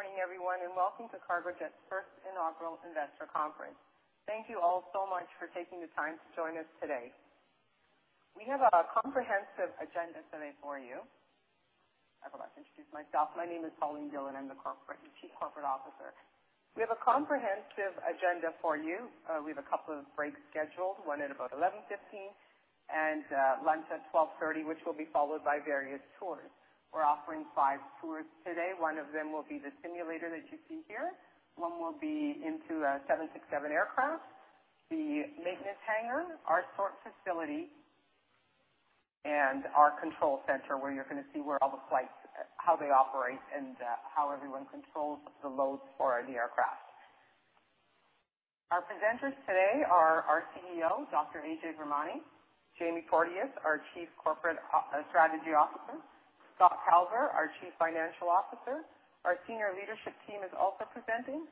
Good morning, everyone, and welcome to Cargojet's First Inaugural Investor Conference. Thank you all so much for taking the time to join us today. We have a comprehensive agenda today for you. I would like to introduce myself. My name is Pauline Dhillon. I'm the Chief Corporate Officer. We have a comprehensive agenda for you. We have a couple of breaks scheduled, one at about 11:15 A.M. and lunch at 12:30 P.M., which will be followed by various tours. We're offering five tours today. One of them will be the simulator that you see here. One will be into a 767 aircraft, the maintenance hangar, our sort facility, and our control center, where you're gonna see how they operate and how everyone controls the loads for the aircraft. Our presenters today are our CEO, Dr. Ajay Virmani. Jamie Porteous, our Chief Strategy Officer. Scott Calver, our Chief Financial Officer. Our senior leadership team is also presenting.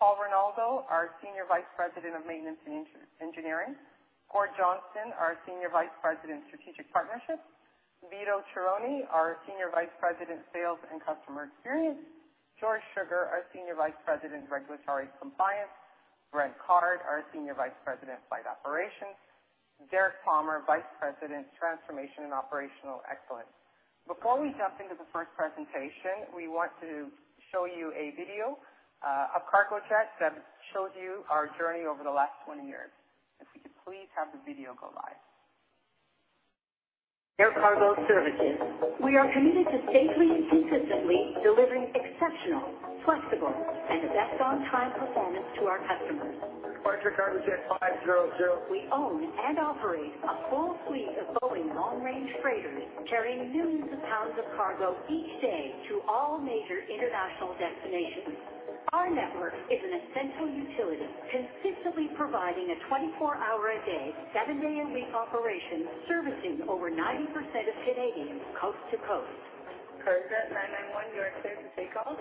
Paul Rinaldo, our Senior Vice President of Maintenance and Engineering. Gord Johnston, our Senior Vice President, Strategic Partnerships. Vito Cerone, our Senior Vice President, Sales and Customer Experience. George Sugar, our Senior Vice President, Regulatory Compliance. Brent Card, our Senior Vice President, Flight Operations. Derek Palmer, Vice President, Transformation and Operational Excellence. Before we jump into the first presentation, we want to show you a video of Cargojet that shows you our journey over the last 20 years. If we could please have the video go live. Air cargo services. We are committed to safely and consistently delivering exceptional, flexible, and best on-time performance to our customers. Departure Cargojet 500. We own and operate a full fleet of Boeing long-range freighters, carrying millions of pounds of cargo each day to all major international destinations. Our network is an essential utility, consistently providing a 24-hour a day, seven-day a week operation servicing over 90% of Canadians coast to coast. Cargojet 911, you're clear to take off.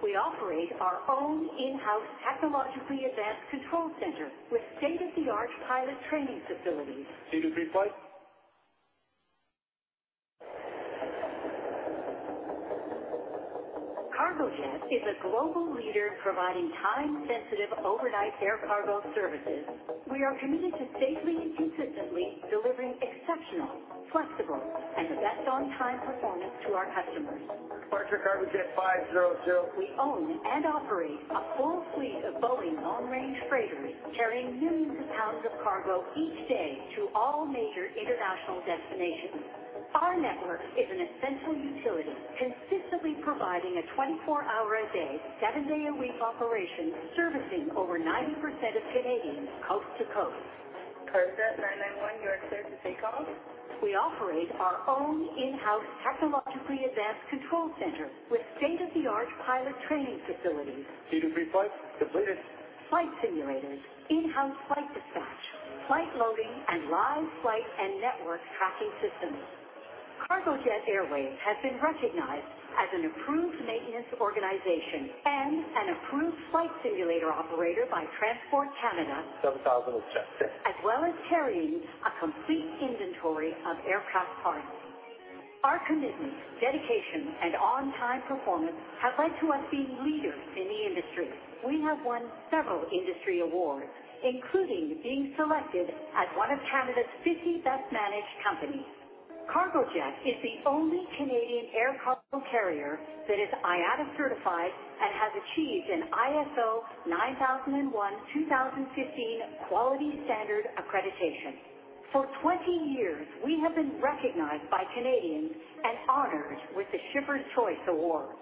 We operate our own in-house technologically advanced control center with state-of-the-art pilot training facilities. 223 flight. Cargojet is a global leader in providing time-sensitive overnight air cargo services. We are committed to safely and consistently delivering exceptional, flexible, and best on-time performance to our customers. Departure, Cargojet 500. We own and operate a full fleet of Boeing long-range freighters, carrying millions of pounds of cargo each day to all major international destinations. Our network is an essential utility, consistently providing a 24-hour a day, seven-day a week operation servicing over 90% of Canadians coast to coast. Cargojet 911, you're clear to take off. We operate our own in-house technologically advanced control center with state-of-the-art pilot training facilities. 223 flight completed. Flight simulators, in-house flight dispatch, flight loading, and live flight and network tracking systems. Cargojet Airways has been recognized as an approved maintenance organization and an approved flight simulator operator by Transport Canada. 7,000 is checked. As well as carrying a complete inventory of aircraft parts. Our commitment, dedication, and on-time performance have led to us being leaders in the industry. We have won several industry awards, including being selected as one of Canada's 50 Best Managed Companies. Cargojet is the only Canadian air cargo carrier that is IATA certified and has achieved an ISO 9001:2015 quality standard accreditation. For 20 years, we have been recognized by Canadians and honored with the Shipper's Choice Award.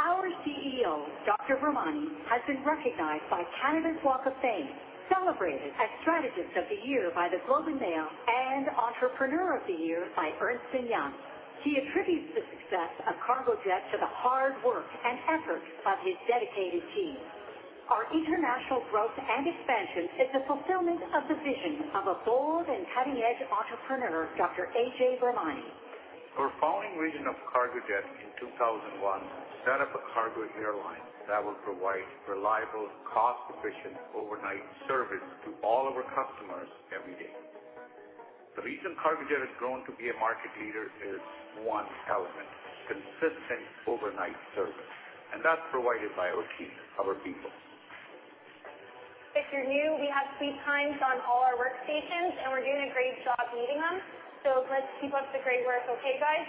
Our CEO, Dr. Virmani, has been recognized by Canada's Walk of Fame, celebrated as Strategist of the Year by The Globe and Mail, and Entrepreneur of the Year by Ernst & Young. He attributes the success of Cargojet to the hard work and effort of his dedicated team. Our international growth and expansion is the fulfillment of the vision of a bold and cutting edge entrepreneur, Dr. Ajay Virmani. The founding reason of Cargojet in 2001, set up a cargo airline that will provide reliable, cost-efficient, overnight service to all of our customers every day. The reason Cargojet has grown to be a market leader is one element, consistent overnight service, and that's provided by our team, our people. If you're new, we have speed times on all our workstations, and we're doing a great job meeting them. Let's keep up the great work, okay, guys?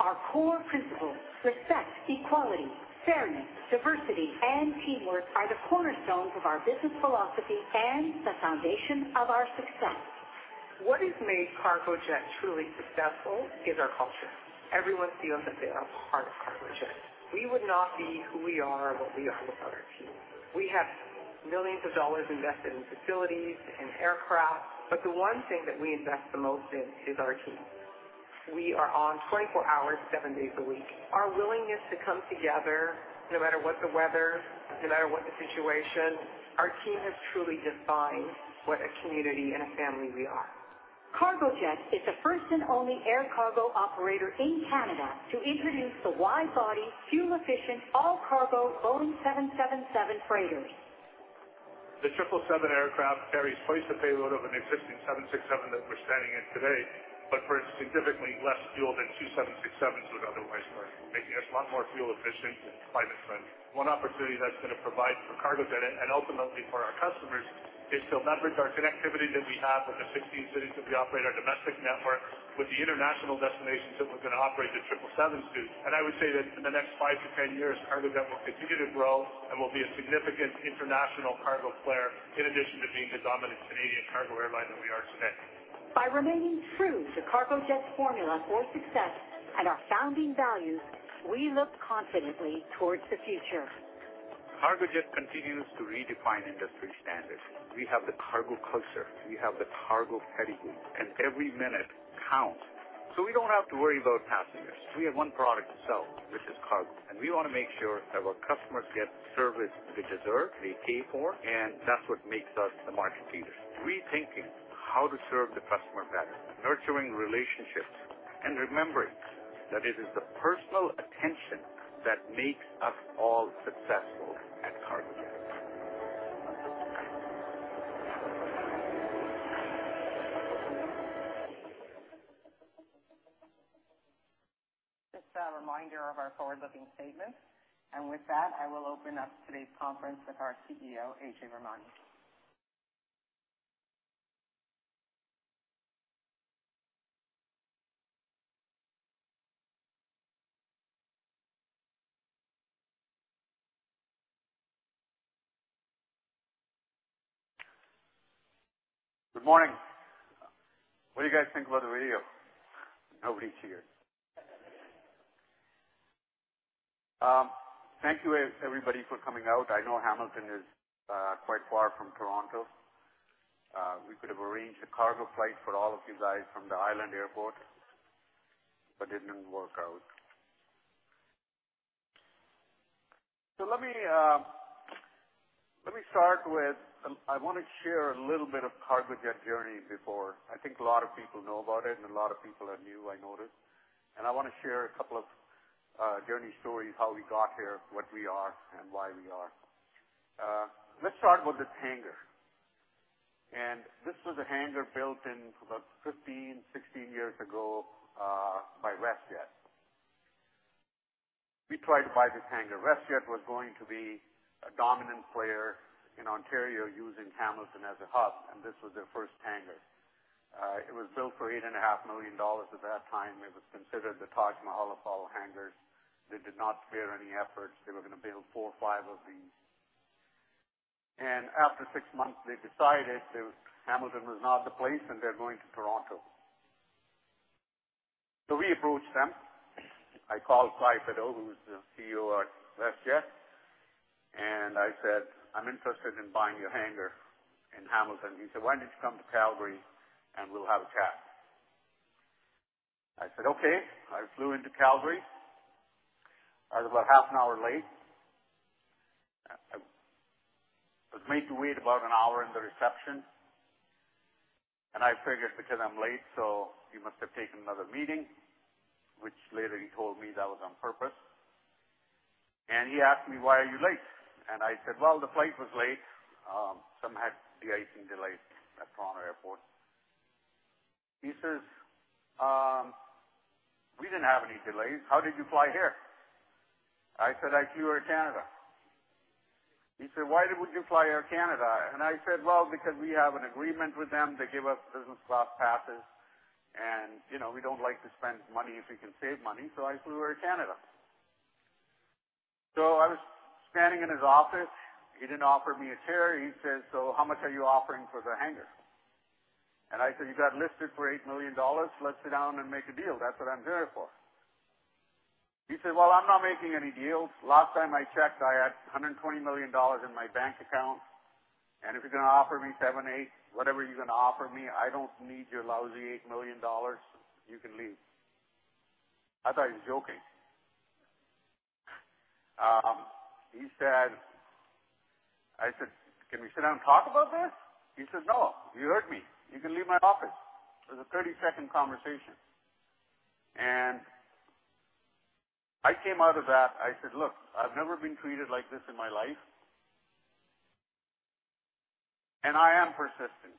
Our core principles respect, equality, fairness, diversity, and teamwork are the cornerstones of our business philosophy and the foundation of our success. What has made Cargojet truly successful is our culture. Everyone feels that they are part of Cargojet. We would not be who we are or what we are without our team. We have millions of dollars invested in facilities and aircraft, but the one thing that we invest the most in is our team. We are on 24 hours, seven days a week. Our willingness to come together, no matter what the weather, no matter what the situation, our team has truly defined what a community and a family we are. Cargojet is the first and only air cargo operator in Canada to introduce the wide-body, fuel-efficient all-cargo Boeing 777 freighters. The 777 aircraft carries twice the payload of an existing 767 that we're standing in today, but burns significantly less fuel than two 767s would otherwise burn, making us a lot more fuel efficient and climate friendly. One opportunity that's gonna provide for Cargojet, and ultimately for our customers, is to leverage our connectivity that we have with the 16 cities that we operate our domestic network with the international destinations that we're gonna operate the 777s to. I would say that in the next five to 10 years, Cargojet will continue to grow and will be a significant international cargo player in addition to being the dominant Canadian cargo airline that we are today. By remaining true to Cargojet's formula for success and our founding values, we look confidently toward the future. Cargojet continues to redefine industry standards. We have the cargo culture, we have the cargo pedigree, and every minute counts. We don't have to worry about passengers. We have one product to sell, which is cargo. We wanna make sure that our customers get the service they deserve, they pay for, and that's what makes us the market leader. Rethinking how to serve the customer better, nurturing relationships, and remembering that it is the personal attention that makes us all successful at Cargojet. Just a reminder of our forward-looking statements. With that, I will open up today's conference with our CEO, Ajay Virmani. Good morning. What do you guys think about the video? Nobody cheers. Thank you, everybody for coming out. I know Hamilton is quite far from Toronto. We could have arranged a cargo flight for all of you guys from the island airport, but didn't work out. Let me start with I wanna share a little bit of Cargojet journey before. I think a lot of people know about it, and a lot of people are new, I noticed. I wanna share a couple of journey stories, how we got here, what we are, and why we are. Let's start with this hangar. This was a hangar built in about 15, 16 years ago, by WestJet. We tried to buy this hangar. WestJet was going to be a dominant player in Ontario using Hamilton as a hub, and this was their first hangar. It was built for 8.5 million dollars at that time. It was considered the Taj Mahal of all hangars. They did not spare any efforts. They were gonna build four or five of these. After six months, they decided that Hamilton was not the place, and they're going to Toronto. We approached them. I called Clive Beddoe, who's the CEO at WestJet, and I said, "I'm interested in buying your hangar in Hamilton." He said, "Why don't you come to Calgary and we'll have a chat?" I said, "Okay." I flew into Calgary. I was about half an hour late. I was made to wait about an hour in the reception. I figured because I'm late, so he must have taken another meeting, which later he told me that was on purpose. He asked me, "Why are you late?" I said, "Well, the flight was late. Some had de-icing delays at Toronto Airport." He says, "We didn't have any delays. How did you fly here?" I said, "I flew Air Canada." He said, "Why did you fly Air Canada?" I said, "Well, because we have an agreement with them. They give us business class passes. You know, we don't like to spend money if we can save money, so I flew Air Canada." I was standing in his office. He didn't offer me a chair. He says, "How much are you offering for the hangar?" I said, "You got it listed for 8 million dollars. Let's sit down and make a deal. That's what I'm here for." He said, "Well, I'm not making any deals. Last time I checked, I had 120 million dollars in my bank account. And if you're gonna offer me 7 million, 8 million, whatever you're gonna offer me, I don't need your lousy 8 million dollars. You can leave." I thought he was joking. He said. I said, "Can we sit down and talk about this?" He says, "No. You heard me. You can leave my office." It was a 30-second conversation. I came out of that. I said, "Look, I've never been treated like this in my life, and I am persistent."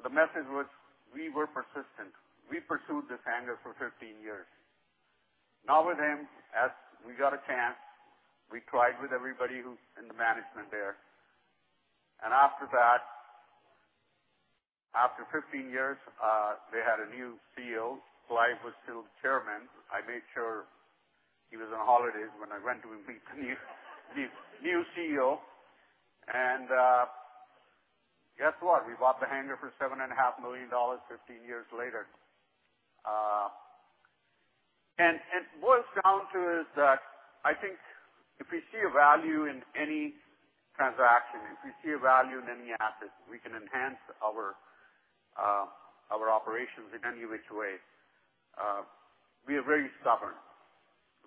The message was we were persistent. We pursued this hangar for 13 years. Not with him. As we got a chance, we tried with everybody who's in the management there. After that, after 15 years, they had a new CEO. Clive was still the Chairman. I made sure he was on holidays when I went to meet the new CEO. Guess what? We bought the hangar for 7.5 million dollars 15 years later. What it's down to is that I think if we see a value in any transaction, if we see a value in any asset, we can enhance our operations in any which way. We are very stubborn.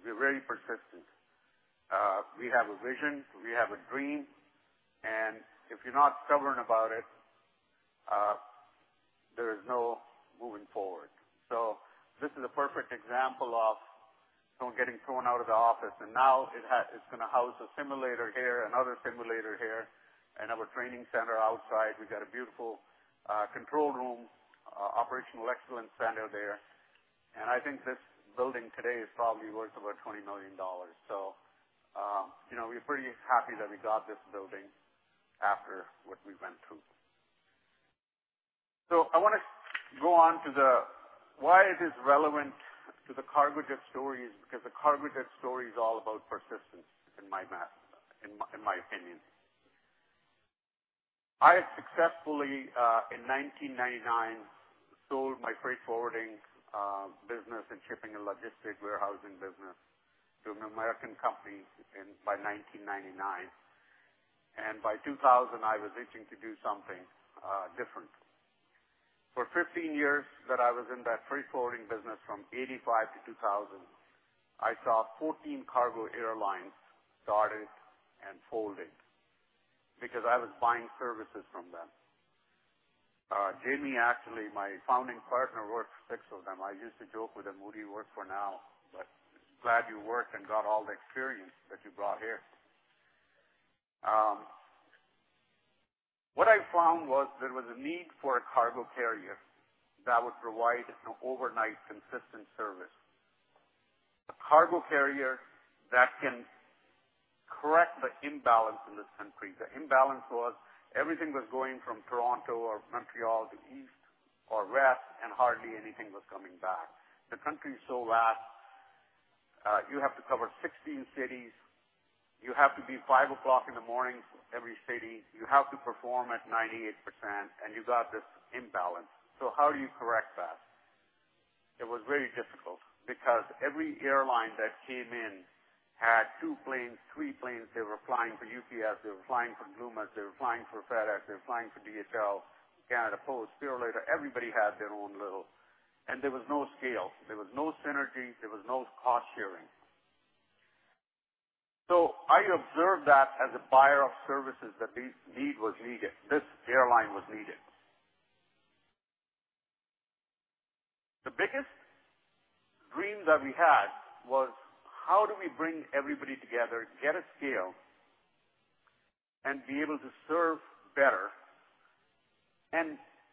We're very persistent. We have a vision, we have a dream. If you're not stubborn about it, there is no moving forward. This is a perfect example of someone getting thrown out of the office. Now it's gonna house a simulator here, another simulator here, and our training center outside. We've got a beautiful control room, operational excellence center there. I think this building today is probably worth about 20 million dollars. You know, we're pretty happy that we got this building after what we went through. I wanna go on to the why it is relevant to the Cargojet stories, because the Cargojet story is all about persistence in my opinion. I successfully in 1999 sold my freight forwarding business in shipping and logistics warehousing business to an American company by 1999. By 2000, I was itching to do something different. For 15 years that I was in that freight forwarding business, from 1985 to 2000, I saw 14 cargo airlines started and folding because I was buying services from them. Jamie, actually, my founding partner, worked for six of them. I used to joke with him, "Who do you work for now?" Glad you worked and got all the experience that you brought here. What I found was there was a need for a cargo carrier that would provide an overnight consistent service. A cargo carrier that can correct the imbalance in this country. The imbalance was everything was going from Toronto or Montreal to East or West, and hardly anything was coming back. The country is so vast, you have to cover 16 cities. You have to be 5:00 A.M. every city. You have to perform at 98%, and you got this imbalance. How do you correct that? It was very difficult because every airline that came in had two planes, three planes. They were flying for UPS, they were flying for Loomis, they were flying for FedEx, they were flying for DHL, Canada Post, Purolator. Everybody had their own little. There was no scale, there was no synergy, there was no cost sharing. I observed that as a buyer of services that this need was needed, this airline was needed. The biggest dream that we had was how do we bring everybody together, get a scale, and be able to serve better?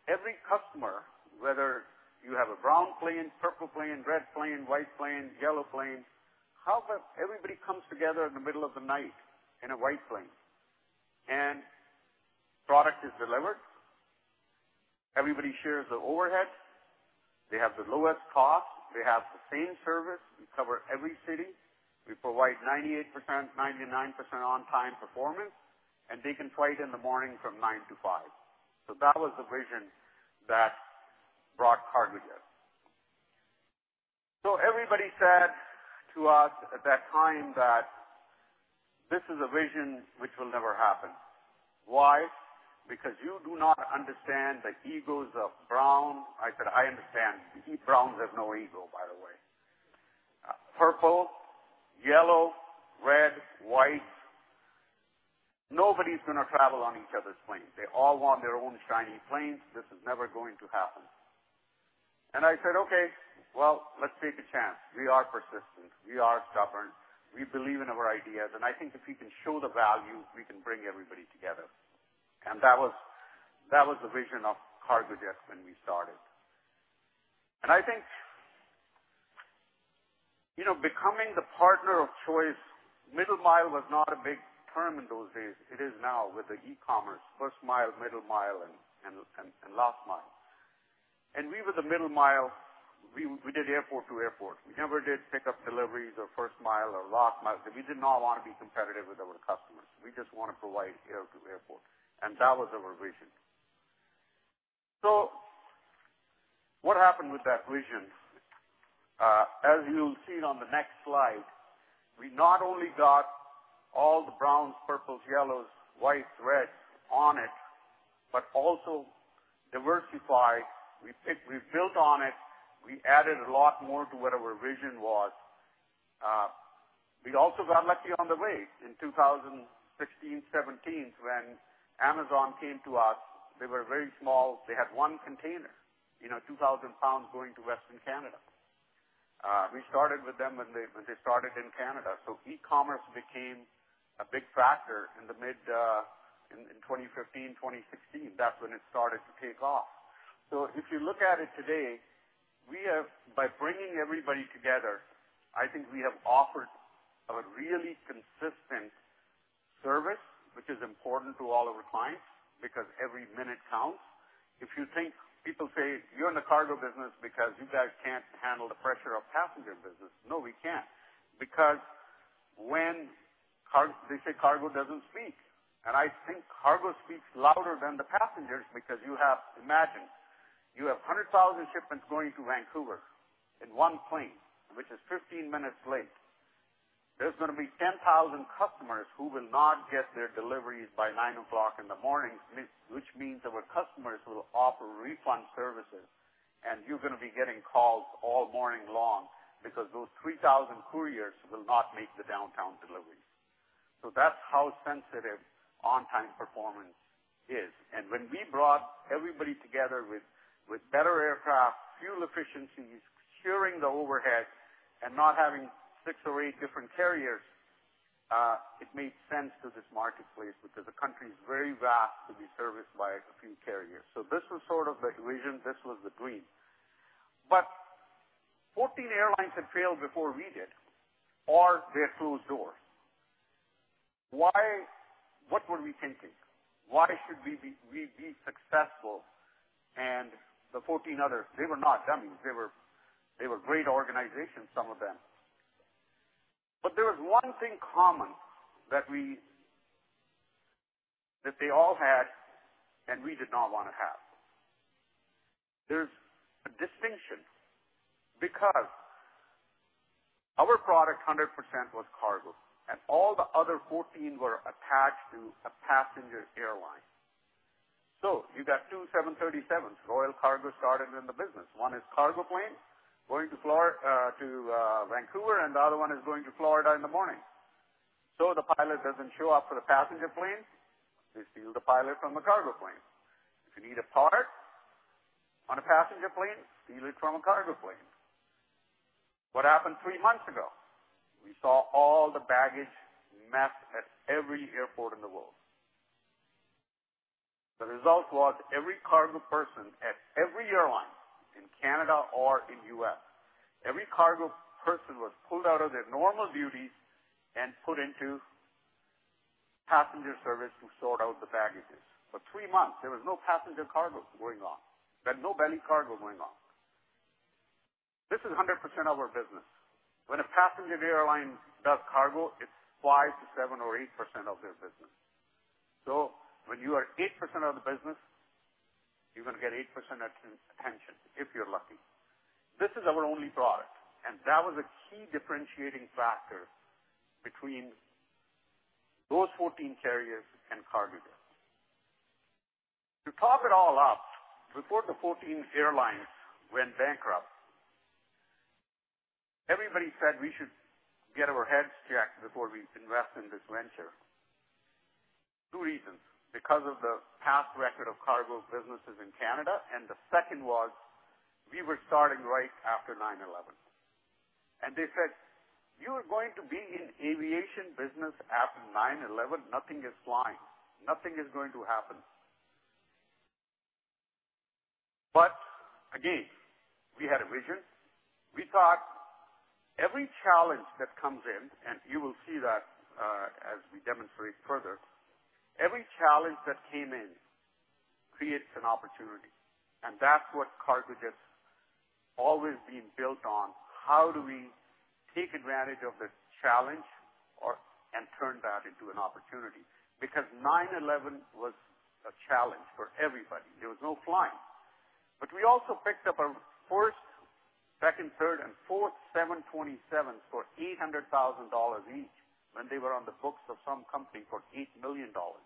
Every customer, whether you have a brown plane, purple plane, red plane, white plane, yellow plane, how about everybody comes together in the middle of the night in a white plane and product is delivered. Everybody shares the overhead. They have the lowest cost. They have the same service. We cover every city. We provide 98%, 99% on time performance, and they can fly it in the morning from 9:00 A.M. to 5:00 P.M. That was the vision that brought Cargojet. Everybody said to us at that time that this is a vision which will never happen. Why? Because you do not understand the egos of Brown. I said, "I understand." Browns have no ego, by the way. Purple, yellow, red, white, nobody's gonna travel on each other's planes. They all want their own shiny planes. This is never going to happen. I said, "Okay, well, let's take a chance. We are persistent, we are stubborn. We believe in our ideas, and I think if we can show the value, we can bring everybody together." That was the vision of Cargojet when we started. I think, you know, becoming the partner of choice, middle mile was not a big term in those days. It is now with the e-commerce. First mile, middle mile, and last mile. We were the middle mile. We did airport to airport. We never did pickup deliveries or first mile or last mile. We did not wanna be competitive with our customers. We just wanna provide air to airport, and that was our vision. What happened with that vision? As you'll see it on the next slide, we not only got all the browns, purples, yellows, whites, reds on it, but also diversified. We built on it. We added a lot more to what our vision was. We also got lucky on the way. In 2016, 2017, when Amazon came to us, they were very small. They had one container, you know, 2000 lbs going to Western Canada. We started with them when they started in Canada. E-commerce became a big factor in the mid in 2015, 2016. That's when it started to take off. If you look at it today, we have, by bringing everybody together, I think we have offered a really consistent service, which is important to all of our clients because every minute counts. If you think people say you're in the cargo business because you guys can't handle the pressure of passenger business. No, we can't. They say cargo doesn't speak, and I think cargo speaks louder than the passengers because you have. Imagine you have 100,000 shipments going to Vancouver in one plane, which is 15 minutes late. There's gonna be 10,000 customers who will not get their deliveries by 9:00 A.M. Which means our customers will offer refund services, and you're gonna be getting calls all morning long because those 3,000 couriers will not make the downtown deliveries. That's how sensitive on-time performance is. When we brought everybody together with better aircraft, fuel efficiencies, sharing the overhead, and not having six or eight different carriers, it made sense to this marketplace because the country is very vast to be serviced by a few carriers. This was sort of the vision. This was the dream. 14 airlines had failed before we did, or they closed their doors. Why? What were we thinking? Why should we be successful? The 14 others, they were not dummies. They were great organizations, some of them. There was one thing common that they all had, and we did not wanna have. There's a distinction because our product 100% was cargo, and all the other 14 were attached to a passenger airline. You got two 737s. Royal Cargo started in the business. One is cargo plane going to Vancouver, and the other one is going to Florida in the morning. The pilot doesn't show up for the passenger plane. They steal the pilot from the cargo plane. If you need a part on a passenger plane, steal it from a cargo plane. What happened three months ago? We saw all the baggage mess at every airport in the world. The result was every cargo person at every airline in Canada or in U.S., every cargo person was pulled out of their normal duties and put into passenger service to sort out the baggages. For three months, there was no passenger cargo going on. There was no belly cargo going on. This is 100% of our business. When a passenger airline does cargo, it's 5%-7% or 8% of their business. When you are 8% of the business, you're gonna get 8% attention, if you're lucky. This is our only product, and that was a key differentiating factor between those 14 carriers and Cargojet. To top it all up, before the 14 airlines went bankrupt, everybody said we should get our heads checked before we invest in this venture. Two reasons, because of the past record of cargo businesses in Canada and the second was, we were starting right after 9/11. They said, "You are going to be in aviation business after 9/11? Nothing is flying. Nothing is going to happen." Again, we had a vision. We thought every challenge that comes in, and you will see that, as we demonstrate further, every challenge that came in creates an opportunity, and that's what Cargojet's always been built on. How do we take advantage of this challenge and turn that into an opportunity? Because 9/11 was a challenge for everybody. There was no flying. We also picked up our first, second, third, and fourth 727s for 800,000 dollars each when they were on the books of some company for 8 million dollars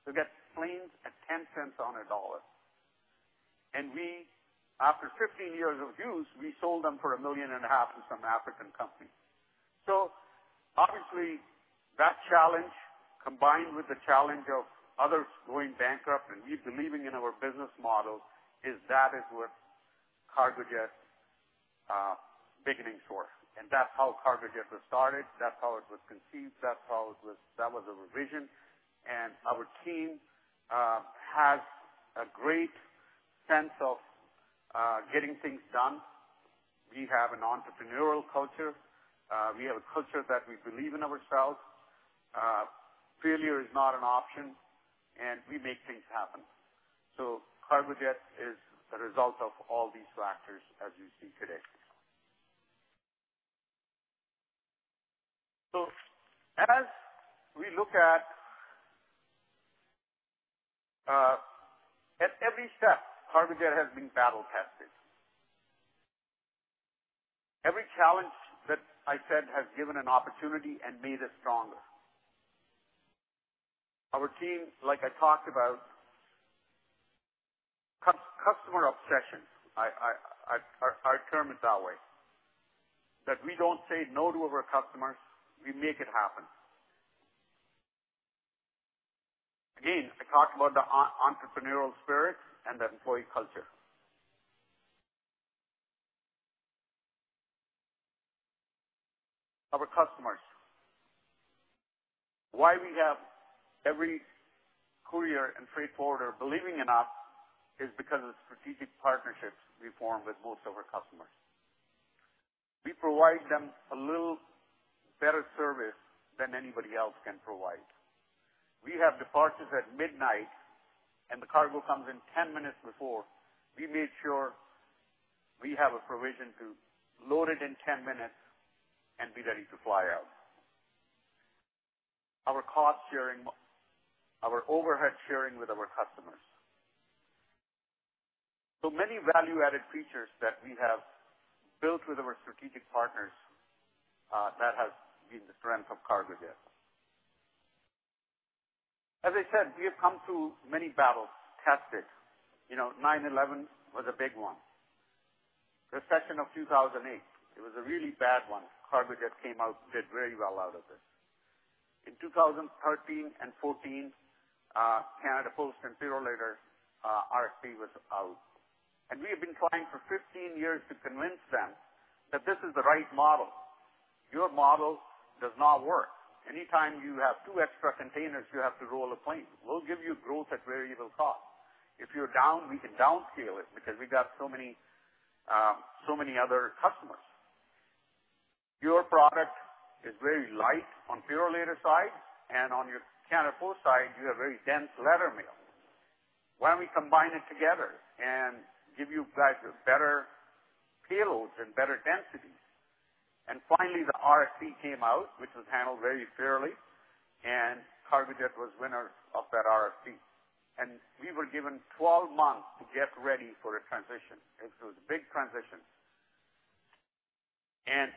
each. To get planes at 0.10 on the dollar. We, after 15 years of use, sold them for 1.5 million to some African company. Obviously, that challenge, combined with the challenge of others going bankrupt and we believing in our business model, is what Cargojet beginning for. That's how Cargojet was started. That's how it was conceived. That was the vision. Our team has a great sense of getting things done. We have an entrepreneurial culture. We have a culture that we believe in ourselves. Failure is not an option, and we make things happen. Cargojet is a result of all these factors, as you see today. As we look at every step, Cargojet has been battle-tested. Every challenge that I said has given an opportunity and made us stronger. Our team, like I talked about, customer obsession, our term is that way. That we don't say no to our customers. We make it happen. Again, I talk about the entrepreneurial spirit and the employee culture. Our customers. Why we have every courier and freight forwarder believing in us is because of the strategic partnerships we form with most of our customers. We provide them a little better service than anybody else can provide. We have departures at midnight, and the cargo comes in 10 minutes before. We make sure we have a provision to load it in 10 minutes and be ready to fly out. Our cost sharing, our overhead sharing with our customers. Many value-added features that we have built with our strategic partners that has been the strength of Cargojet. We have come through many battle-tested. You know, 9/11 was a big one. Recession of 2008, it was a really bad one. Cargojet came out, did very well out of it. In 2013 and 2014, Canada Post and Purolator RFP was out. We have been trying for 15 years to convince them that this is the right model. Your model does not work. Anytime you have two extra containers, you have to roll a plane. We'll give you growth at variable cost. If you're down, we can downscale it because we got so many other customers. Your product is very light on Purolator side and on your Canada Post side, you have very dense letter mail. Why don't we combine it together and give you guys a better payloads and better densities? Finally, the RFP came out, which was handled very fairly, and Cargojet was winners of that RFP. We were given 12 months to get ready for a transition. It was a big transition.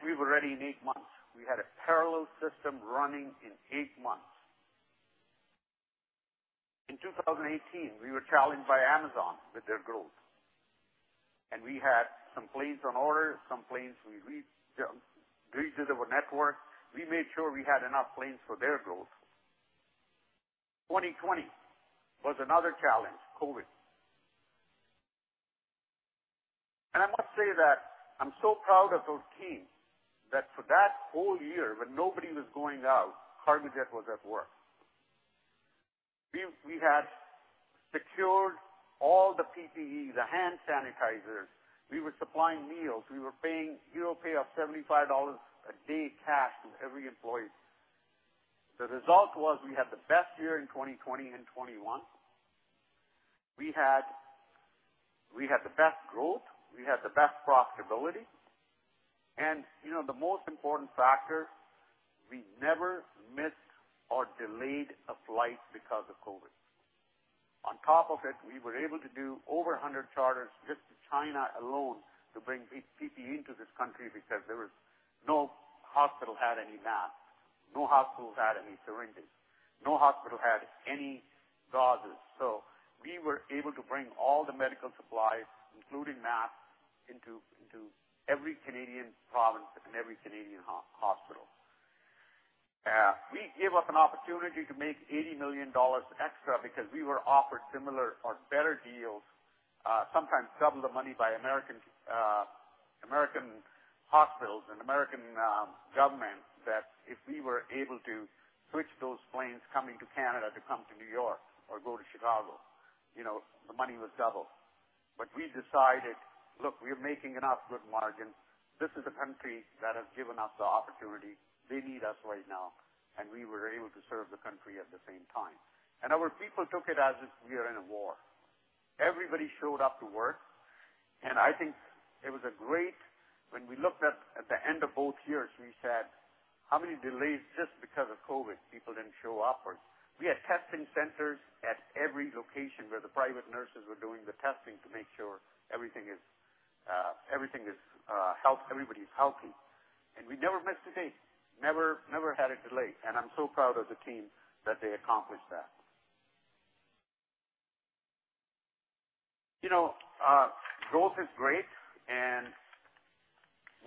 We were ready in eight months. We had a parallel system running in eight months. In 2018, we were challenged by Amazon with their growth. We had some planes on order, some planes we redid our network. We made sure we had enough planes for their growth. 2020 was another challenge, COVID. I must say that I'm so proud of those teams that for that whole year when nobody was going out, Cargojet was at work. We had secured all the PPE, the hand sanitizers. We were supplying meals. We would pay off 75 dollars a day cash to every employee. The result was we had the best year in 2020 and 2021. We had the best growth, we had the best profitability. You know, the most important factor, we never missed or delayed a flight because of COVID. On top of it, we were able to do over 100 charters just to China alone to bring PPE into this country because no hospital had any masks, no hospitals had any syringes, no hospital had any gauzes. We were able to bring all the medical supplies, including masks, into every Canadian province and every Canadian hospital. We gave up an opportunity to make $80 million extra because we were offered similar or better deals, sometimes double the money by American hospitals and American government that if we were able to switch those planes coming to Canada to come to New York or go to Chicago, you know, the money was double. We decided, look, we're making enough good margin. This is a country that has given us the opportunity. They need us right now, and we were able to serve the country at the same time. Our people took it as if we are in a war. Everybody showed up to work, and I think it was great when we looked at the end of both years. We said, "How many delays just because of COVID people didn't show up?" We had testing centers at every location where the private nurses were doing the testing to make sure everything is healthy. Everybody's healthy. We never missed a day, never had a delay. I'm so proud of the team that they accomplished that. You know, growth is great.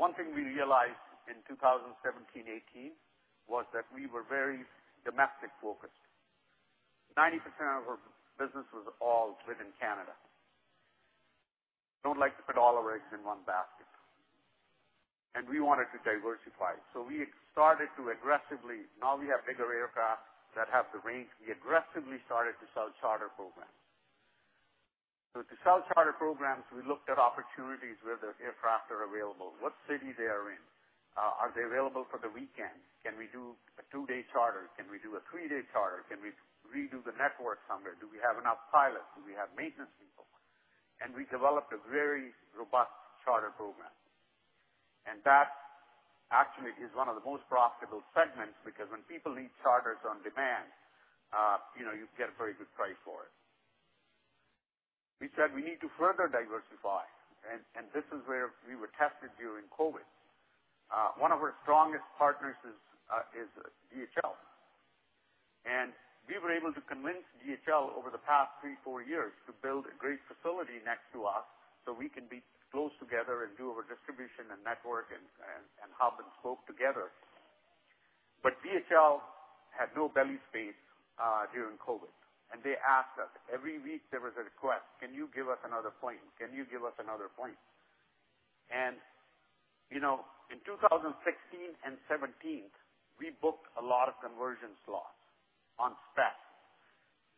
One thing we realized in 2017, 2018 was that we were very domestic-focused. 90% of our business was all within Canada. Don't like to put all our eggs in one basket, and we wanted to diversify. We started to aggressively. Now we have bigger aircraft that have the range. We aggressively started to sell charter programs. To sell charter programs, we looked at opportunities where the aircraft are available, what city they are in, are they available for the weekend? Can we do a two-day charter? Can we do a three-day charter? Can we redo the network somewhere? Do we have enough pilots? Do we have maintenance people? We developed a very robust charter program. That actually is one of the most profitable segments because when people need charters on demand, you know, you get a very good price for it. We said we need to further diversify, and this is where we were tested during COVID. One of our strongest partners is DHL. We were able to convince DHL over the past three, four years to build a great facility next to us so we can be close together and do our distribution and network and hub and spoke together. DHL had no belly space during COVID, and they asked us. Every week there was a request, "Can you give us another plane? Can you give us another plane?" You know, in 2016 and 2017, we booked a lot of conversion slots on spec.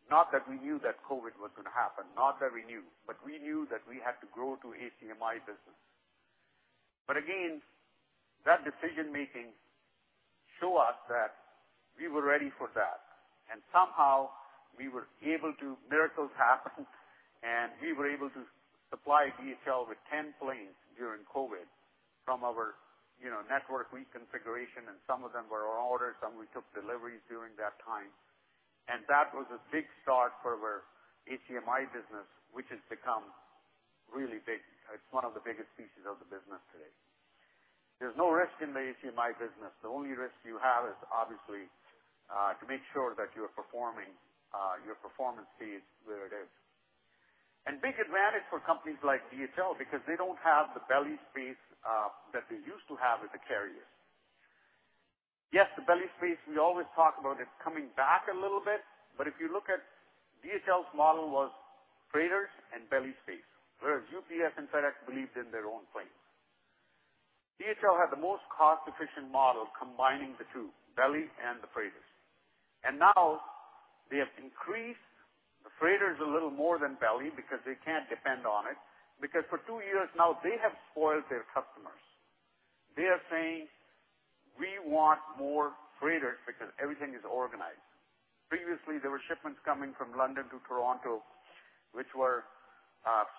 Not that we knew that COVID was gonna happen, not that we knew, but we knew that we had to grow our ACMI business. Again, that decision-making showed us that we were ready for that. Miracles happened, and we were able to supply DHL with 10 planes during COVID from our, you know, network reconfiguration, and some of them were on order, some we took deliveries during that time. That was a big start for our ACMI business, which has become really big. It's one of the biggest pieces of the business today. There's no risk in the ACMI business. The only risk you have is obviously to make sure that you are performing your performance fee is where it is. Big advantage for companies like DHL, because they don't have the belly space that they used to have as a carrier. Yes, the belly space we always talk about is coming back a little bit, but if you look at DHL's model was freighters and belly space, whereas UPS and FedEx believed in their own planes. DHL had the most cost-efficient model combining the two, belly and the freighters. Now they have increased the freighters a little more than belly because they can't depend on it, because for two years now, they have spoiled their customers. They are saying, "We want more freighters because everything is organized." Previously, there were shipments coming from London to Toronto, which were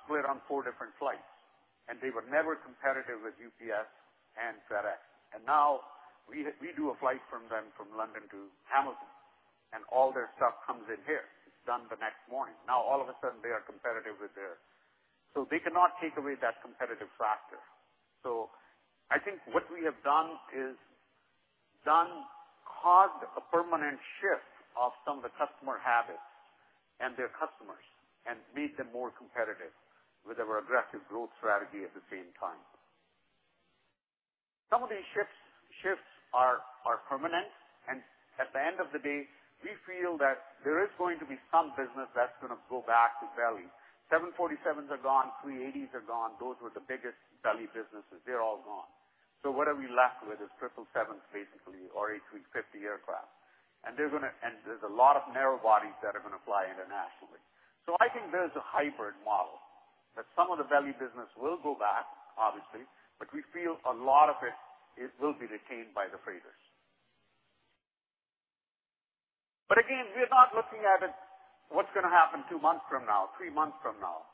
split on four different flights, and they were never competitive with UPS and FedEx. Now we do a flight from them from London to Hamilton, and all their stuff comes in here. It's done the next morning. Now, all of a sudden, they are competitive with theirs. They cannot take away that competitive factor. I think what we have done is done, caused a permanent shift of some of the customer habits and their customers and made them more competitive with our aggressive growth strategy at the same time. Some of these shifts are permanent, and at the end of the day, we feel that there is going to be some business that's gonna go back to belly. 747s are gone, 380s are gone. Those were the biggest belly businesses. They're all gone. What are we left with is 777s, basically, or A350 aircraft. There's a lot of narrow bodies that are gonna fly internationally. I think there's a hybrid model, that some of the belly business will go back, obviously, but we feel a lot of it will be retained by the freighters. Again, we are not looking at it, what's gonna happen two months from now, three months from now.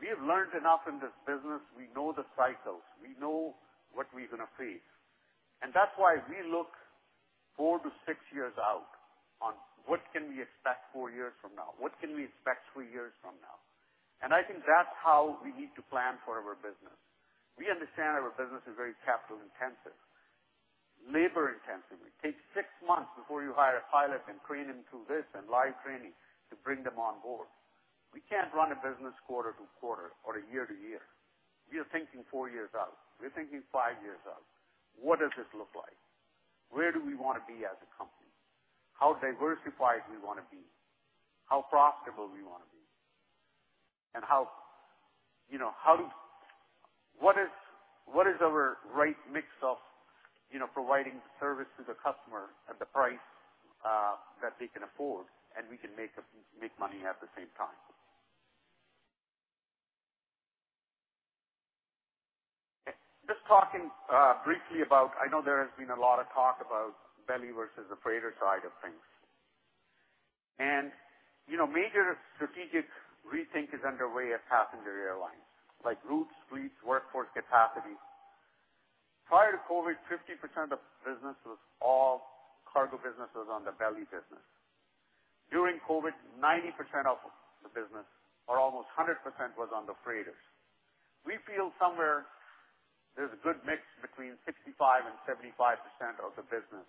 We have learned enough in this business. We know the cycles. We know what we're gonna face. That's why we look four to six years out on what can we expect four years from now? What can we expect three years from now? I think that's how we need to plan for our business. We understand our business is very capital-intensive, labor-intensive. It takes six months before you hire a pilot and train them through this and live training to bring them on board. We can't run a business quarter to quarter or a year to year. We are thinking four years out. We're thinking five years out. What does this look like? Where do we wanna be as a company? How diversified we wanna be? How profitable we wanna be? How, you know, what is our right mix of, you know, providing service to the customer at the price that they can afford, and we can make money at the same time? Just talking briefly about I know there has been a lot of talk about belly versus the freighter side of things. You know, major strategic rethink is underway at passenger airlines, like routes, fleets, workforce capacity. Prior to COVID, 50% of business was all cargo businesses on the belly business. During COVID, 90% of the business or almost 100% was on the freighters. We feel somewhere there's a good mix between 65%-75% of the business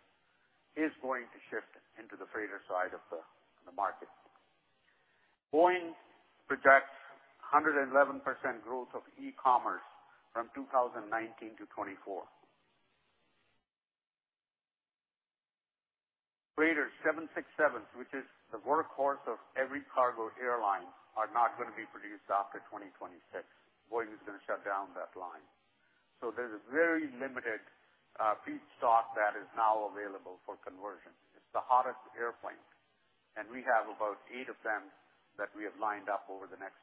is going to shift into the freighter side of the market. Boeing projects 111% growth of e-commerce from 2019 to 2024. Freighters, 767s, which is the workhorse of every cargo airline, are not gonna be produced after 2026. Boeing is gonna shut down that line. There's a very limited fleet stock that is now available for conversion. It's the hottest airplane, and we have about eight of them that we have lined up over the next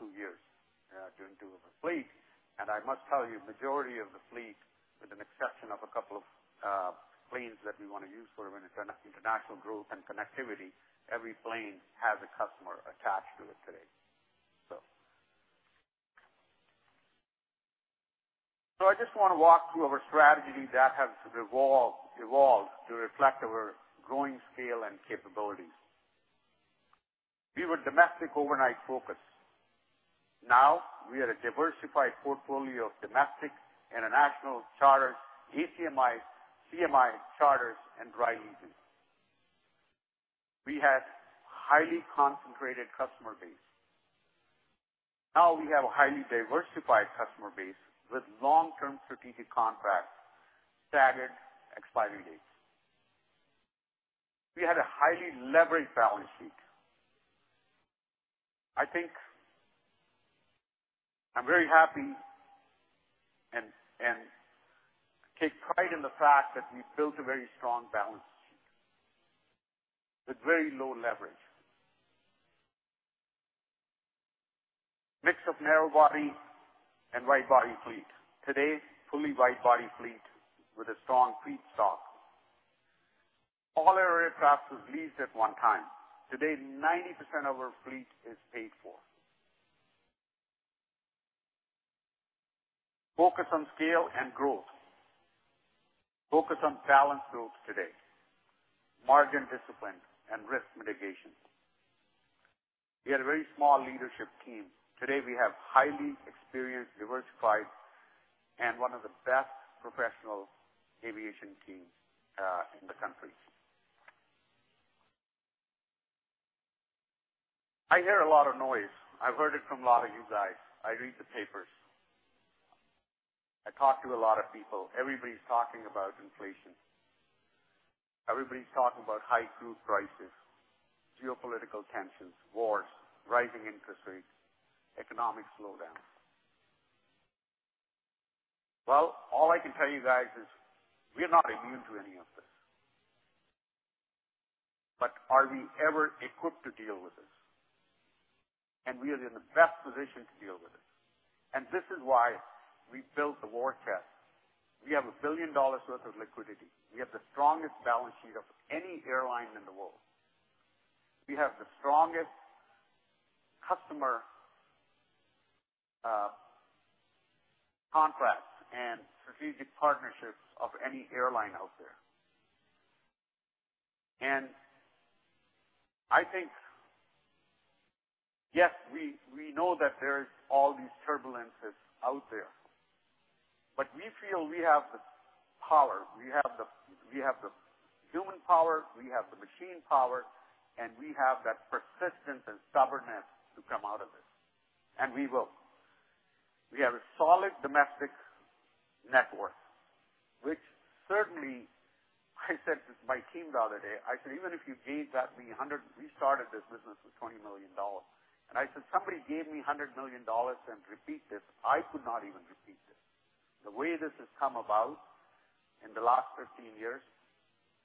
two years during two of the fleet. I must tell you, majority of the fleet, with an exception of a couple of planes that we wanna use for international growth and connectivity, every plane has a customer attached to it today. I just wanna walk through our strategy that has revolved, evolved to reflect our growing scale and capabilities. We were domestic overnight-focused. Now, we are a diversified portfolio of domestic, international, charter, ACMI, CMI, charters, and dry leasing. We had highly concentrated customer base. Now we have a highly diversified customer base with long-term strategic contracts, staggered expiry dates. We had a highly leveraged balance sheet. I think I'm very happy and take pride in the fact that we've built a very strong balance sheet with very low leverage. Mix of narrow body and wide body fleet. Today, fully wide body fleet with a strong fleet stock. All aircraft was leased at one time. Today, 90% of our fleet is paid for. Focus on scale and growth. Focus on balanced growth today. Margin discipline and risk mitigation. We had a very small leadership team. Today, we have highly experienced, diversified, and one of the best professional aviation team in the country. I hear a lot of noise. I've heard it from a lot of you guys. I read the papers. I talk to a lot of people. Everybody's talking about inflation. Everybody's talking about high crude prices, geopolitical tensions, wars, rising interest rates, economic slowdowns. Well, all I can tell you guys is we are not immune to any of this. Are we ever equipped to deal with this? We are in the best position to deal with this. This is why we built the war chest. We have 1 billion dollars worth of liquidity. We have the strongest balance sheet of any airline in the world. We have the strongest customer contracts and strategic partnerships of any airline out there. I think, yes, we know that there is all these turbulences out there, but we feel we have the power. We have the human power, we have the machine power, and we have that persistence and stubbornness to come out of this, and we will. We have a solid domestic network, which certainly, I said to my team the other day, I said, "Even if you gave me a hundred..." We started this business with 20 million dollars, and I said, "Somebody gave me 100 million dollars and repeat this, I could not even repeat this." The way this has come about in the last 15 years,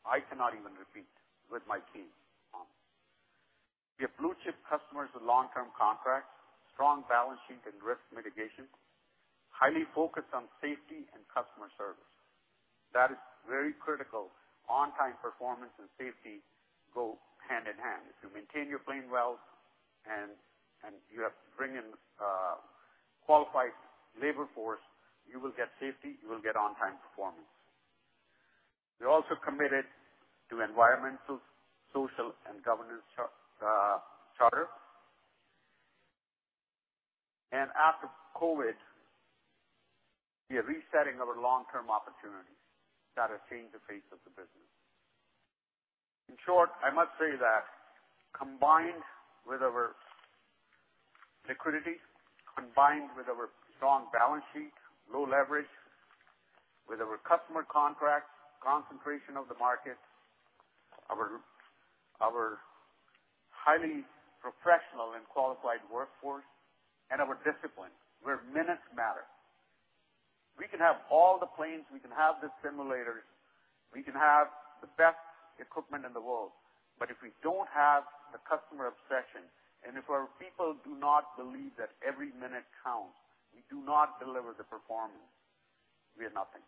I cannot even repeat with my team. We have blue-chip customers with long-term contracts, strong balance sheet and risk mitigation, highly focused on safety and customer service. That is very critical. On-time performance and safety go hand in hand. If you maintain your plane well and you have to bring in qualified labor force, you will get safety, you will get on-time performance. We're also committed to environmental, social, and governance charter. After COVID, we are resetting our long-term opportunities that have changed the face of the business. In short, I must say that combined with our liquidity, combined with our strong balance sheet, low leverage, with our customer contracts, concentration of the market, our highly professional and qualified workforce, and our discipline, where minutes matter. We can have all the planes, we can have the simulators, we can have the best equipment in the world, but if we don't have the customer obsession, and if our people do not believe that every minute counts, we do not deliver the performance, we are nothing.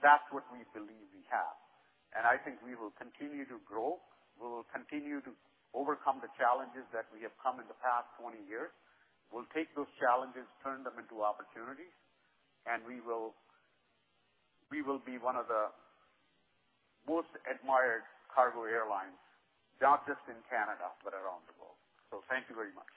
That's what we believe we have. I think we will continue to grow. We will continue to overcome the challenges that we have come in the past 20 years. We'll take those challenges, turn them into opportunities, and we will be one of the most admired cargo airlines, not just in Canada, but around the world. Thank you very much.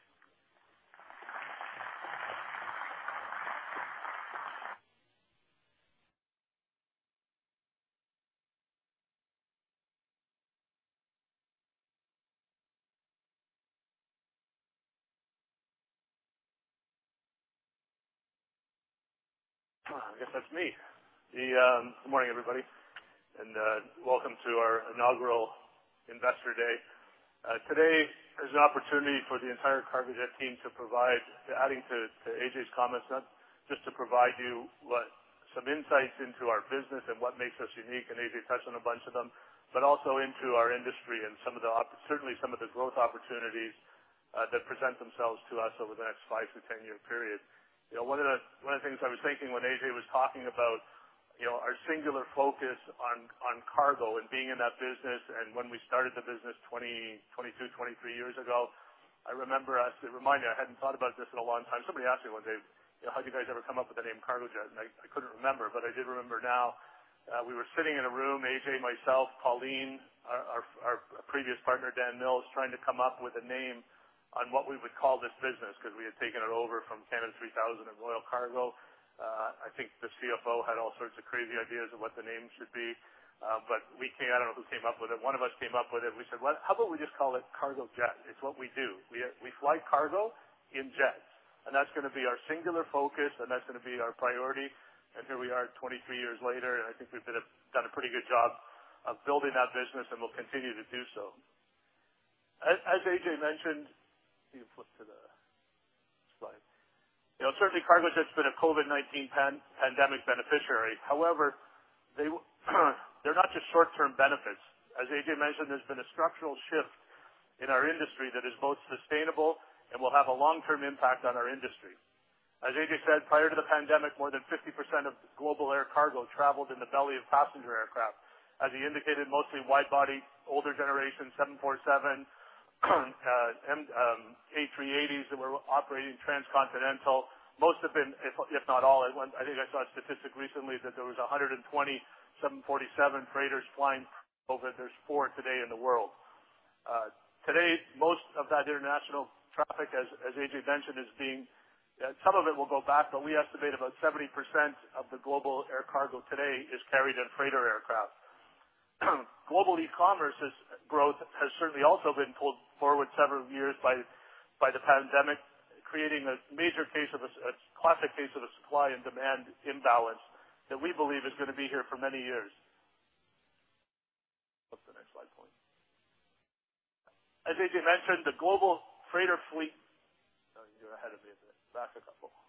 I guess that's me. Good morning, everybody, and welcome to our Inaugural Investor Day. Today is an opportunity for the entire Cargojet team to provide, adding to Ajay's comments, just to provide you some insights into our business and what makes us unique, and Ajay touched on a bunch of them, but also into our industry and certainly some of the growth opportunities that present themselves to us over the next five to 10-year period. You know, one of the things I was thinking when Ajay was talking about, you know, our singular focus on cargo and being in that business and when we started the business 22, 23 years ago, I remember, it reminded me, I hadn't thought about this in a long time. Somebody asked me one day, you know, "How'd you guys ever come up with the name Cargojet?" I couldn't remember, but I did remember now. We were sitting in a room, Ajay, myself, Pauline, our previous partner, Dan Mills, trying to come up with a name on what we would call this business because we had taken it over from Canada 3000 and Royal Cargo. I think the CFO had all sorts of crazy ideas of what the name should be. I don't know who came up with it. One of us came up with it. We said, "Well, how about we just call it Cargojet? It's what we do. We fly cargo in jets, and that's gonna be our singular focus, and that's gonna be our priority. Here we are 23 years later, and I think we've done a pretty good job of building that business and we'll continue to do so. As Ajay mentioned, can you flip to the slide? You know, certainly Cargojet's been a COVID-19 pandemic beneficiary. However, they're not just short-term benefits. As Ajay mentioned, there's been a structural shift in our industry that is both sustainable and will have a long-term impact on our industry. As Ajay said, prior to the pandemic, more than 50% of global air cargo traveled in the belly of passenger aircraft. As he indicated, mostly wide-body, older generation, 747, A380s that were operating transcontinental. Most have been, if not all. I think I saw a statistic recently that there was 127 747 freighters flying over. There's four today in the world. Today, most of that international traffic, as Ajay mentioned, some of it will go back, but we estimate about 70% of the global air cargo today is carried in freighter aircraft. Global e-commerce's growth has certainly also been pulled forward several years by the pandemic, creating a classic case of a supply and demand imbalance that we believe is gonna be here for many years. What's the next slide, please? As Ajay mentioned, the global freighter fleet. Sorry, you're ahead of me a bit. Back a couple. More.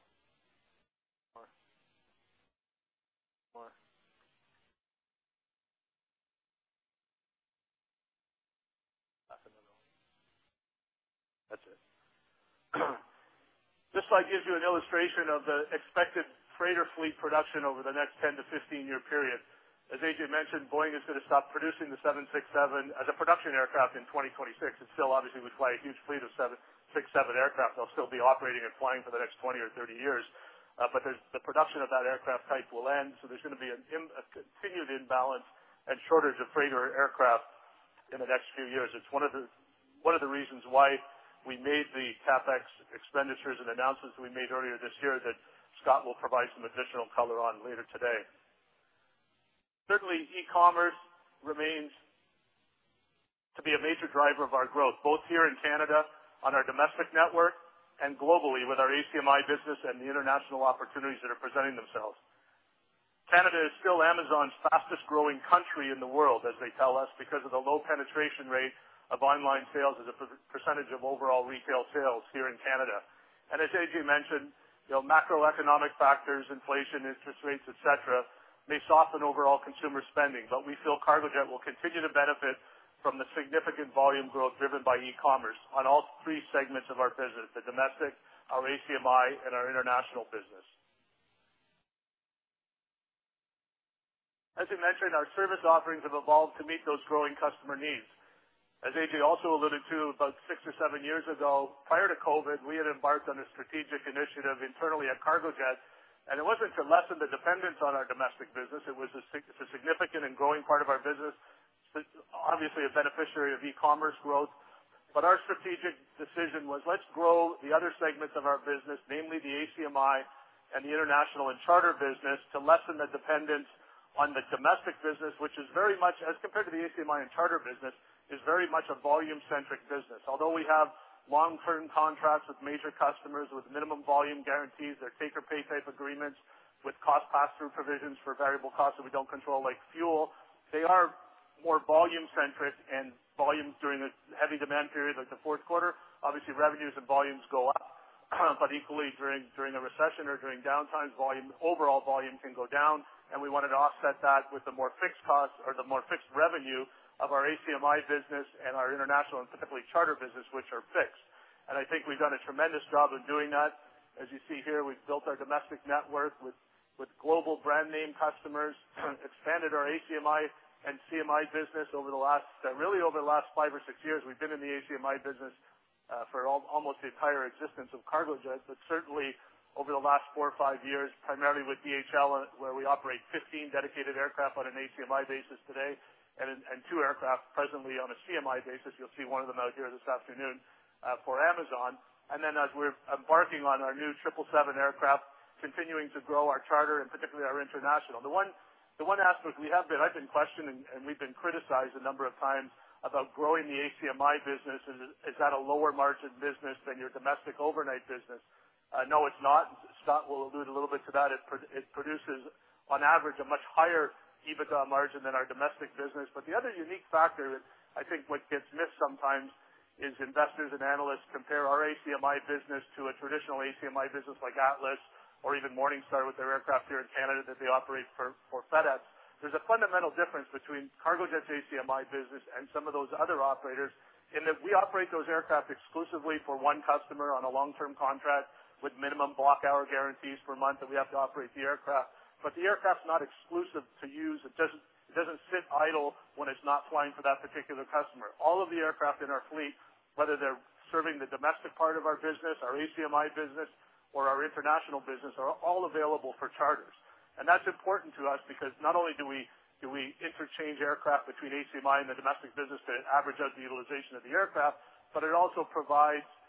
More. Back a little. That's it. This slide gives you an illustration of the expected freighter fleet production over the next 10 to 15-year period. As Ajay mentioned, Boeing is gonna stop producing the 767 as a production aircraft in 2026. It still obviously would fly a huge fleet of 767 aircraft. They'll still be operating and flying for the next 20 or 30 years. But the production of that aircraft type will end, so there's gonna be a continued imbalance and shortage of freighter aircraft in the next few years. It's one of the reasons why we made the CapEx expenditures and announcements we made earlier this year that Scott will provide some additional color on later today. Certainly, e-commerce remains to be a major driver of our growth, both here in Canada on our domestic network and globally with our ACMI business and the international opportunities that are presenting themselves. Canada is still Amazon's fastest-growing country in the world, as they tell us, because of the low penetration rate of online sales as a percentage of overall retail sales here in Canada. As Ajay mentioned, you know, macroeconomic factors, inflation, interest rates, et cetera, may soften overall consumer spending, but we feel Cargojet will continue to benefit from the significant volume growth driven by e-commerce on all three segments of our business, the domestic, our ACMI, and our international business. As you mentioned, our service offerings have evolved to meet those growing customer needs. As Ajay also alluded to, about six or seven years ago, prior to COVID, we had embarked on a strategic initiative internally at Cargojet, and it wasn't to lessen the dependence on our domestic business. It's a significant and growing part of our business, obviously a beneficiary of e-commerce growth. Our strategic decision was, let's grow the other segments of our business, namely the ACMI and the international and charter business, to lessen the dependence on the domestic business, which is very much, as compared to the ACMI and charter business, a volume-centric business. Although we have long-term contracts with major customers with minimum volume guarantees or take or pay type agreements with cost pass-through provisions for variable costs that we don't control, like fuel, they are more volume-centric and volume during the heavy demand period like the fourth quarter. Obviously, revenues and volumes go up, but equally during a recession or during downtimes, overall volume can go down, and we wanted to offset that with the more fixed costs or the more fixed revenue of our ACMI business and our international and typically charter business, which are fixed. I think we've done a tremendous job of doing that. As you see here, we've built our domestic network with global brand name customers, expanded our ACMI and CMI business over the last really over the last five or six years. We've been in the ACMI business for almost the entire existence of Cargojet, but certainly over the last four, five years, primarily with DHL, where we operate 15 dedicated aircraft on an ACMI basis today and two aircraft presently on a CMI basis. You'll see one of them out here this afternoon for Amazon. As we're embarking on our new 777 aircraft, continuing to grow our charter and particularly our international. The one aspect I've been questioned and we've been criticized a number of times about growing the ACMI business. Is that a lower margin business than your domestic overnight business? No, it's not. Scott will allude a little bit to that. It produces, on average, a much higher EBITDA margin than our domestic business. The other unique factor that I think what gets missed sometimes is investors and analysts compare our ACMI business to a traditional ACMI business like Atlas or even Morningstar with their aircraft here in Canada that they operate for FedEx. There's a fundamental difference between Cargojet's ACMI business and some of those other operators in that we operate those aircraft exclusively for one customer on a long-term contract with minimum block hour guarantees per month that we have to operate the aircraft. The aircraft's not exclusive to use. It doesn't sit idle when it's not flying for that particular customer. All of the aircraft in our fleet, whether they're serving the domestic part of our business, our ACMI business or our international business, are all available for charters. That's important to us because not only do we interchange aircraft between ACMI and the domestic business to average out the utilization of the aircraft, but it also provides a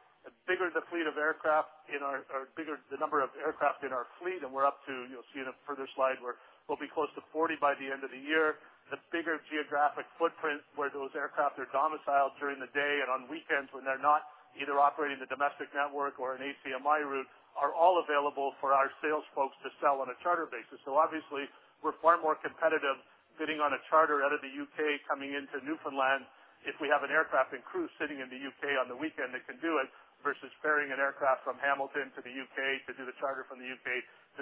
bigger fleet of aircraft in our, bigger the number of aircraft in our fleet and we're up to. You'll see in a further slide where we'll be close to 40 by the end of the year. The bigger geographic footprint where those aircraft are domiciled during the day and on weekends when they're not either operating the domestic network or an ACMI route, are all available for our sales folks to sell on a charter basis. Obviously, we're far more competitive bidding on a charter out of the U.K. coming into Newfoundland if we have an aircraft and crew sitting in the U.K. on the weekend that can do it versus ferrying an aircraft from Hamilton to the U.K. to do the charter from the U.K.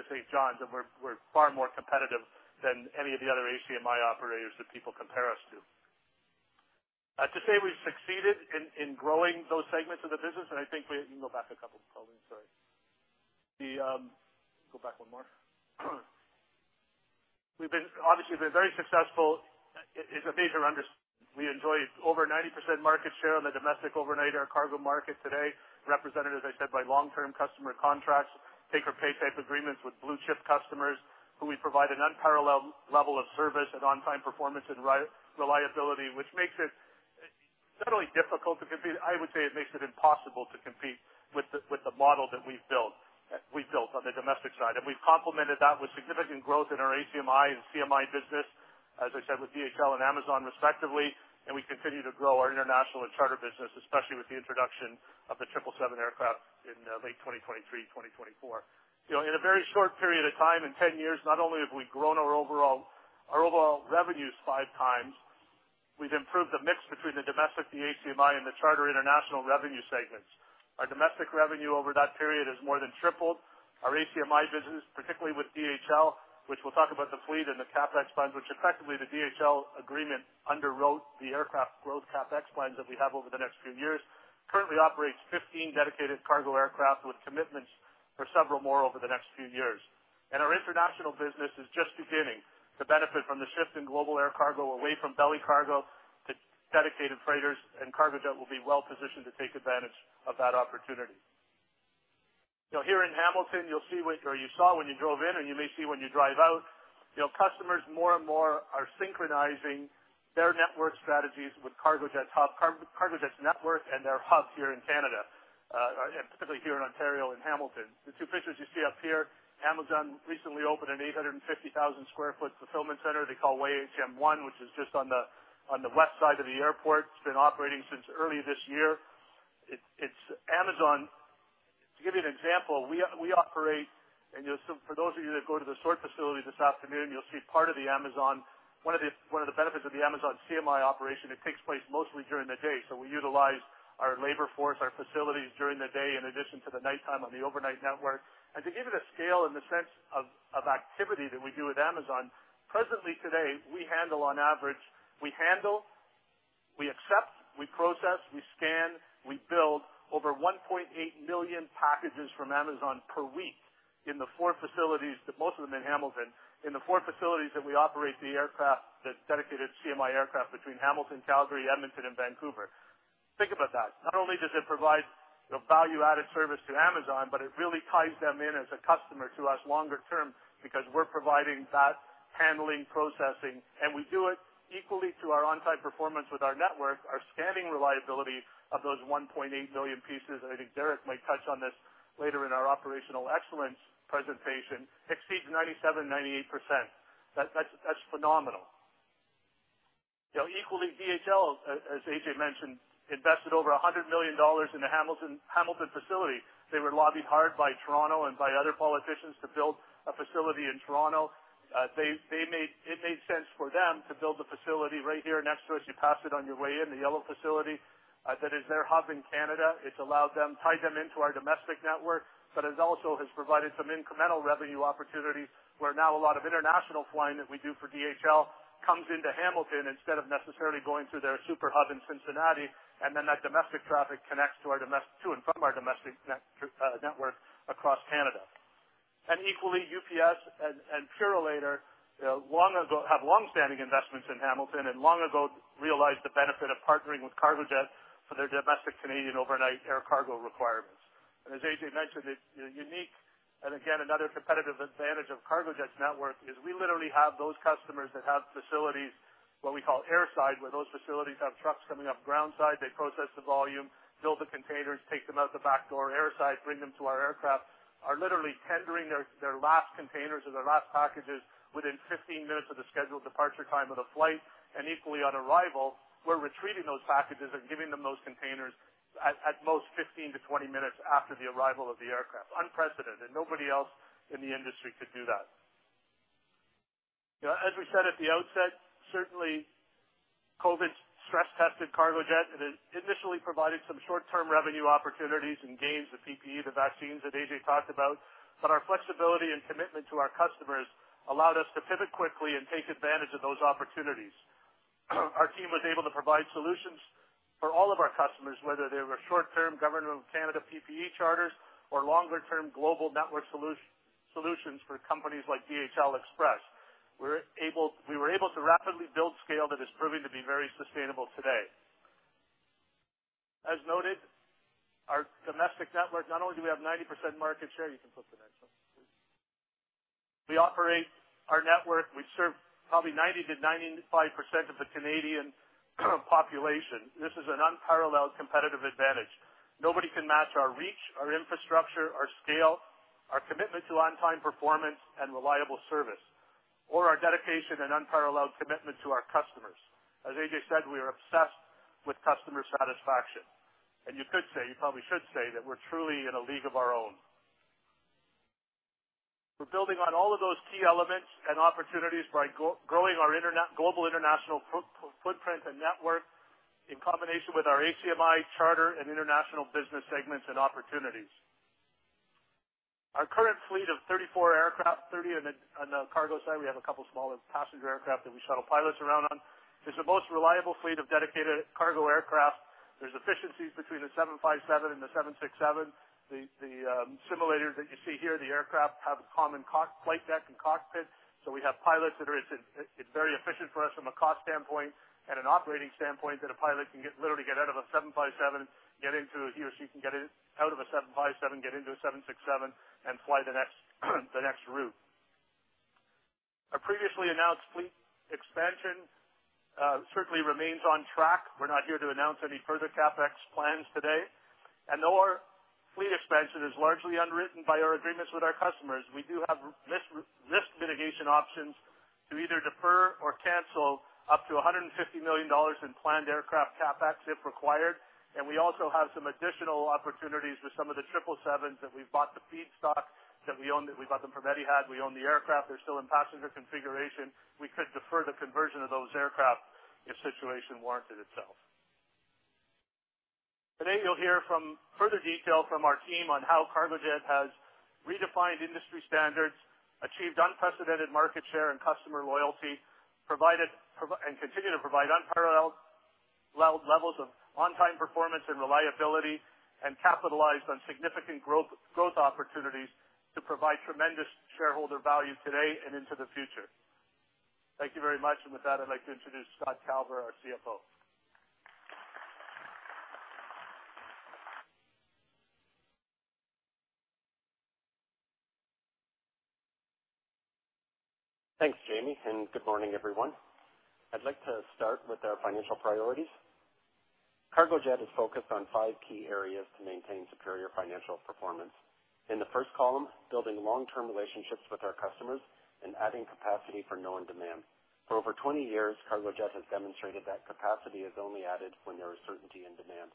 to St. John's. We're far more competitive than any of the other ACMI operators that people compare us to. To say we've succeeded in growing those segments of the business, and I think we've obviously been very successful. We enjoy over 90% market share on the domestic overnight air cargo market today, represented, as I said, by long-term customer contracts, take or pay type agreements with blue chip customers who we provide an unparalleled level of service and on-time performance and reliability, which makes it not only difficult to compete. I would say it makes it impossible to compete with the model that we've built on the domestic side. We've complemented that with significant growth in our ACMI and CMI business, as I said, with DHL and Amazon respectively, and we continue to grow our international and charter business, especially with the introduction of the 777 aircraft in late 2023, 2024. You know, in a very short period of time, in 10 years, not only have we grown our overall revenues five times, we've improved the mix between the domestic, the ACMI, and the charter international revenue segments. Our domestic revenue over that period has more than tripled. Our ACMI business, particularly with DHL, which we'll talk about the fleet and the CapEx funds, which effectively the DHL agreement underwrote the aircraft growth CapEx plans that we have over the next few years, currently operates 15 dedicated cargo aircraft with commitments for several more over the next few years. Our international business is just beginning to benefit from the shift in global air cargo away from belly cargo to dedicated freighters, and Cargojet will be well positioned to take advantage of that opportunity. Now here in Hamilton, you'll see or you saw when you drove in, and you may see when you drive out, you know, customers more and more are synchronizing their network strategies with Cargojet's hub, Cargojet's network and their hub here in Canada, specifically here in Ontario, in Hamilton. The two pictures you see up here, Amazon recently opened an 850,000 sq ft fulfillment center they call YHM1, which is just on the west side of the airport. It's been operating since early this year. It's Amazon... To give you an example, we operate, so for those of you that go to the sort facility this afternoon, you'll see part of the Amazon. One of the benefits of the Amazon ACMI operation, it takes place mostly during the day. We utilize our labor force, our facilities during the day in addition to the nighttime on the overnight network. To give it a scale in the sense of activity that we do with Amazon, presently today, we handle on average, we accept, we process, we scan, we build over 1.8 million packages from Amazon per week in the four facilities, but most of them in Hamilton. In the four facilities that we operate the aircraft, the dedicated ACMI aircraft between Hamilton, Calgary, Edmonton and Vancouver. Think about that. Not only does it provide, you know, value-added service to Amazon, but it really ties them in as a customer to us longer term because we're providing that handling, processing, and we do it equally to our on-time performance with our network. Our scanning reliability of those 1.8 million pieces, and I think Derek might touch on this later in our operational excellence presentation, exceeds 97%-98%. That's phenomenal. You know, equally DHL, as Ajay mentioned, invested over 100 million dollars in the Hamilton facility. They were lobbied hard by Toronto and by other politicians to build a facility in Toronto. They made it made sense for them to build the facility right here next to us. You pass it on your way in, the yellow facility, that is their hub in Canada. It's allowed them, tied them into our domestic network, but it also has provided some incremental revenue opportunities, where now a lot of international flying that we do for DHL comes into Hamilton instead of necessarily going through their super hub in Cincinnati, and then that domestic traffic connects to and from our domestic network across Canada. Equally, UPS and Purolator long ago have longstanding investments in Hamilton and long ago realized the benefit of partnering with Cargojet for their domestic Canadian overnight air cargo requirements. As Ajay mentioned, it's, you know, unique. Again, another competitive advantage of Cargojet's network is we literally have those customers that have facilities, what we call airside, where those facilities have trucks coming up groundside, they process the volume, build the containers, take them out the back door airside, bring them to our aircraft, are literally tendering their last containers or their last packages within 15 minutes of the scheduled departure time of the flight. Equally on arrival, we're retrieving those packages and giving them those containers at most 15 to 20 minutes after the arrival of the aircraft. Unprecedented. Nobody else in the industry could do that. You know, as we said at the outset, certainly COVID stress-tested Cargojet, and it initially provided some short-term revenue opportunities and gains, the PPE, the vaccines that Ajay talked about. Our flexibility and commitment to our customers allowed us to pivot quickly and take advantage of those opportunities. Our team was able to provide solutions for all of our customers, whether they were short-term government of Canada PPE charters or longer-term global network solutions for companies like DHL Express. We were able to rapidly build scale that is proving to be very sustainable today. As noted, our domestic network, not only do we have 90% market share. You can put the next one, please. We operate our network. We serve probably 90%-95% of the Canadian population. This is an unparalleled competitive advantage. Nobody can match our reach, our infrastructure, our scale, our commitment to on-time performance and reliable service, or our dedication and unparalleled commitment to our customers. As Ajay said, we are obsessed with customer satisfaction. You could say, you probably should say, that we're truly in a league of our own. We're building on all of those key elements and opportunities by growing our global international footprint and network in combination with our ACMI charter and international business segments and opportunities. Our current fleet of 34 aircraft, 30 on the cargo side, we have a couple smaller passenger aircraft that we shuttle pilots around on, is the most reliable fleet of dedicated cargo aircraft. There are efficiencies between the 757 and the 767. The simulators that you see here, the aircraft have a common flight deck and cockpit. We have pilots that are. It's very efficient for us from a cost standpoint and an operating standpoint, that a pilot can literally get out of a 757, get into. He or she can get out of a 757, get into a 767 and fly the next route. Our previously announced fleet expansion certainly remains on track. We're not here to announce any further CapEx plans today. Though our fleet expansion is largely underwritten by our agreements with our customers, we do have risk mitigation options to either defer or cancel up to 150 million dollars in planned aircraft CapEx if required. We also have some additional opportunities with some of the 777s that we've bought the feedstock that we own, that we bought them from Etihad. We own the aircraft. They're still in passenger configuration. We could defer the conversion of those aircraft if situation warranted itself. Today, you'll hear from further detail from our team on how Cargojet has redefined industry standards, achieved unprecedented market share and customer loyalty, provided and continue to provide unparalleled levels of on-time performance and reliability, and capitalized on significant growth opportunities to provide tremendous shareholder value today and into the future. Thank you very much. With that, I'd like to introduce Scott Calver, our CFO. Thanks, Jamie, and good morning, everyone. I'd like to start with our financial priorities. Cargojet is focused on five key areas to maintain superior financial performance. In the first column, building long-term relationships with our customers and adding capacity for known demand. For over 20 years, Cargojet has demonstrated that capacity is only added when there is certainty in demand.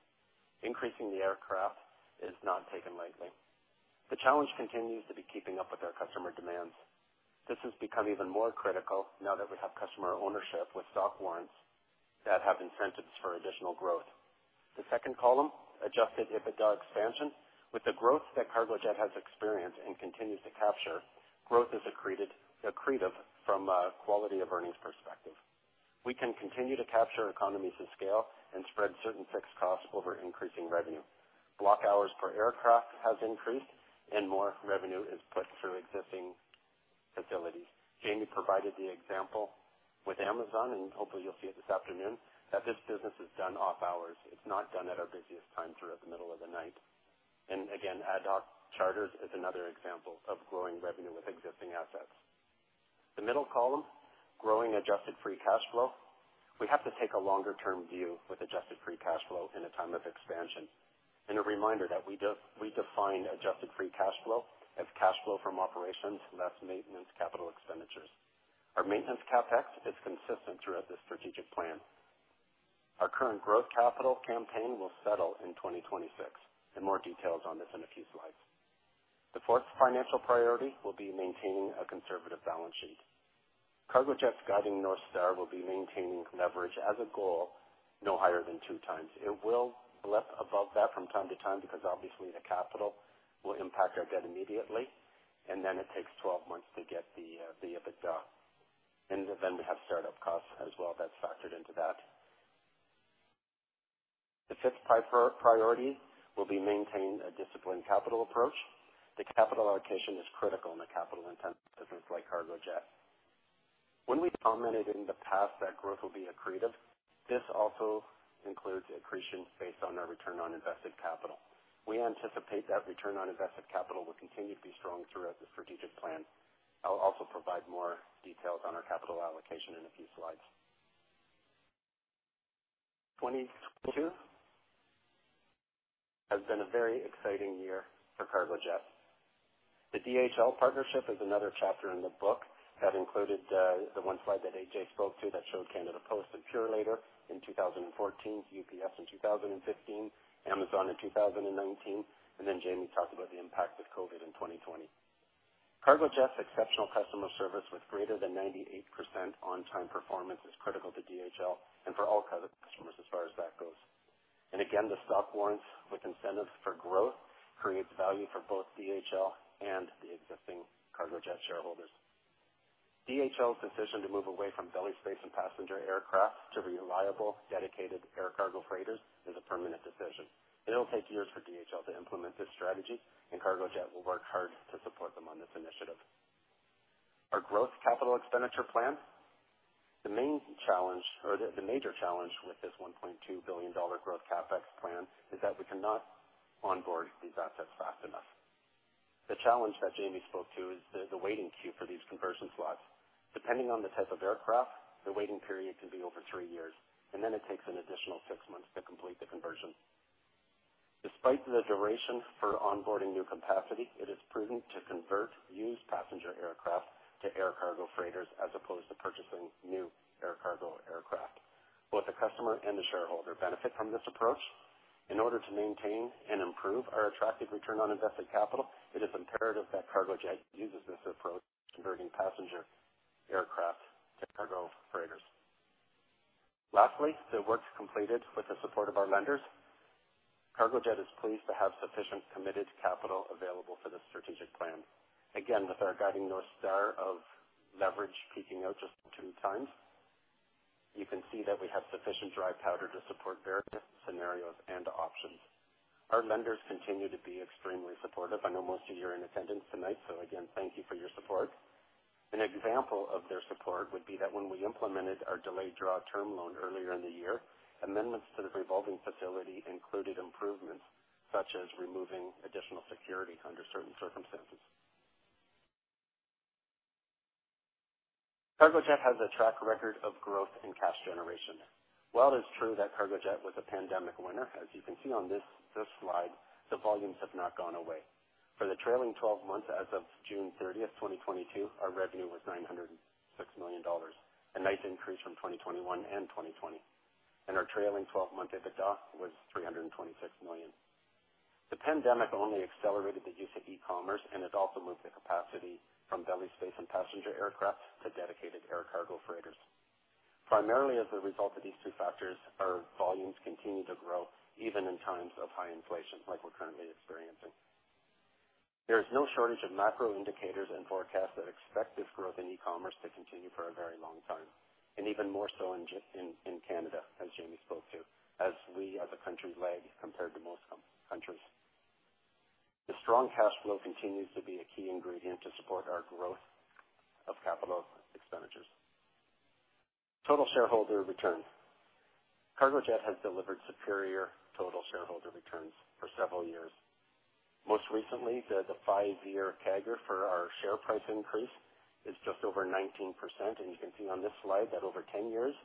Increasing the aircraft is not taken lightly. The challenge continues to be keeping up with our customer demands. This has become even more critical now that we have customer ownership with stock warrants that have incentives for additional growth. The second column, adjusted EBITDA expansion. With the growth that Cargojet has experienced and continues to capture, growth is accretive from a quality of earnings perspective. We can continue to capture economies of scale and spread certain fixed costs over increasing revenue. Block hours per aircraft has increased and more revenue is put through existing facilities. Jamie provided the example with Amazon, and hopefully you'll see it this afternoon, that this business is done off hours. It's not done at our busiest times or at the middle of the night. Again, ad hoc charters is another example of growing revenue with existing assets. The middle column, growing adjusted free cash flow. We have to take a longer-term view with adjusted free cash flow in a time of expansion. A reminder that we define adjusted free cash flow as cash flow from operations, less maintenance, capital expenditures. Our maintenance CapEx is consistent throughout this strategic plan. Our current growth capital campaign will settle in 2026, and more details on this in a few slides. The fourth financial priority will be maintaining a conservative balance sheet. Cargojet's guiding north star will be maintaining leverage as a goal no higher than two times. It will leap above that from time to time because obviously the capital will impact our debt immediately, and then it takes 12 months to get the EBITDA. Then we have startup costs as well that's factored into that. The fifth priority will be to maintain a disciplined capital approach. The capital allocation is critical in a capital-intensive business like Cargojet. When we commented in the past that growth will be accretive, this also includes accretion based on our return on invested capital. We anticipate that return on invested capital will continue to be strong throughout the strategic plan. I'll also provide more details on our capital allocation in a few slides. 2022 has been a very exciting year for Cargojet. The DHL partnership is another chapter in the book that included the one slide that Ajay spoke to that showed Canada Post and Purolator in 2014, UPS in 2015, Amazon in 2019, and then Jamie talked about the impact of COVID in 2020. Cargojet's exceptional customer service with greater than 98% on time performance is critical to DHL and for all customers as far as that goes. Again, the stock warrants with incentives for growth creates value for both DHL and the existing Cargojet shareholders. DHL's decision to move away from belly space and passenger aircraft to reliable, dedicated air cargo freighters is a permanent decision. It'll take years for DHL to implement this strategy, and Cargojet will work hard to support them on this initiative. Our growth capital expenditure plan. The major challenge with this 1.2 billion dollar growth CapEx plan is that we cannot onboard these assets fast enough. The challenge that Jamie spoke to is the waiting queue for these conversion slots. Depending on the type of aircraft, the waiting period can be over three years, and then it takes an additional six months to complete the conversion. Despite the duration for onboarding new capacity, it is prudent to convert used passenger aircraft to air cargo freighters as opposed to purchasing new air cargo aircraft. Both the customer and the shareholder benefit from this approach. In order to maintain and improve our attractive return on invested capital, it is imperative that Cargojet uses this approach, converting passenger aircraft to cargo freighters. Lastly, the work's completed with the support of our lenders. Cargojet is pleased to have sufficient committed capital available for this strategic plan. Again, with our guiding North Star of leverage peaking out just two times, you can see that we have sufficient dry powder to support various scenarios and options. Our lenders continue to be extremely supportive. I know most of you are in attendance tonight, so again, thank you for your support. An example of their support would be that when we implemented our delayed draw term loan earlier in the year, amendments to the revolving facility included improvements, such as removing additional security under certain circumstances. Cargojet has a track record of growth in cash generation. While it is true that Cargojet was a pandemic winner, as you can see on this slide, the volumes have not gone away. For the trailing 12 months as of June 30th, 2022, our revenue was 906 million dollars, a nice increase from 2021 and 2020, and our trailing 12-month EBITDA was 326 million. The pandemic only accelerated the use of e-commerce, and it also moved the capacity from belly space and passenger aircraft to dedicated air cargo freighters. Primarily as a result of these two factors, our volumes continue to grow even in times of high inflation like we're currently experiencing. There is no shortage of macro indicators and forecasts that expect this growth in e-commerce to continue for a very long time, and even more so in Canada, as Jamie spoke to, as we as a country lag compared to most countries. The strong cash flow continues to be a key ingredient to support our growth of capital expenditures. Total shareholder return. Cargojet has delivered superior total shareholder returns for several years. Most recently, the five-year CAGR for our share price increase is just over 19%. You can see on this slide that over 10 years,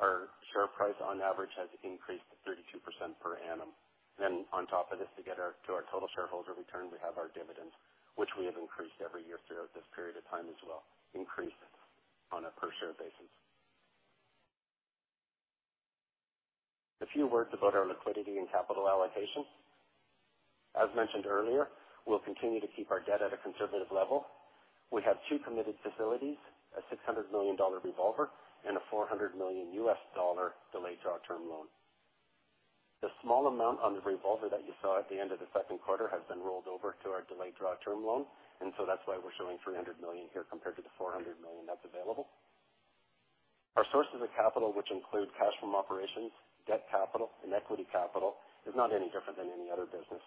our share price on average has increased to 32% per annum. On top of this, to get to our total shareholder return, we have our dividends, which we have increased every year throughout this period of time as well, increased on a per share basis. A few words about our liquidity and capital allocation. As mentioned earlier, we'll continue to keep our debt at a conservative level. We have two permitted facilities, a 600 million dollar revolver and a $400 million delayed draw term loan. The small amount on the revolver that you saw at the end of the second quarter has been rolled over to our delayed draw term loan, and so that's why we're showing $300 million here compared to the $400 million that's available. Our sources of capital, which include cash from operations, debt capital and equity capital, is not any different than any other business.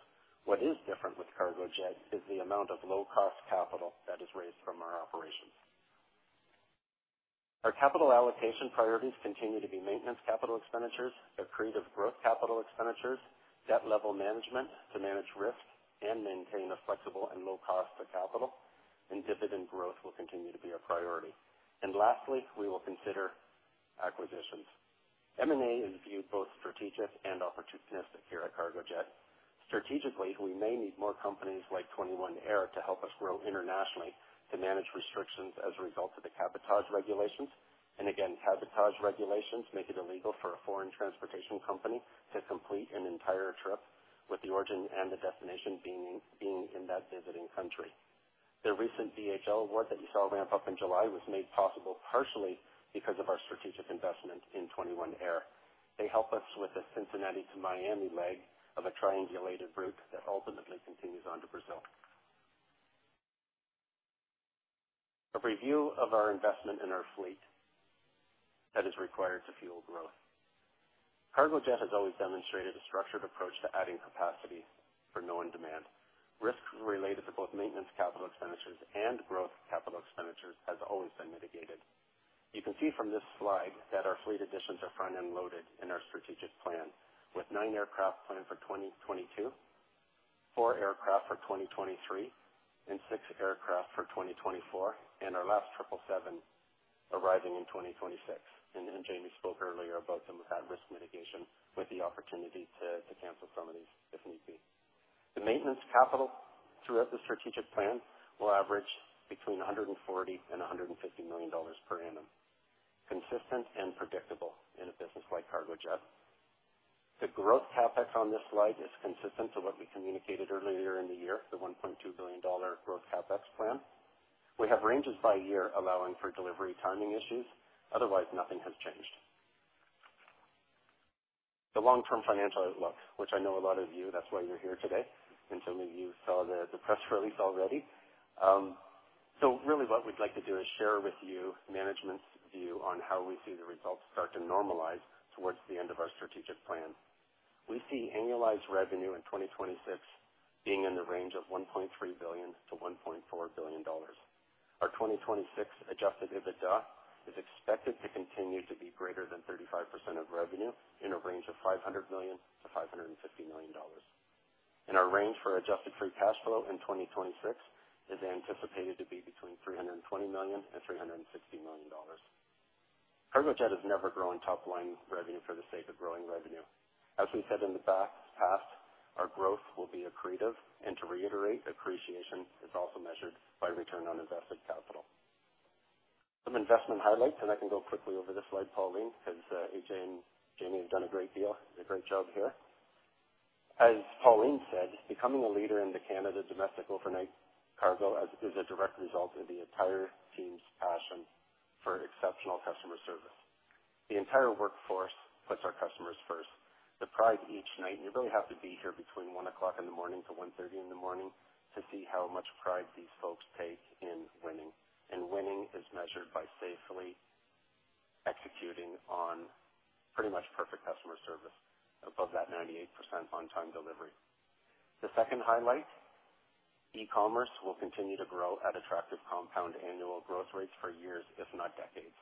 What is different with Cargojet is the amount of low cost capital that is raised from our operations. Our capital allocation priorities continue to be maintenance capital expenditures, accretive growth capital expenditures, debt level management to manage risk and maintain a flexible and low cost for capital, and dividend growth will continue to be a priority. Lastly, we will consider acquisitions. M&A is viewed both strategic and opportunistic here at Cargojet. Strategically, we may need more companies like 21 Air to help us grow internationally to manage restrictions as a result of the cabotage regulations. Again, cabotage regulations make it illegal for a foreign transportation company to complete an entire trip with the origin and the destination being in that visiting country. The recent DHL award that you saw ramp up in July was made possible partially because of our strategic investment in 21 Air. They help us with the Cincinnati to Miami leg of a triangulated route that ultimately continues on to Brazil. A review of our investment in our fleet that is required to fuel growth. Cargojet has always demonstrated a structured approach to adding capacity for known demand. Risks related to both maintenance capital expenditures and growth capital expenditures has always been mitigated. You can see from this slide that our fleet additions are front end loaded in our strategic plan, with nine aircraft planned for 2022, four aircraft for 2023, and six aircraft for 2024, and our last 777 arriving in 2026. Jamie spoke earlier about the risk mitigation with the opportunity to cancel some of these if need be. The maintenance capital throughout the strategic plan will average between 140 million and 150 million dollars per annum. Consistent and predictable in a business like Cargojet. The growth CapEx on this slide is consistent to what we communicated earlier in the year, the 1.2 billion dollar growth CapEx plan. We have ranges by year allowing for delivery timing issues, otherwise nothing has changed. The long-term financial outlook, which I know a lot of you, that's why you're here today, and some of you saw the press release already. Really what we'd like to do is share with you management's view on how we see the results start to normalize towards the end of our strategic plan. We see annualized revenue in 2026 being in the range of 1.3 billion-1.4 billion dollars. Our 2026 adjusted EBITDA is expected to continue to be greater than 35% of revenue in a range of 500 million-550 million dollars. Our range for adjusted free cash flow in 2026 is anticipated to be between 320 million and 360 million dollars. Cargojet is never growing top-line revenue for the sake of growing revenue. As we said in the past, our growth will be accretive. To reiterate, appreciation is also measured by return on invested capital. Some investment highlights. I can go quickly over this slide, Pauline, because Ajay and Jamie have done a great deal, a great job here. As Pauline said, becoming a leader in the Canadian domestic overnight cargo is a direct result of the entire team's passion for exceptional customer service. The entire workforce puts our customers first. The pride each night you really have to be here between 1:00 A.M. to 1:30 A.M. to see how much pride these folks take in winning. Winning is measured by safely executing on pretty much perfect customer service above that 98% on-time delivery. The second highlight, e-commerce will continue to grow at attractive compound annual growth rates for years, if not decades.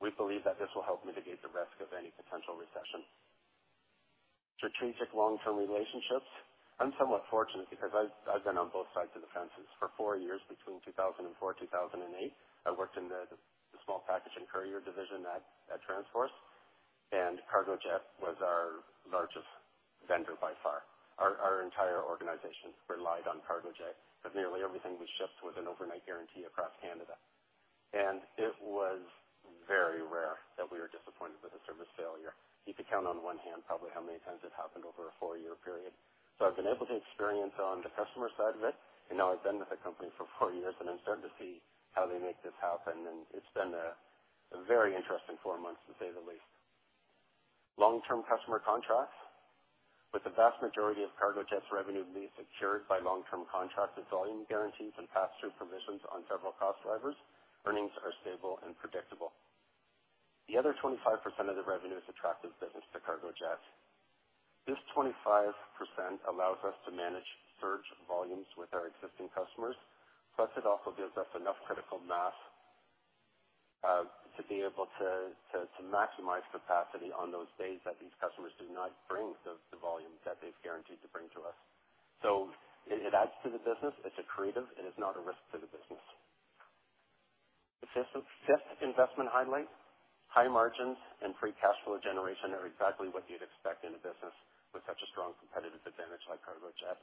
We believe that this will help mitigate the risk of any potential recession. Strategic long-term relationships. I'm somewhat fortunate because I've been on both sides of the fence. For four years between 2004 and 2008, I worked in the small package and courier division at TransForce, and Cargojet was our largest vendor by far. Our entire organization relied on Cargojet, because nearly everything was shipped with an overnight guarantee across Canada. It was very rare that we were disappointed with a service failure. You could count on one hand probably how many times it happened over a four-year period. I've been able to experience on the customer side of it, and now I've been with the company for four years, and I'm starting to see how they make this happen. It's been a very interesting four months, to say the least. Long-term customer contracts. With the vast majority of Cargojet's revenue being secured by long-term contracts with volume guarantees and pass-through provisions on several cost drivers, earnings are stable and predictable. The other 25% of the revenue is attractive business to Cargojet. This 25% allows us to manage surge volumes with our existing customers, plus it also gives us enough critical mass to be able to maximize capacity on those days that these customers do not bring the volumes that they've guaranteed to bring to us. It adds to the business. It's accretive. It is not a risk to the business. The fifth investment highlight. High margins and free cash flow generation are exactly what you'd expect in a business with such a strong competitive advantage like Cargojet.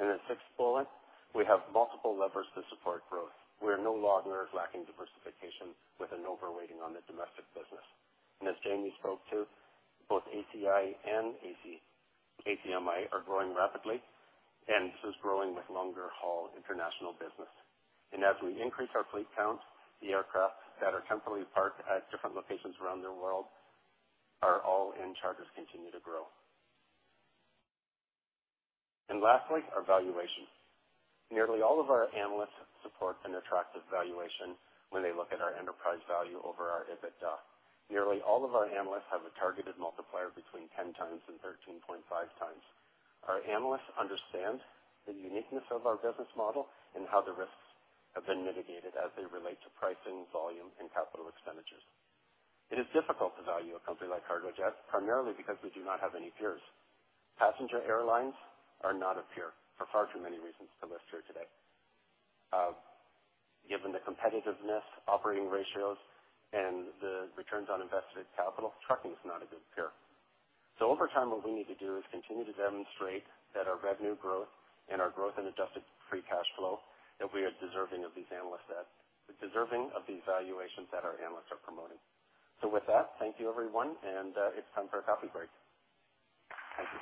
The sixth bullet, we have multiple levers to support growth. We are no longer lacking diversification with an overweighting on the domestic business. As Jamie spoke to, both ACI and ACMI are growing rapidly, and this is growing with longer-haul international business. As we increase our fleet count, the aircraft that are temporarily parked at different locations around the world are all in charters continue to grow. Lastly, our valuation. Nearly all of our analysts support an attractive valuation when they look at our enterprise value over our EBITDA. Nearly all of our analysts have a targeted multiplier between 10x and 13.5x. Our analysts understand the uniqueness of our business model and how the risks have been mitigated as they relate to pricing, volume, and capital expenditures. It is difficult to value a company like Cargojet, primarily because we do not have any peers. Passenger airlines are not a peer for far too many reasons to list here today. Given the competitiveness, operating ratios, and the returns on invested capital, trucking is not a good peer. Over time, what we need to do is continue to demonstrate that our revenue growth and our growth in adjusted free cash flow, that we are deserving of the evaluations that our analysts are promoting. With that, thank you, everyone, and it's time for a coffee break. Thank you.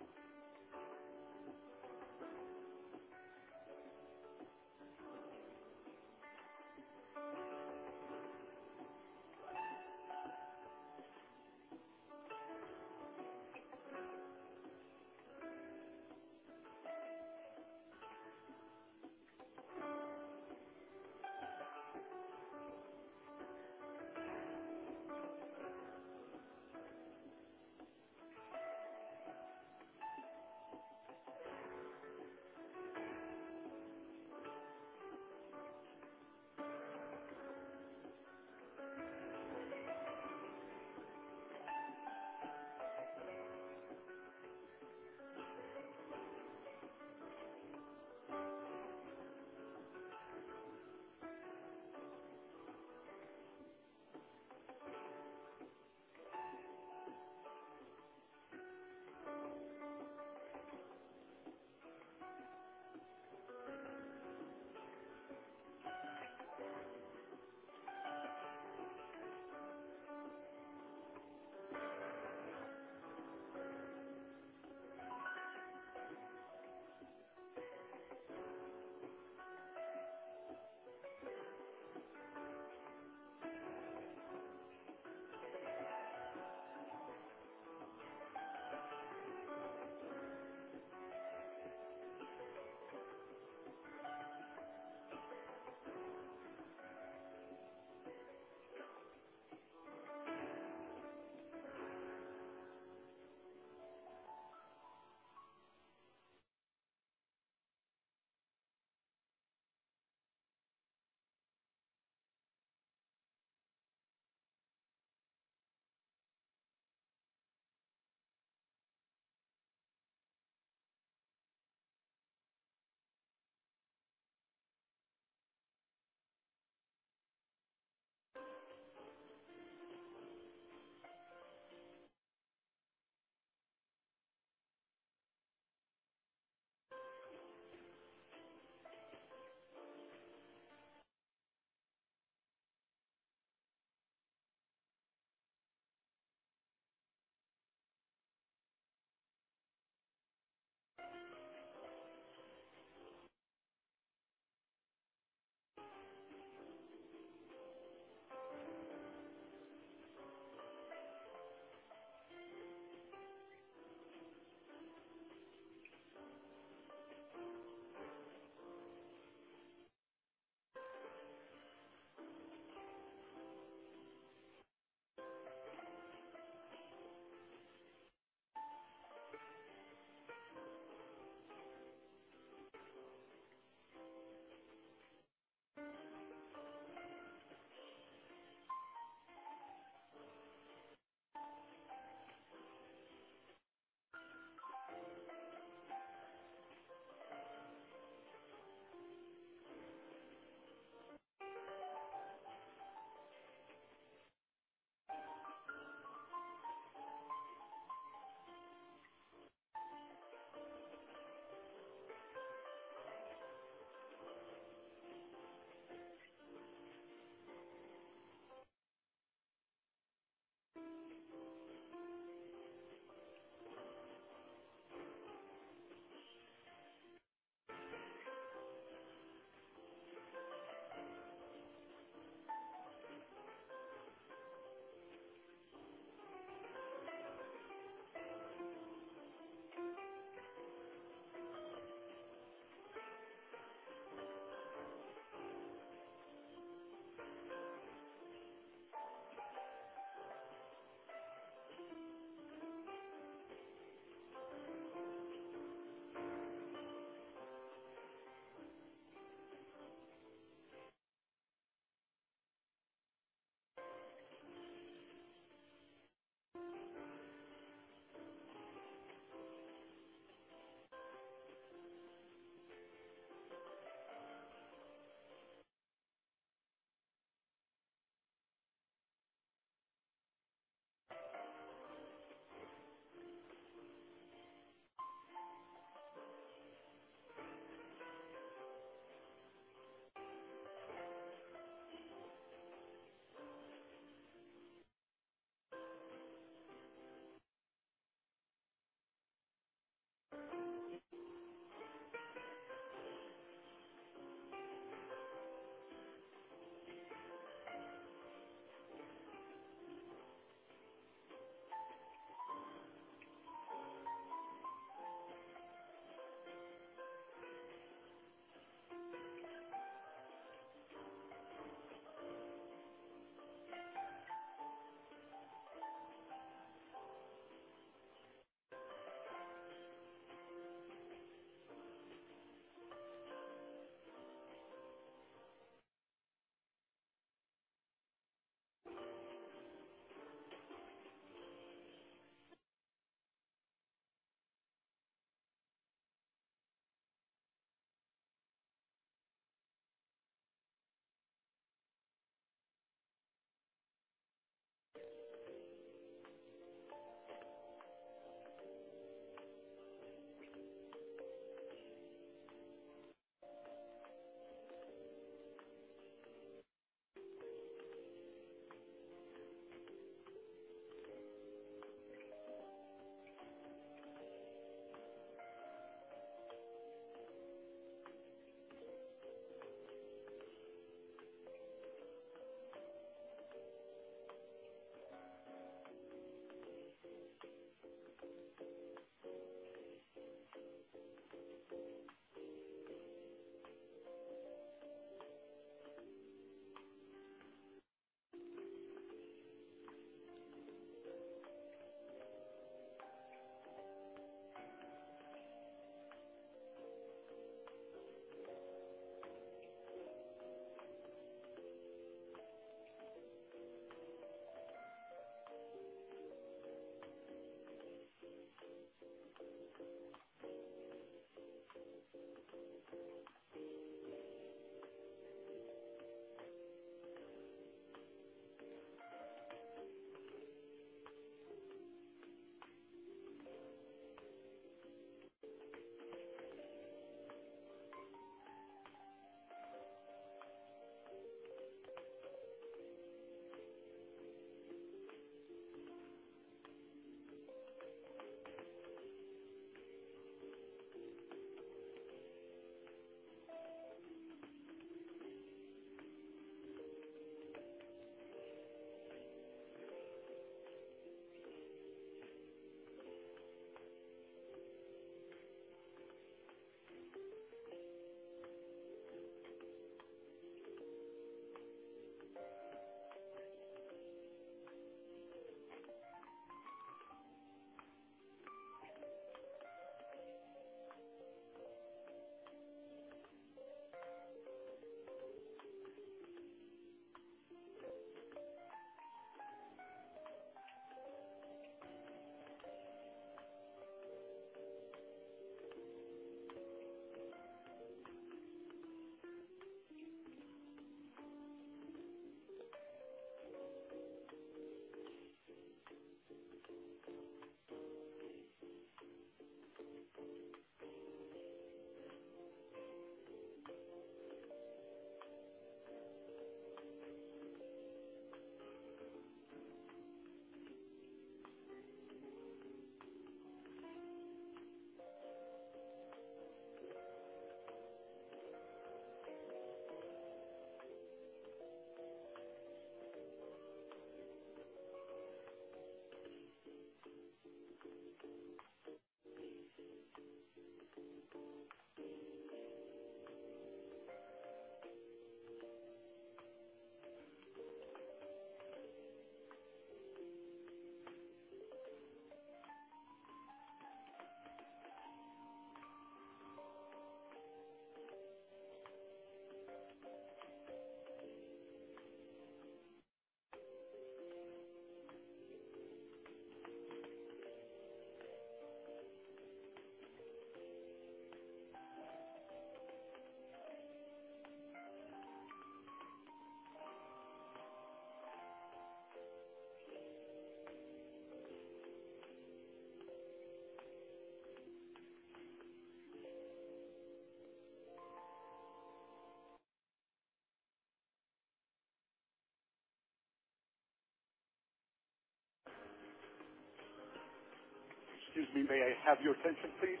Excuse me. May I have your attention please?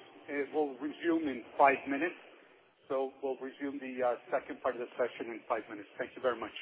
We'll resume in five minutes. We'll resume the second part of the session in five minutes. Thank you very much.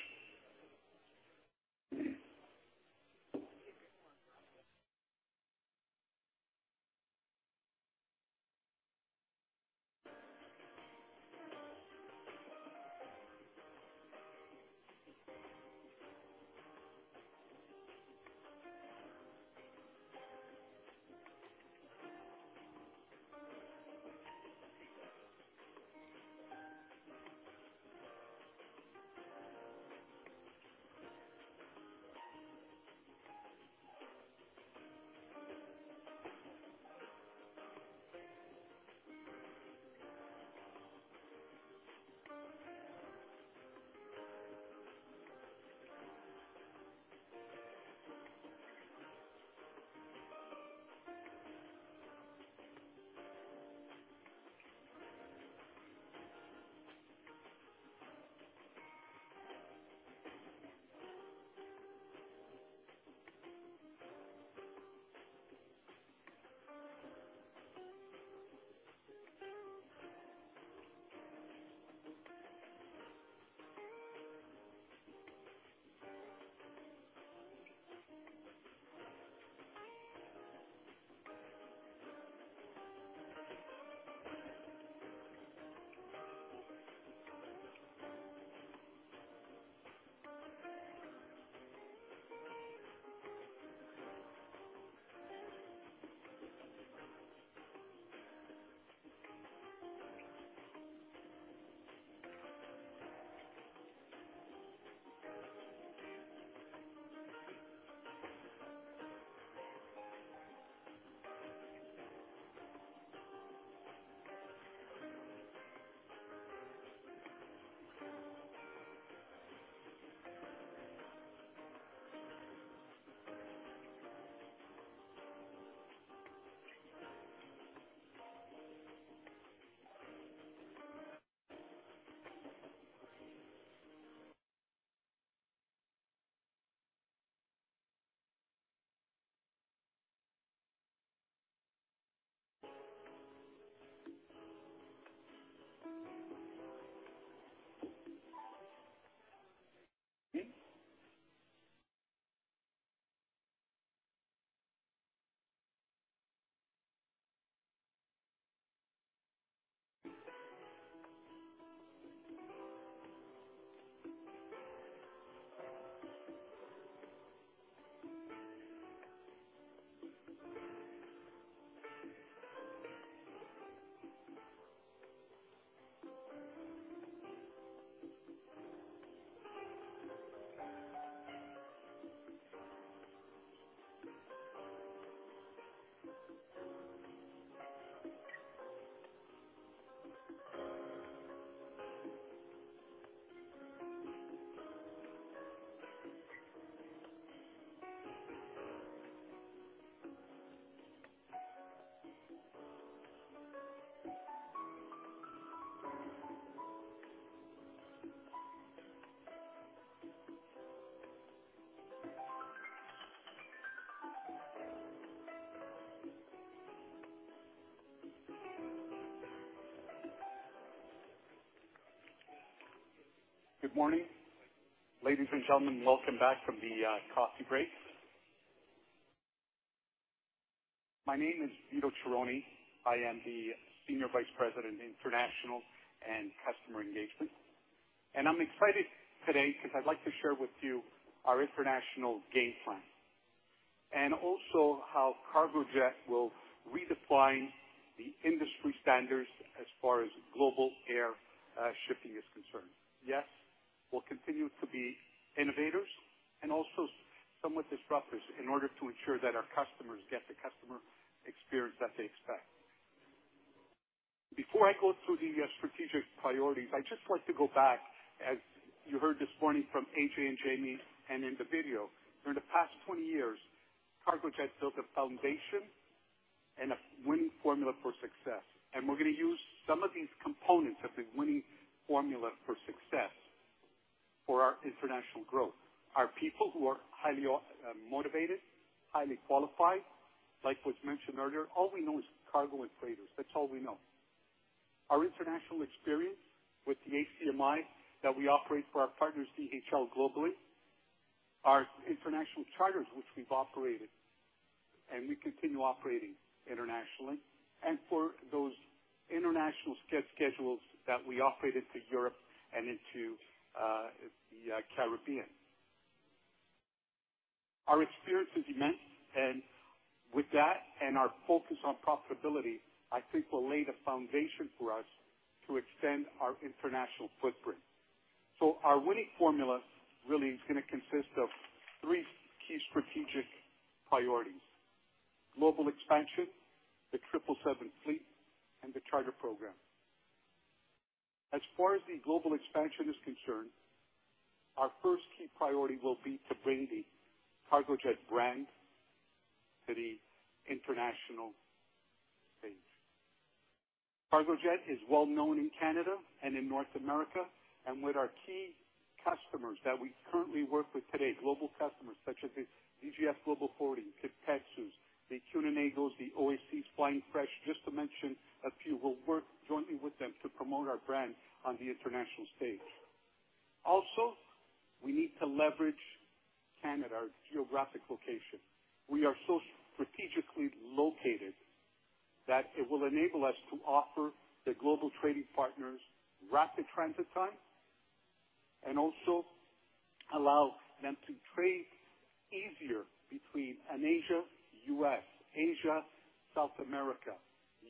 Good morning, ladies and gentlemen. Welcome back from the coffee break. My name is Vito Cerone. I am the Senior Vice President, International and Customer Engagement. I'm excited today because I'd like to share with you our international game plan and also how Cargojet will redefine the industry standards as far as global air shipping is concerned. Yes, we'll continue to be innovators and also somewhat disruptors in order to ensure that our customers get the customer experience that they expect. Before I go through the strategic priorities, I'd just like to go back, as you heard this morning from Ajay and Jamie and in the video. During the past 20 years, Cargojet built a foundation and a winning formula for success. We're gonna use some of these components of the winning formula for success for our international growth. Our people who are highly motivated, highly qualified. Like was mentioned earlier, all we know is cargo and freighters. That's all we know. Our international experience with the ACMI that we operate for our partners DHL globally, our international charters which we've operated, and we continue operating internationally. For those international schedules that we operate into Europe and into the Caribbean. Our experience is immense, and with that and our focus on profitability, I think will lay the foundation for us to extend our international footprint. Our winning formula really is gonna consist of three key strategic priorities: global expansion, the 777 fleet, and the charter program. As far as the global expansion is concerned, our first key priority will be to bring the Cargojet brand to the international stage. Cargojet is well known in Canada and in North America, and with our key customers that we currently work with today, global customers such as the DHL Global Forwarding, [Purolator], the [Nippon Express], the OCS Flying Fresh, just to mention a few, we'll work jointly with them to promote our brand on the international stage. Also, we need to leverage Canada, our geographic location. We are so strategically located that it will enable us to offer the global trading partners rapid transit time and also allow them to trade easier between an Asia, U.S., Asia, South America,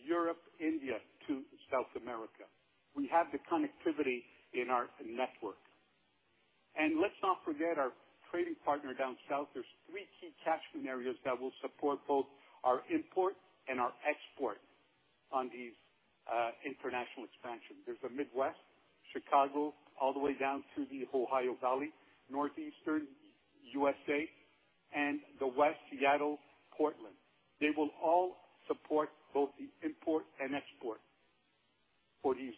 Europe, India to South America. We have the connectivity in our network. Let's not forget our trading partner down south. There's three key catchment areas that will support both our import and our export on these, international expansion. There's the Midwest, Chicago, all the way down through the Ohio Valley, Northeastern U.S.A., and the West Seattle, Portland. They will all support both the import and export for these,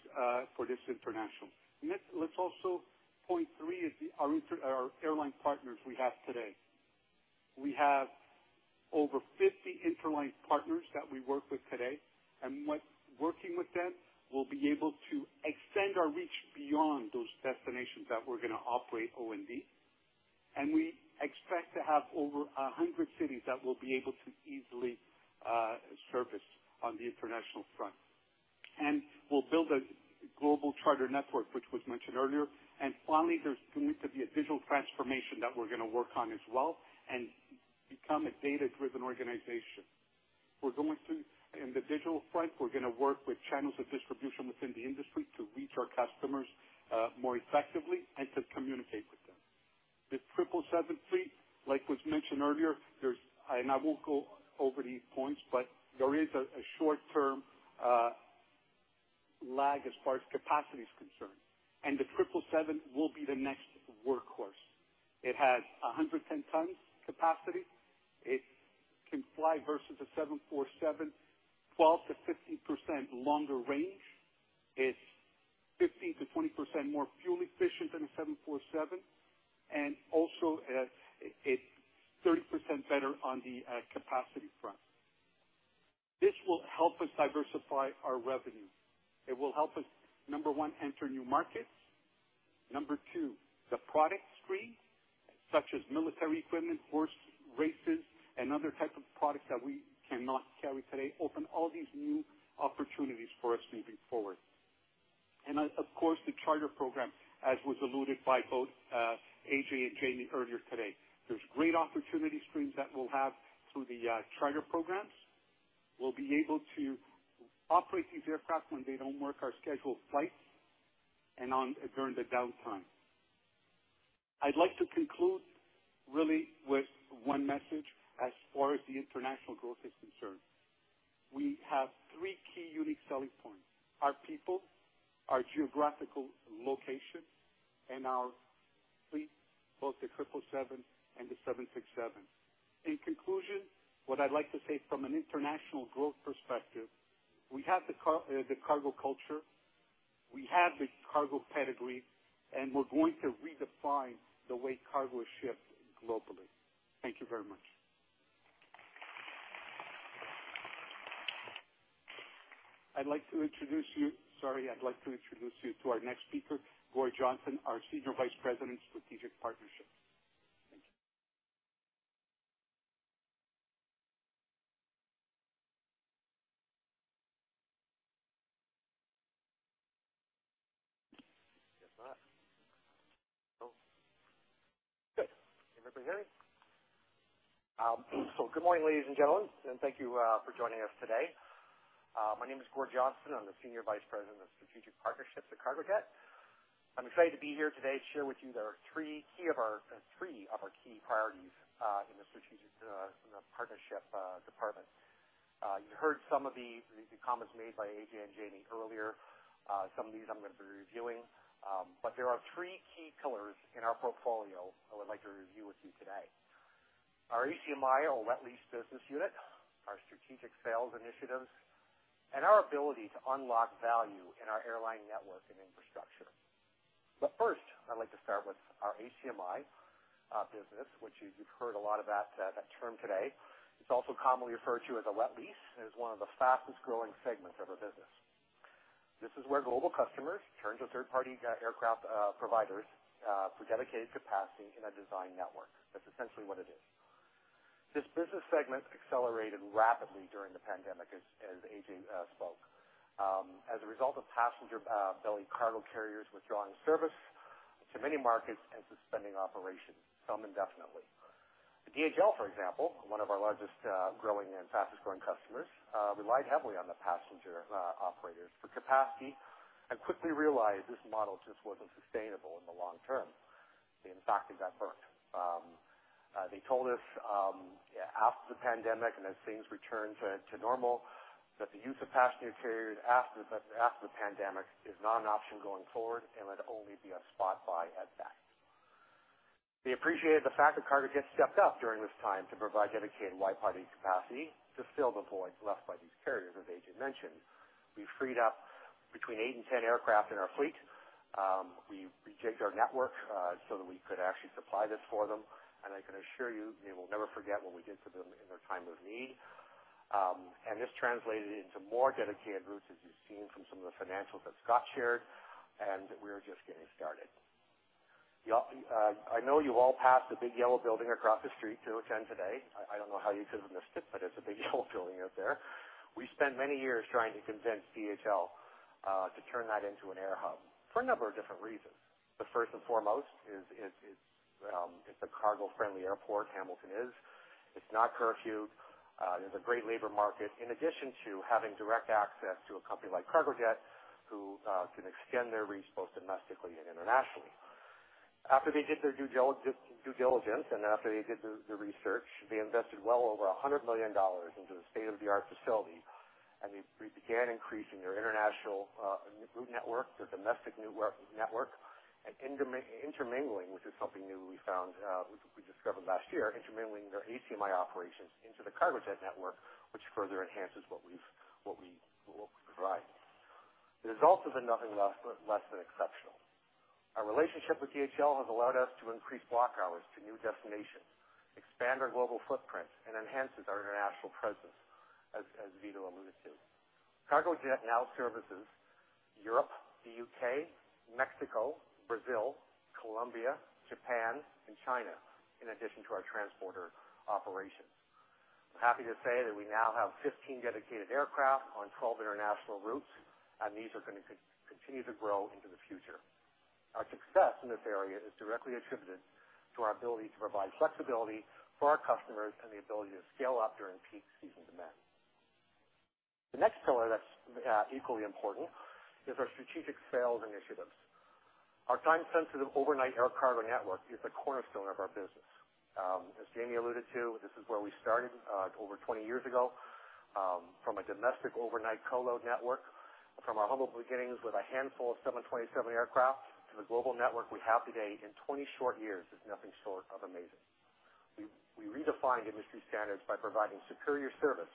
for this international. Next, let's also point three is our airline partners we have today. We have over 50 interline partners that we work with today. Working with them, we'll be able to extend our reach beyond those destinations that we're gonna operate O&D. We expect to have over 100 cities that we'll be able to easily service on the international front. We'll build a global charter network, which was mentioned earlier. Finally, there's going to be a digital transformation that we're gonna work on as well and become a data-driven organization. In the digital front, we're gonna work with channels of distribution within the industry to reach our customers more effectively and to communicate with them. The 777 fleet, I won't go over these points, but there is a short-term lag as far as capacity is concerned, and the 777 will be the next workhorse. It has 110 tons capacity. It can fly versus a 747, 12%-15% longer range. It's 15%-20% more fuel efficient than a 747, and it's 30% better on the capacity front. This will help us diversify our revenue. It will help us, number one, enter new markets. Number two, the product stream, such as military equipment, horse races, and other types of products that we cannot carry today, open all these new opportunities for us moving forward. Of course, the charter program, as was alluded by both Ajay and Jamie earlier today. There's great opportunity streams that we'll have through the charter programs. We'll be able to operate these aircraft when they don't work our scheduled flights and on during the downtime. I'd like to conclude really with one message as far as the international growth is concerned. We have three key unique selling points our people, our geographical location, and our fleet, both the 777 and the 767. In conclusion, what I'd like to say from an international growth perspective, we have the cargo culture, we have the cargo pedigree, and we're going to redefine the way cargo is shipped globally. Thank you very much. I'd like to introduce you to our next speaker, Gord Johnston, our Senior Vice President, Strategic Partnerships. Thank you. Guess not. Good. Can everybody hear me? Good morning, ladies and gentlemen, and thank you for joining us today. My name is Gord Johnston. I'm the Senior Vice President of Strategic Partnerships at Cargojet. I'm excited to be here today to share with you three of our key priorities in the strategic partnership department. You heard some of the comments made by Ajay and Jamie earlier. Some of these I'm gonna be reviewing, but there are three key pillars in our portfolio I would like to review with you today. Our ACMI or wet lease business unit, our strategic sales initiatives, and our ability to unlock value in our airline network and infrastructure. First, I'd like to start with our ACMI business, which you've heard a lot about, that term today. It's also commonly referred to as a wet lease, and is one of the fastest-growing segments of our business. This is where global customers turn to third-party aircraft providers for dedicated capacity in a desired network. That's essentially what it is. This business segment accelerated rapidly during the pandemic as Ajay spoke. As a result of passenger belly cargo carriers withdrawing service to many markets and suspending operations, some indefinitely. DHL, for example, one of our largest growing and fastest growing customers, relied heavily on the passenger operators for capacity and quickly realized this model just wasn't sustainable in the long term. In fact, they got burnt. They told us, after the pandemic and as things returned to normal, that the use of passenger carriers after the pandemic is not an option going forward and would only be a spot buy at best. They appreciated the fact that Cargojet stepped up during this time to provide dedicated wide-body capacity to fill the voids left by these carriers as Ajay mentioned. We freed up between eight and 10 aircraft in our fleet. We rejigged our network, so that we could actually supply this for them, and I can assure you they will never forget what we did for them in their time of need. This translated into more dedicated routes, as you've seen from some of the financials that Scott shared, and we are just getting started. Y'all, I know you all passed the big yellow building across the street to attend today. I don't know how you could have missed it, but it's a big yellow building out there. We spent many years trying to convince DHL to turn that into an air hub for a number of different reasons. The first and foremost is it's a cargo-friendly airport, Hamilton is. It's not curfewed. It's a great labor market. In addition to having direct access to a company like Cargojet, who can extend their reach both domestically and internationally. After they did their due diligence and after they did the research, they invested well over 100 million dollars into a state-of-the-art facility, and they re-began increasing their international route network, their domestic network, and intermingling, which is something new we found, we discovered last year, intermingling their ACMI operations into the Cargojet network, which further enhances what we provide. The results have been nothing less than exceptional. Our relationship with DHL has allowed us to increase block hours to new destinations, expand our global footprint, and enhances our international presence, as Vito alluded to. Cargojet now services Europe, the U.K., Mexico, Brazil, Colombia, Japan, and China, in addition to our transporter operations. I'm happy to say that we now have 15 dedicated aircraft on 12 international routes, and these are gonna continue to grow into the future. Our success in this area is directly attributed to our ability to provide flexibility for our customers and the ability to scale up during peak season demand. The next pillar that's equally important is our strategic sales initiatives. Our time-sensitive overnight air cargo network is the cornerstone of our business. As Jamie alluded to, this is where we started over 20 years ago from a domestic overnight co-load network. From our humble beginnings with a handful of Boeing 727 aircraft to the global network we have today in 20 short years is nothing short of amazing. We redefined industry standards by providing superior service.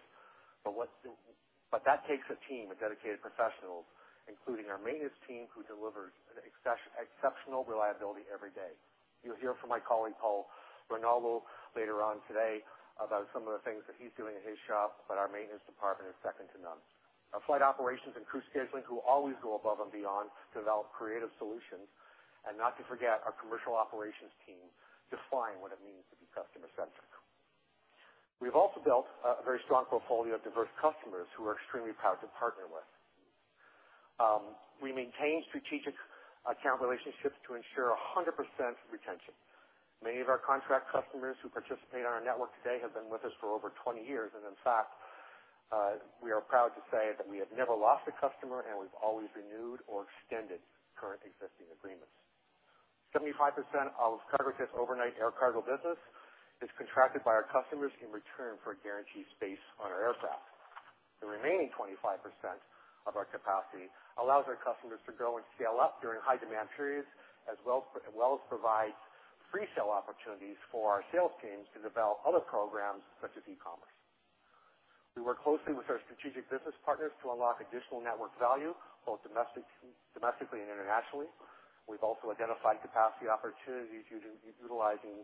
That takes a team of dedicated professionals, including our maintenance team, who delivers an exceptional reliability every day. You'll hear from my colleague, Paul Rinaldo, later on today about some of the things that he's doing in his shop, but our maintenance department is second to none. Our flight operations and crew scheduling, who always go above and beyond to develop creative solutions. Not to forget, our commercial operations team define what it means to be customer-centric. We've also built a very strong portfolio of diverse customers who we're extremely proud to partner with. We maintain strategic account relationships to ensure 100% retention. Many of our contract customers who participate in our network today have been with us for over 20 years, and in fact, we are proud to say that we have never lost a customer, and we've always renewed or extended current existing agreements. 75% of Cargojet's overnight air cargo business is contracted by our customers in return for guaranteed space on our aircraft. The remaining 25% of our capacity allows our customers to grow and scale up during high demand periods, as well as provide presale opportunities for our sales teams to develop other programs such as e-commerce. We work closely with our strategic business partners to unlock additional network value, both domestically and internationally. We've also identified capacity opportunities utilizing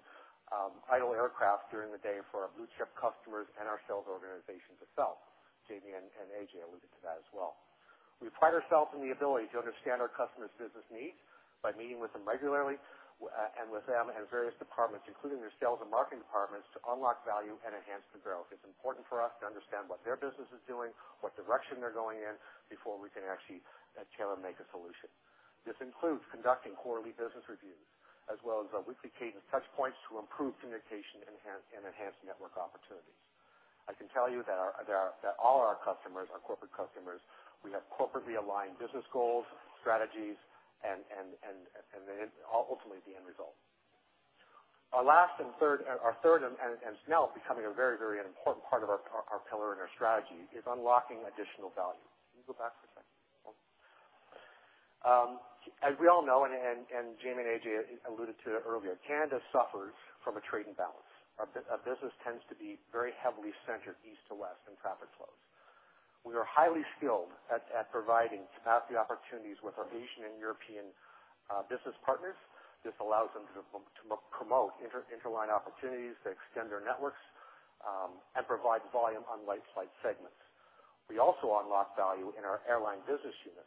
idle aircraft during the day for our blue chip customers and our sales organization itself. Jamie and Ajay alluded to that as well. We pride ourselves in the ability to understand our customer's business needs by meeting with them regularly, and with them at various departments, including their sales and marketing departments, to unlock value and enhance the growth. It's important for us to understand what their business is doing, what direction they're going in before we can actually tailor-make a solution. This includes conducting quarterly business reviews as well as a weekly cadence touch points to improve communication, enhance network opportunities. I can tell you that all our customers, our corporate customers, we have corporately aligned business goals, strategies and then ultimately the end result. Our third and now becoming a very important part of our pillar and our strategy is unlocking additional value. Can you go back for a second? As we all know, Jamie and Ajay alluded to it earlier, Canada suffers from a trade imbalance. Our business tends to be very heavily centered east to west in traffic flows. We are highly skilled at providing capacity opportunities with our Asian and European business partners. This allows them to promote interline opportunities to extend their networks and provide volume on light flight segments. We also unlock value in our airline business unit.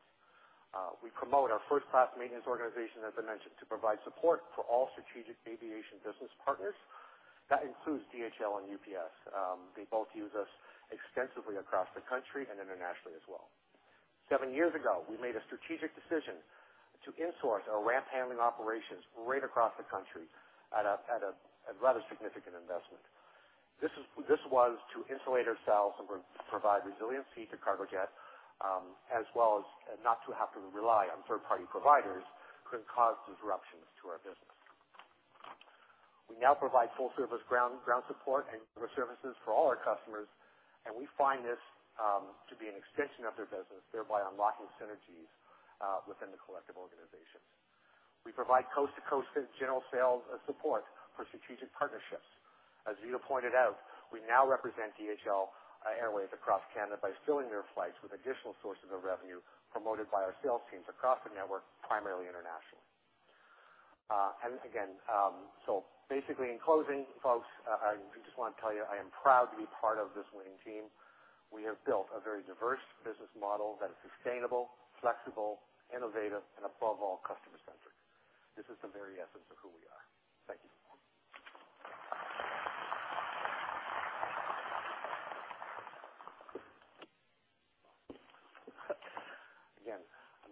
We promote our first class maintenance organization, as I mentioned, to provide support for all strategic aviation business partners. That includes DHL and UPS. They both use us extensively across the country and internationally as well. Seven years ago, we made a strategic decision to insource our ramp handling operations right across the country at a rather significant investment. This was to insulate ourselves and provide resiliency to Cargojet, as well as not to have to rely on third-party providers who can cause disruptions to our business. We now provide full service ground support and repair services for all our customers, and we find this to be an extension of their business, thereby unlocking synergies within the collective organizations. We provide coast-to-coast freight general sales support for strategic partnerships. As Vito pointed out, we now represent DHL Express across Canada by filling their flights with additional sources of revenue promoted by our sales teams across the network, primarily internationally. Again, basically in closing, folks, I just want to tell you, I am proud to be part of this winning team. We have built a very diverse business model that is sustainable, flexible, innovative, and above all, customer-centric. This is the very essence of who we are. Thank you.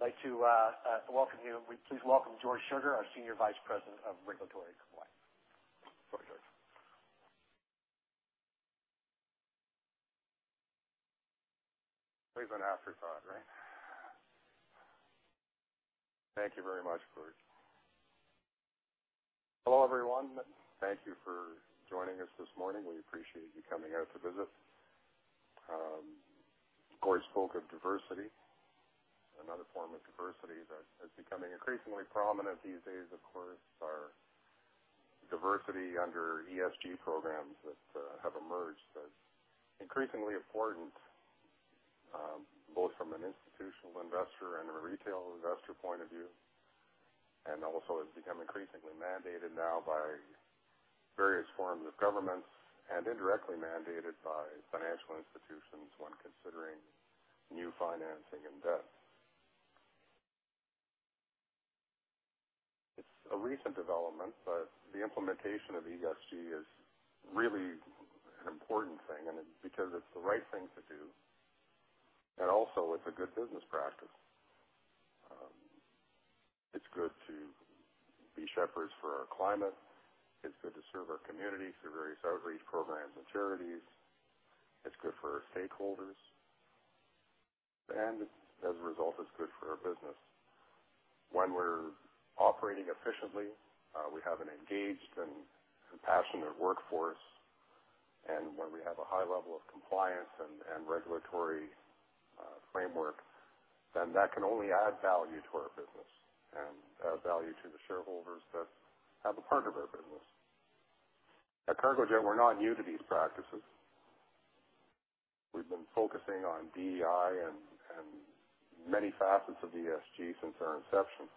Again, I'd like to welcome you. Please welcome George Sugar, our Senior Vice President of Regulatory Compliance. Go ahead, George. Always an afterthought, right? Thank you very much, Gord. Hello, everyone. Thank you for joining us this morning. We appreciate you coming out to visit. Gord spoke of diversity. Another form of diversity that is becoming increasingly prominent these days, of course, are diversity under ESG programs that have emerged as increasingly important both from an institutional investor and a retail investor point of view, and also has become increasingly mandated now by various forms of governments and indirectly mandated by financial institutions when considering new financing and debt. It's a recent development, but the implementation of ESG is really an important thing, and it's because it's the right thing to do, and also it's a good business practice. It's good to be shepherds for our climate. It's good to serve our community through various outreach programs and charities. It's good for our stakeholders. As a result, it's good for our business. When we're operating efficiently, we have an engaged and compassionate workforce, and when we have a high level of compliance and regulatory framework, then that can only add value to our business and add value to the shareholders that have a part of our business. At Cargojet, we're not new to these practices. We've been focusing on DEI and many facets of ESG since our inception.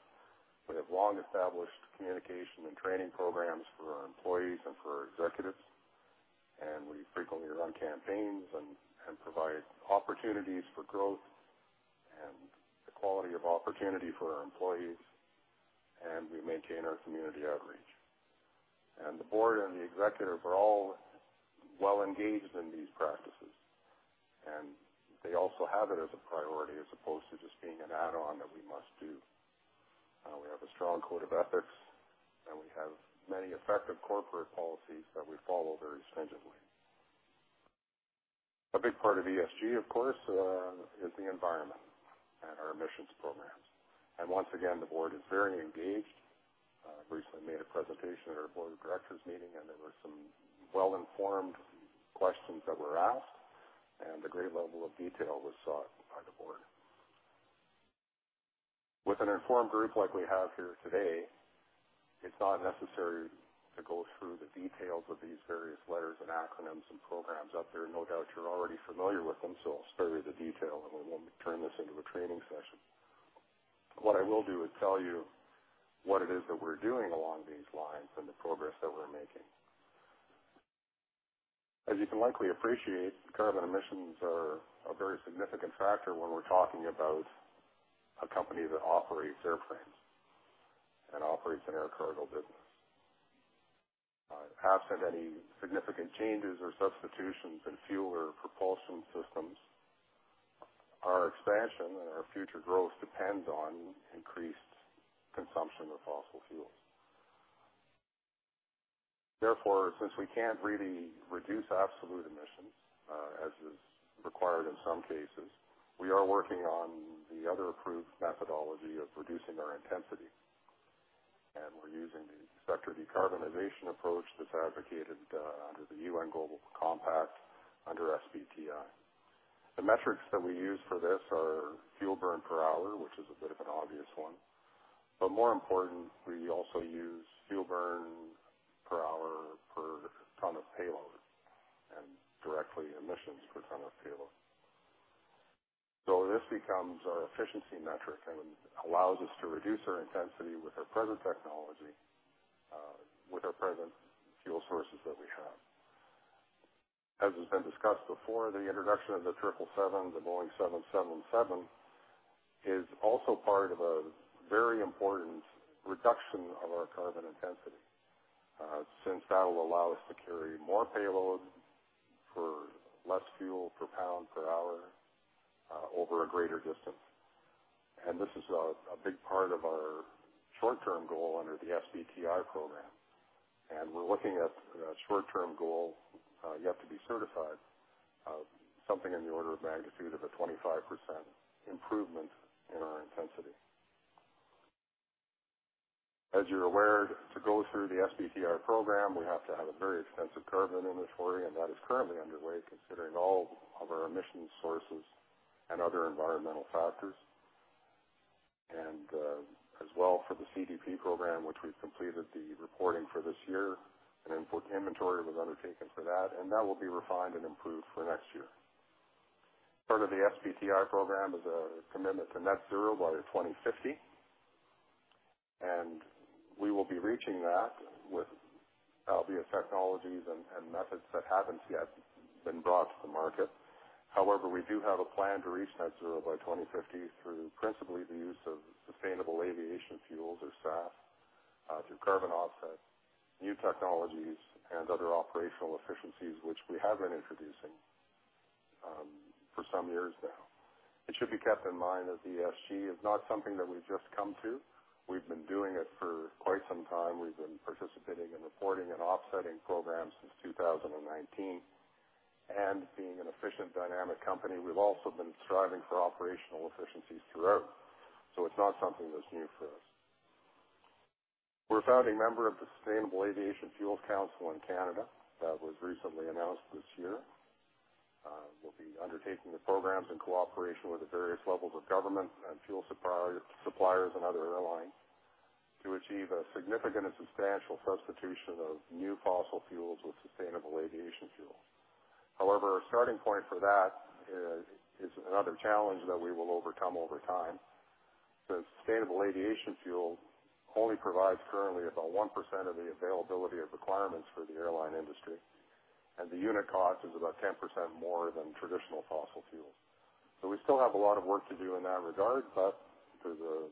We have long-established communication and training programs for our employees and for our executives, and we frequently run campaigns and provide opportunities for growth and equality of opportunity for our employees, and we maintain our community outreach. The board and the executive are all well engaged in these practices, and they also have it as a priority as opposed to just being an add-on that we must do. We have a strong code of ethics, and we have many effective corporate policies that we follow very stringently. A big part of ESG, of course, is the environment and our emissions programs. Once again, the board is very engaged. I recently made a presentation at our board of directors meeting, and there were some well-informed questions that were asked, and a great level of detail was sought by the board. With an informed group like we have here today, it's not necessary to go through the details of these various letters and acronyms and programs out there. No doubt you're already familiar with them, so I'll spare you the detail, and we won't turn this into a training session. What I will do is tell you what it is that we're doing along these lines and the progress that we're making. As you can likely appreciate, carbon emissions are a very significant factor when we're talking about a company that operates airframes and operates an air cargo business. Absent any significant changes or substitutions in fuel or propulsion systems, our expansion and our future growth depends on increased consumption of fossil fuels. Therefore, since we can't really reduce absolute emissions, as is required in some cases, we are working on the other approved methodology of reducing our intensity. We're using the sector decarbonization approach that's advocated under the UN Global Compact under SBTi. The metrics that we use for this are fuel burn per hour, which is a bit of an obvious one. More important, we also use fuel burn per hour per ton of payload and directly emissions per ton of payload. This becomes our efficiency metric and allows us to reduce our intensity with our present technology, with our present fuel sources that we have. As has been discussed before, the introduction of the 777, the Boeing 777, is also part of a very important reduction of our carbon intensity, since that'll allow us to carry more payload for less fuel per pound per hour, over a greater distance. This is a big part of our short-term goal under the SBTi program. We're looking at a short-term goal, yet to be certified of something in the order of magnitude of a 25% improvement in our intensity. As you're aware, to go through the SBTi program, we have to have a very extensive carbon inventory, and that is currently underway, considering all of our emissions sources and other environmental factors. As well for the CDP program, which we've completed the reporting for this year, an important inventory was undertaken for that, and that will be refined and improved for next year. Part of the SBTi program is a commitment to net zero by 2050, and we will be reaching that with obvious technologies and methods that haven't yet been brought to the market. However, we do have a plan to reach net zero by 2050 through principally the use of sustainable aviation fuels or SAF, through carbon offsets, new technologies, and other operational efficiencies, which we have been introducing, for some years now. It should be kept in mind that ESG is not something that we've just come to. We've been doing it for quite some time. We've been participating in reporting and offsetting programs since 2019. Being an efficient, dynamic company, we've also been striving for operational efficiencies throughout, so it's not something that's new for us. We're a founding member of the Sustainable Aviation Fuels Council in Canada that was recently announced this year. We'll be undertaking the programs in cooperation with the various levels of government and fuel suppliers and other airlines to achieve a significant and substantial substitution of new fossil fuels with sustainable aviation fuel. However, our starting point for that is another challenge that we will overcome over time. The sustainable aviation fuel only provides currently about 1% of the availability of requirements for the airline industry, and the unit cost is about 10% more than traditional fossil fuels. We still have a lot of work to do in that regard, but there's a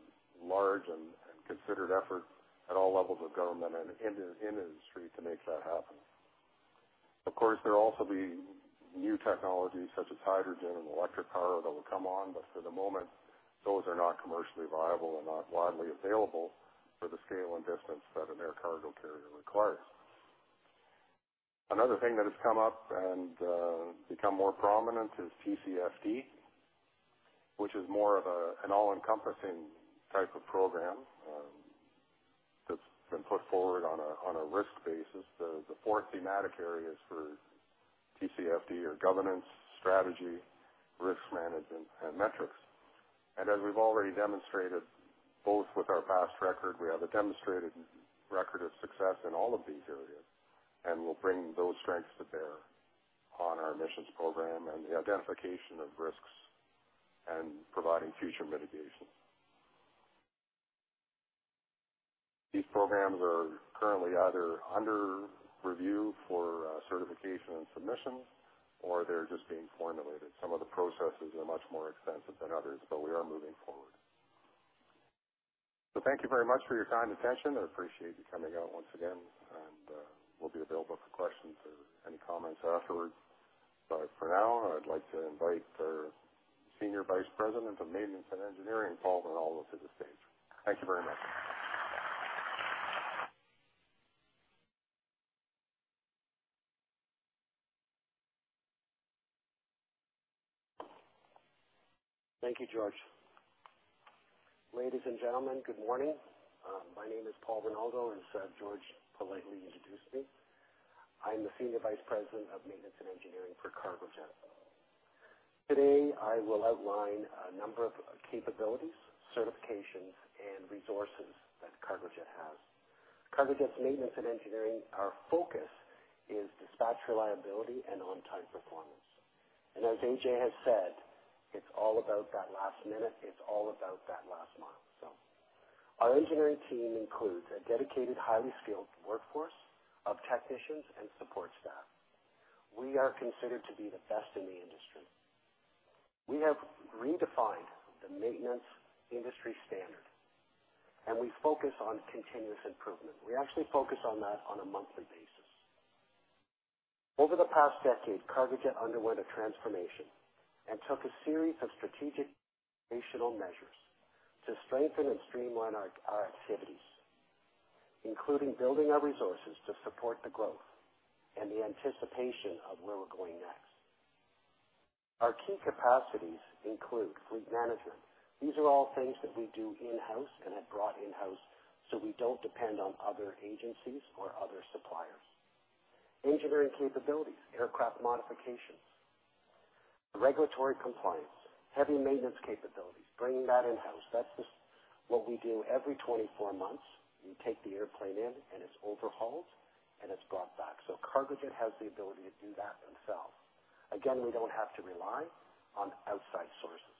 large and considered effort at all levels of government and in industry to make that happen. Of course, there'll also be new technologies such as hydrogen and electric power that will come on, but for the moment, those are not commercially viable and not widely available for the scale and distance that an air cargo carrier requires. Another thing that has come up and become more prominent is TCFD, which is more of an all-encompassing type of program that's been put forward on a risk basis. The four thematic areas for TCFD are governance, strategy, risk management, and metrics. As we've already demonstrated, both with our past record, we have a demonstrated record of success in all of these areas, and we'll bring those strengths to bear on our emissions program and the identification of risks and providing future mitigation. These programs are currently either under review for certification and submission, or they're just being formulated. Some of the processes are much more extensive than others, but we are moving forward. Thank you very much for your kind attention. I appreciate you coming out once again. We'll be available for questions or any comments afterwards. For now, I'd like to invite our Senior Vice President of Maintenance and Engineering, Paul Rinaldo, to the stage. Thank you very much. Thank you, George. Ladies and gentlemen, good morning. My name is Paul Rinaldo, and as George politely introduced me, I'm the Senior Vice President of Maintenance and Engineering for Cargojet. Today, I will outline a number of capabilities, certifications, and resources that Cargojet has. Cargojet's maintenance and engineering, our focus is dispatch reliability and on-time performance. As Ajay has said, it's all about that last minute, it's all about that last mile. Our engineering team includes a dedicated, highly skilled workforce of technicians and support staff. We are considered to be the best in the industry. We have redefined the maintenance industry standard, and we focus on continuous improvement. We actually focus on that on a monthly basis. Over the past decade, Cargojet underwent a transformation and took a series of strategic foundational measures to strengthen and streamline our activities, including building our resources to support the growth and the anticipation of where we're going next. Our key capacities include fleet management. These are all things that we do in-house and have brought in-house, so we don't depend on other agencies or other suppliers. Engineering capabilities, aircraft modifications, regulatory compliance, heavy maintenance capabilities, bringing that in-house. That's just what we do every 24 months. We take the airplane in and it's overhauled and it's brought back. Cargojet has the ability to do that themselves. Again, we don't have to rely on outside sources.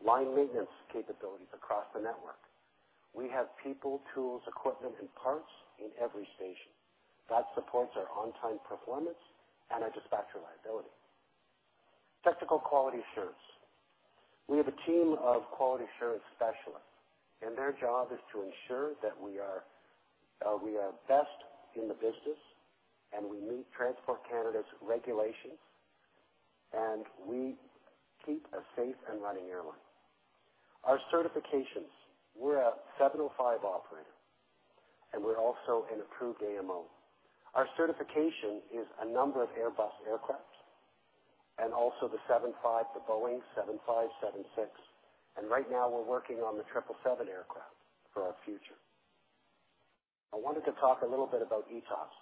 Line maintenance capabilities across the network. We have people, tools, equipment, and parts in every station. That supports our on-time performance and our dispatch reliability. Technical quality assurance. We have a team of quality assurance specialists, and their job is to ensure that we are best in the business, and we meet Transport Canada's regulations, and we keep a safe and running airline. Our certifications. We're a 705 operator, and we're also an approved AMO. Our certification is a number of Airbus aircraft and also the 757, the Boeing 757, 767. Right now we're working on the 777 aircraft for our future. I wanted to talk a little bit about ETOPS.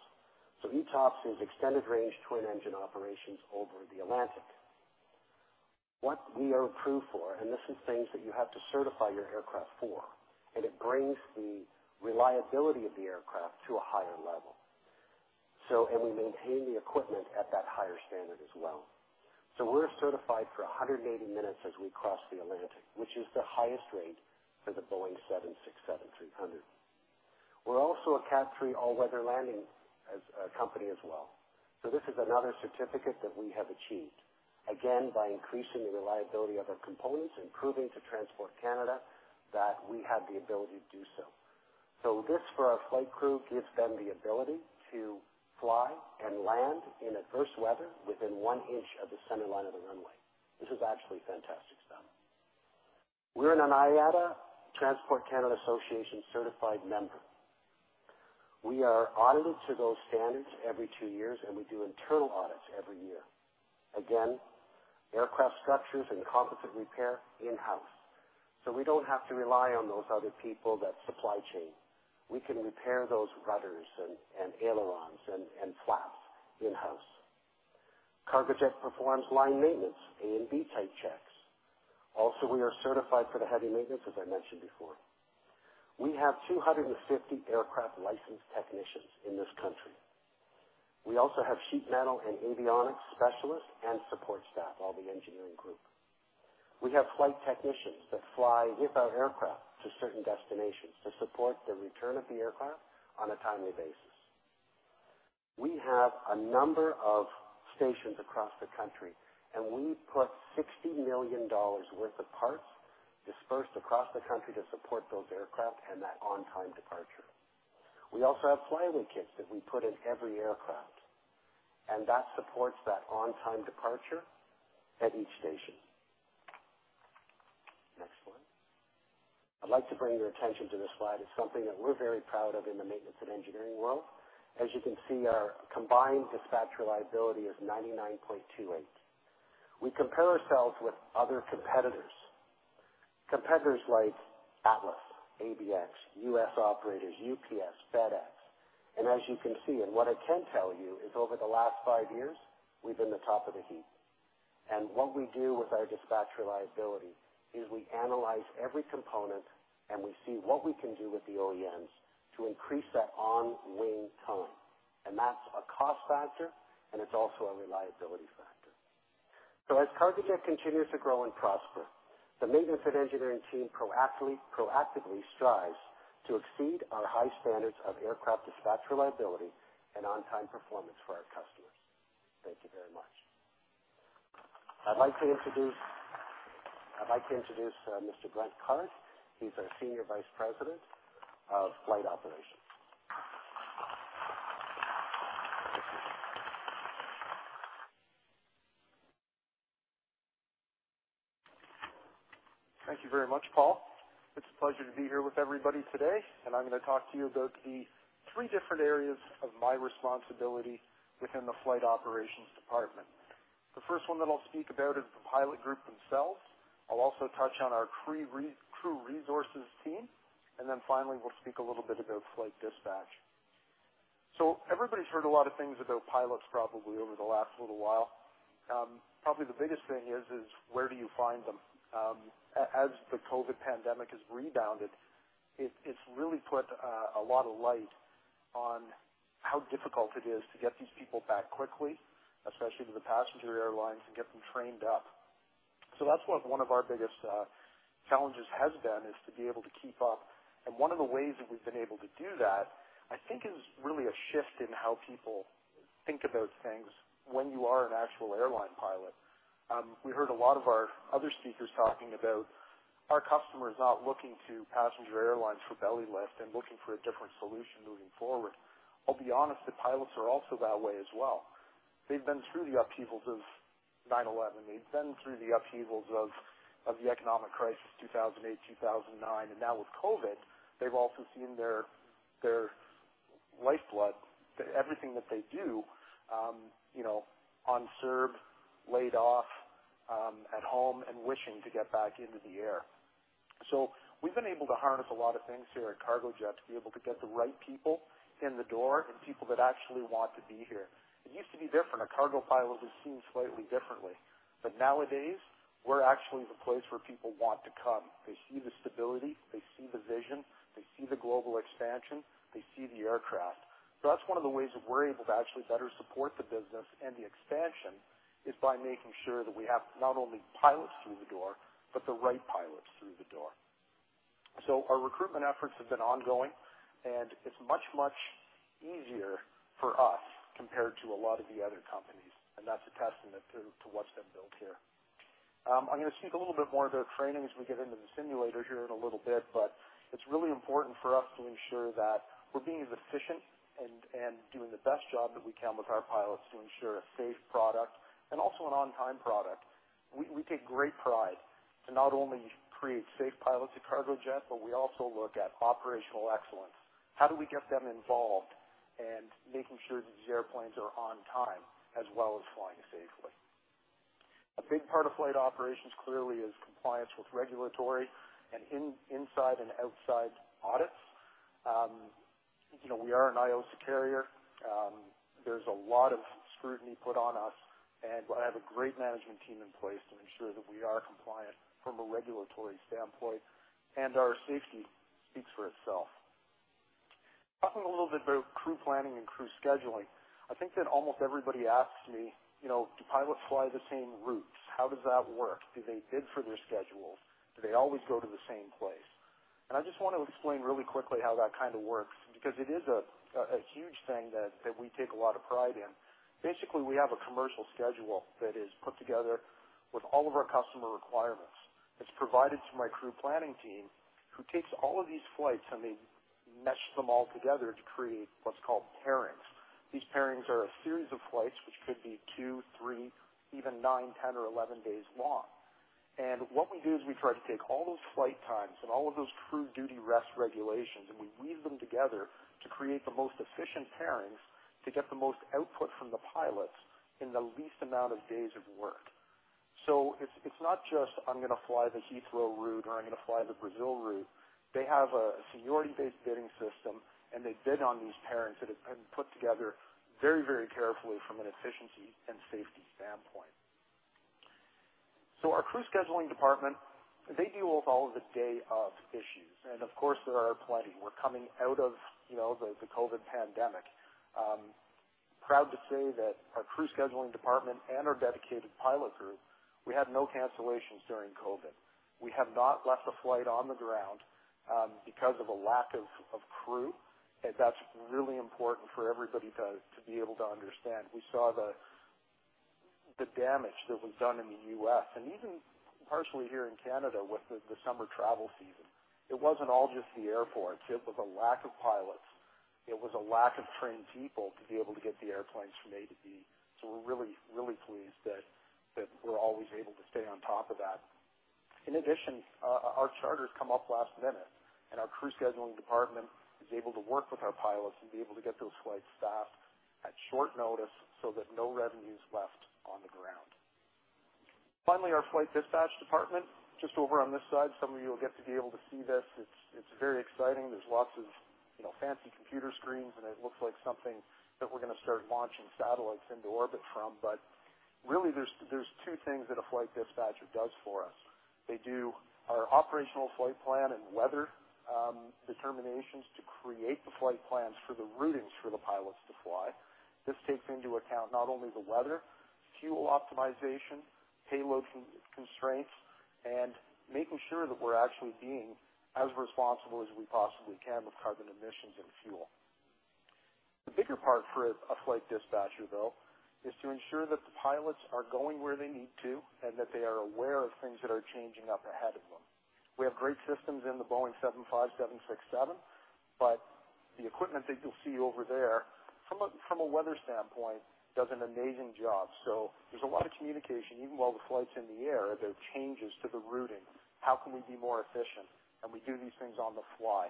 ETOPS is Extended-range Twin-engine Operations over the Atlantic. What we are approved for, and this is things that you have to certify your aircraft for, and it brings the reliability of the aircraft to a higher level. We maintain the equipment at that higher standard as well. We're certified for 180 minutes as we cross the Atlantic, which is the highest rating for the Boeing 767-300. We're also a CAT III all-weather landing as a company as well. This is another certificate that we have achieved, again, by increasing the reliability of our components and proving to Transport Canada that we have the ability to do so. This for our flight crew gives them the ability to fly and land in adverse weather within 1 inch of the centerline of the runway. This is actually fantastic stuff. We're an IATA and Transport Canada certified member. We are audited to those standards every two years, and we do internal audits every year. Again, aircraft structures and composite repair in-house. We don't have to rely on those other people, that supply chain. We can repair those rudders and ailerons and flaps in-house. Cargojet performs line maintenance, A and B type checks. Also, we are certified for the heavy maintenance, as I mentioned before. We have 250 aircraft licensed technicians in this country. We also have sheet metal and avionics specialists and support staff, all the engineering group. We have flight technicians that fly without aircraft to certain destinations to support the return of the aircraft on a timely basis. We have a number of stations across the country, and we put 60 million dollars worth of parts dispersed across the country to support those aircraft and that on-time departure. We also have preload kits that we put in every aircraft, and that supports that on-time departure at each station. Next one. I'd like to bring your attention to this slide. It's something that we're very proud of in the maintenance and engineering world. As you can see, our combined dispatch reliability is 99.28%. We compare ourselves with other competitors. Competitors like Atlas, ABX, U.S. operators, UPS, FedEx. As you can see, what I can tell you is over the last five years, we've been the top of the heap. What we do with our dispatch reliability is we analyze every component and we see what we can do with the OEMs to increase that on wing time. That's a cost factor, and it's also a reliability factor. As Cargojet continues to grow and prosper, the maintenance and engineering team proactively strives to exceed our high standards of aircraft dispatch reliability and on-time performance for our customers. Thank you very much. I'd like to introduce Mr. Brent Card .He's our Senior Vice President of Flight Operations. Thank you very much, Paul. It's a pleasure to be here with everybody today, and I'm gonna talk to you about the three different areas of my responsibility within the Flight Operations department. The first one that I'll speak about is the pilot group themselves. I'll also touch on our crew resource management team. Then finally, we'll speak a little bit about flight dispatch. Everybody's heard a lot of things about pilots probably over the last little while. Probably the biggest thing is where do you find them? As the COVID pandemic has rebounded, it's really put a lot of light on how difficult it is to get these people back quickly, especially to the passenger airlines, and get them trained up. That's what one of our biggest challenges has been, is to be able to keep up. One of the ways that we've been able to do that, I think, is really a shift in how people think about things when you are an actual airline pilot. We heard a lot of our other speakers talking about our customers not looking to passenger airlines for belly lift and looking for a different solution moving forward. I'll be honest, the pilots are also that way as well. They've been through the upheavals of 9/11. They've been through the upheavals of the economic crisis, 2008, 2009. Now with COVID, they've also seen their lifeblood, everything that they do, you know, unserved, laid off, at home and wishing to get back into the air. We've been able to harness a lot of things here at Cargojet to be able to get the right people in the door and people that actually want to be here. It used to be different. A cargo pilot was seen slightly differently, but nowadays we're actually the place where people want to come. They see the stability, they see the vision, they see the global expansion, they see the aircraft. That's one of the ways that we're able to actually better support the business and the expansion, is by making sure that we have not only pilots through the door, but the right pilots through the door. Our recruitment efforts have been ongoing, and it's much, much easier for us compared to a lot of the other companies, and that's a testament to what's been built here. I'm gonna speak a little bit more about training as we get into the simulator here in a little bit, but it's really important for us to ensure that we're being as efficient and doing the best job that we can with our pilots to ensure a safe product and also an on-time product. We take great pride to not only create safe pilots at Cargojet, but we also look at operational excellence. How do we get them involved and making sure that these airplanes are on time as well as flying safely? A big part of flight operations clearly is compliance with regulatory and inside and outside audits. You know, we are an IOSA carrier. There's a lot of scrutiny put on us, and I have a great management team in place to ensure that we are compliant from a regulatory standpoint, and our safety speaks for itself. Talking a little bit about crew planning and crew scheduling, I think that almost everybody asks me, you know, "Do pilots fly the same routes? How does that work? Do they bid for their schedules? Do they always go to the same place?" I just want to explain really quickly how that kind of works, because it is a huge thing that we take a lot of pride in. Basically, we have a commercial schedule that is put together with all of our customer requirements. It's provided to my crew planning team, who takes all of these flights, and they mesh them all together to create what's called pairings. These pairings are a series of flights which could be two, three, even nine, 10, or 11 days long. What we do is we try to take all those flight times and all of those crew duty rest regulations, and we weave them together to create the most efficient pairings to get the most output from the pilots in the least amount of days of work. It's not just, "I'm gonna fly the Heathrow route," or, "I'm gonna fly the Brazil route." They have a seniority-based bidding system, and they bid on these pairings that have been put together very, very carefully from an efficiency and safety standpoint. Our crew scheduling department, they deal with all of the day-of issues, and of course, there are plenty. We're coming out of, you know, the COVID pandemic. Proud to say that our crew scheduling department and our dedicated pilot group, we had no cancellations during COVID. We have not left a flight on the ground, because of a lack of crew. That's really important for everybody to be able to understand. We saw the damage that was done in the U.S. and even partially here in Canada with the summer travel season. It wasn't all just the airports. It was a lack of pilots. It was a lack of trained people to be able to get the airplanes from A to B. We're really, really pleased that we're always able to stay on top of that. In addition, our charters come up last minute, and our crew scheduling department is able to work with our pilots and be able to get those flights staffed at short notice so that no revenue's left on the ground. Finally, our flight dispatch department, just over on this side. Some of you will get to be able to see this. It's very exciting. There's lots of fancy computer screens, and it looks like something that we're gonna start launching satellites into orbit from. Really there's two things that a flight dispatcher does for us. They do our operational flight plan and weather determinations to create the flight plans for the routings for the pilots to fly. This takes into account not only the weather, fuel optimization, payload constraints, and making sure that we're actually being as responsible as we possibly can with carbon emissions and fuel. The bigger part for a flight dispatcher though, is to ensure that the pilots are going where they need to, and that they are aware of things that are changing up ahead of them. We have great systems in the Boeing 757, 767, but the equipment that you'll see over there from a weather standpoint does an amazing job. There's a lot of communication, even while the flight's in the air. If there are changes to the routing, how can we be more efficient? We do these things on the fly.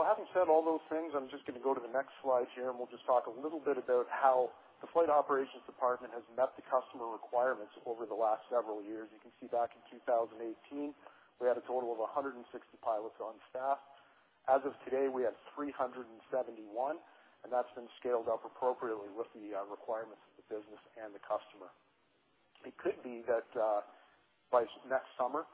Having said all those things, I'm just gonna go to the next slide here, and we'll just talk a little bit about how the flight operations department has met the customer requirements over the last several years. You can see back in 2018, we had a total of 160 pilots on staff. As of today, we have 371, and that's been scaled up appropriately with the requirements of the business and the customer. It could be that by next summer,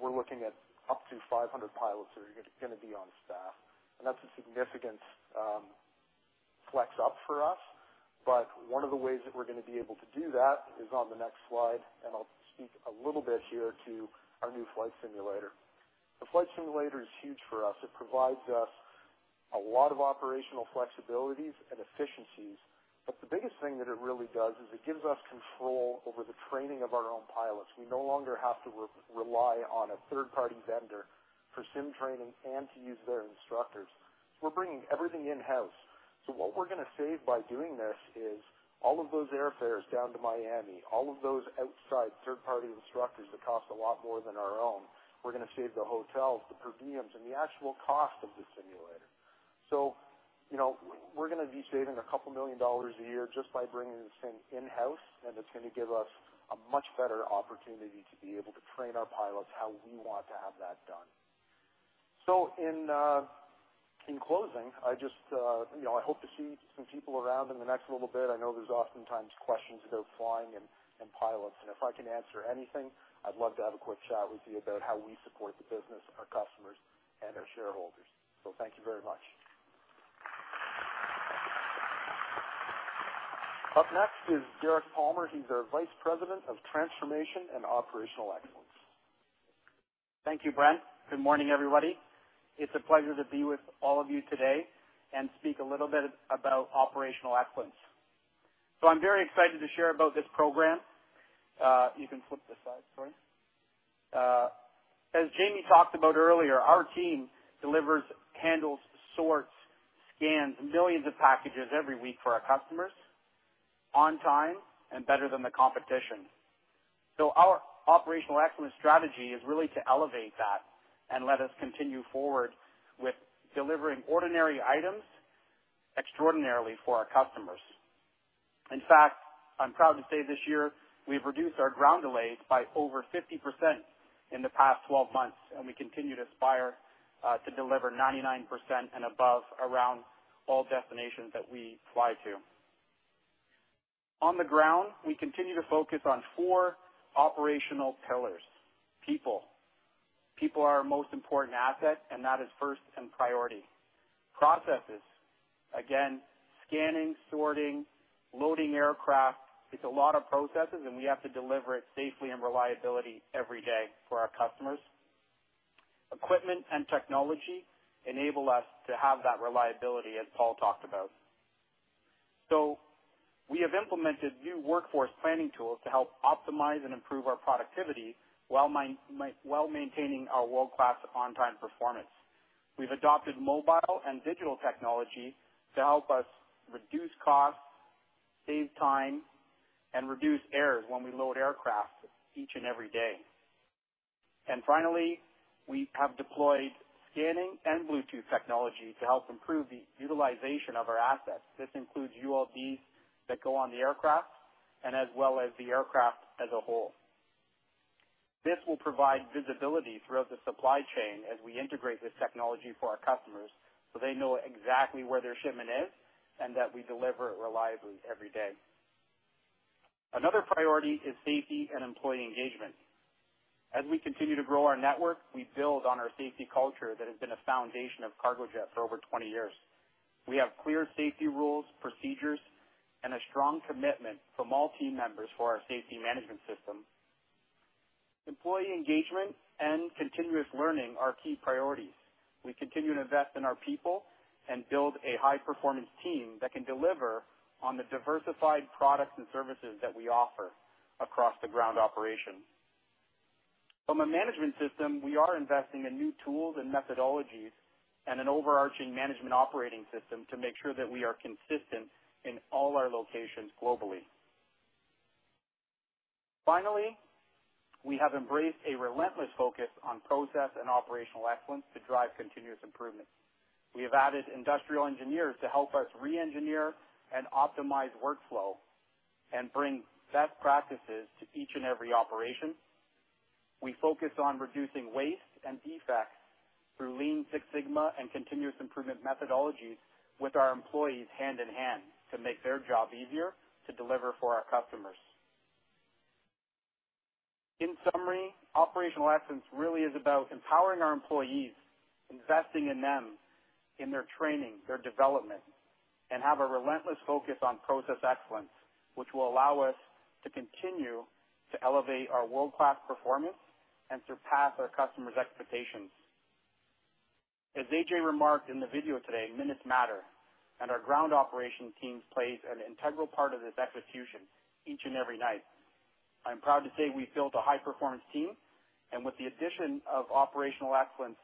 we're looking at up to 500 pilots that are gonna be on staff, and that's a significant flex up for us. But one of the ways that we're gonna be able to do that is on the next slide, and I'll speak a little bit here to our new flight simulator. The flight simulator is huge for us. It provides us a lot of operational flexibilities and efficiencies, but the biggest thing that it really does is it gives us control over the training of our own pilots. We no longer have to rely on a third-party vendor for sim training and to use their instructors. We're bringing everything in-house. What we're gonna save by doing this is all of those airfares down to Miami, all of those outside third-party instructors that cost a lot more than our own. We're gonna save the hotels, the per diems, and the actual cost of the simulator. You know, we're gonna be saving a couple million dollars a year just by bringing this thing in-house, and it's gonna give us a much better opportunity to be able to train our pilots how we want to have that done. In closing, I just, you know, I hope to see some people around in the next little bit. I know there's oftentimes questions about flying and pilots, and if I can answer anything, I'd love to have a quick chat with you about how we support the business, our customers, and our shareholders. Thank you very much. Up next is Derek Palmer. He's our Vice President of Transformation and Operational Excellence. Thank you, Brent. Good morning, everybody. It's a pleasure to be with all of you today and speak a little bit about operational excellence. I'm very excited to share about this program. You can flip the slide. Sorry. As Jamie talked about earlier, our team delivers, handles, sorts, scans millions of packages every week for our customers on time and better than the competition. Our operational excellence strategy is really to elevate that and let us continue forward with delivering ordinary items extraordinarily for our customers. In fact, I'm proud to say this year we've reduced our ground delays by over 50% in the past 12 months, and we continue to aspire to deliver 99% and above around all destinations that we fly to. On the ground, we continue to focus on four operational pillars. People. People are our most important asset, and that is first and priority. Processes. Again, scanning, sorting, loading aircraft. It's a lot of processes, and we have to deliver it safely and reliably every day for our customers. Equipment and technology enable us to have that reliability, as Paul talked about. We have implemented new workforce planning tools to help optimize and improve our productivity while maintaining our world-class on-time performance. We've adopted mobile and digital technology to help us reduce costs, save time, and reduce errors when we load aircraft each and every day. Finally, we have deployed scanning and Bluetooth technology to help improve the utilization of our assets. This includes ULDs that go on the aircraft and as well as the aircraft as a whole. This will provide visibility throughout the supply chain as we integrate this technology for our customers, so they know exactly where their shipment is and that we deliver it reliably every day. Another priority is safety and employee engagement. As we continue to grow our network, we build on our safety culture that has been a foundation of Cargojet for over 20 years. We have clear safety rules, procedures, and a strong commitment from all team members for our safety management system. Employee engagement and continuous learning are key priorities. We continue to invest in our people and build a high performance team that can deliver on the diversified products and services that we offer across the ground operations. From a management system, we are investing in new tools and methodologies and an overarching management operating system to make sure that we are consistent in all our locations globally. Finally, we have embraced a relentless focus on process and operational excellence to drive continuous improvement. We have added industrial engineers to help us reengineer and optimize workflow and bring best practices to each and every operation. We focus on reducing waste and defects through Lean Six Sigma and continuous improvement methodologies with our employees hand in hand to make their job easier to deliver for our customers. In summary, operational excellence really is about empowering our employees, investing in them, in their training, their development. Have a relentless focus on process excellence, which will allow us to continue to elevate our world-class performance and surpass our customers' expectations. As Ajay remarked in the video today, minutes matter, and our ground operations teams plays an integral part of this execution each and every night. I'm proud to say we've built a high performance team, and with the addition of operational excellence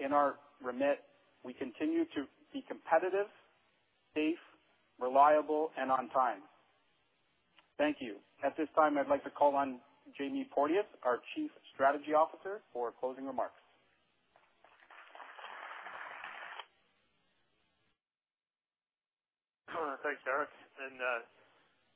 in our remit, we continue to be competitive, safe, reliable, and on time. Thank you. At this time, I'd like to call on Jamie Porteous, our Chief Strategy Officer, for closing remarks. Thanks, Derek,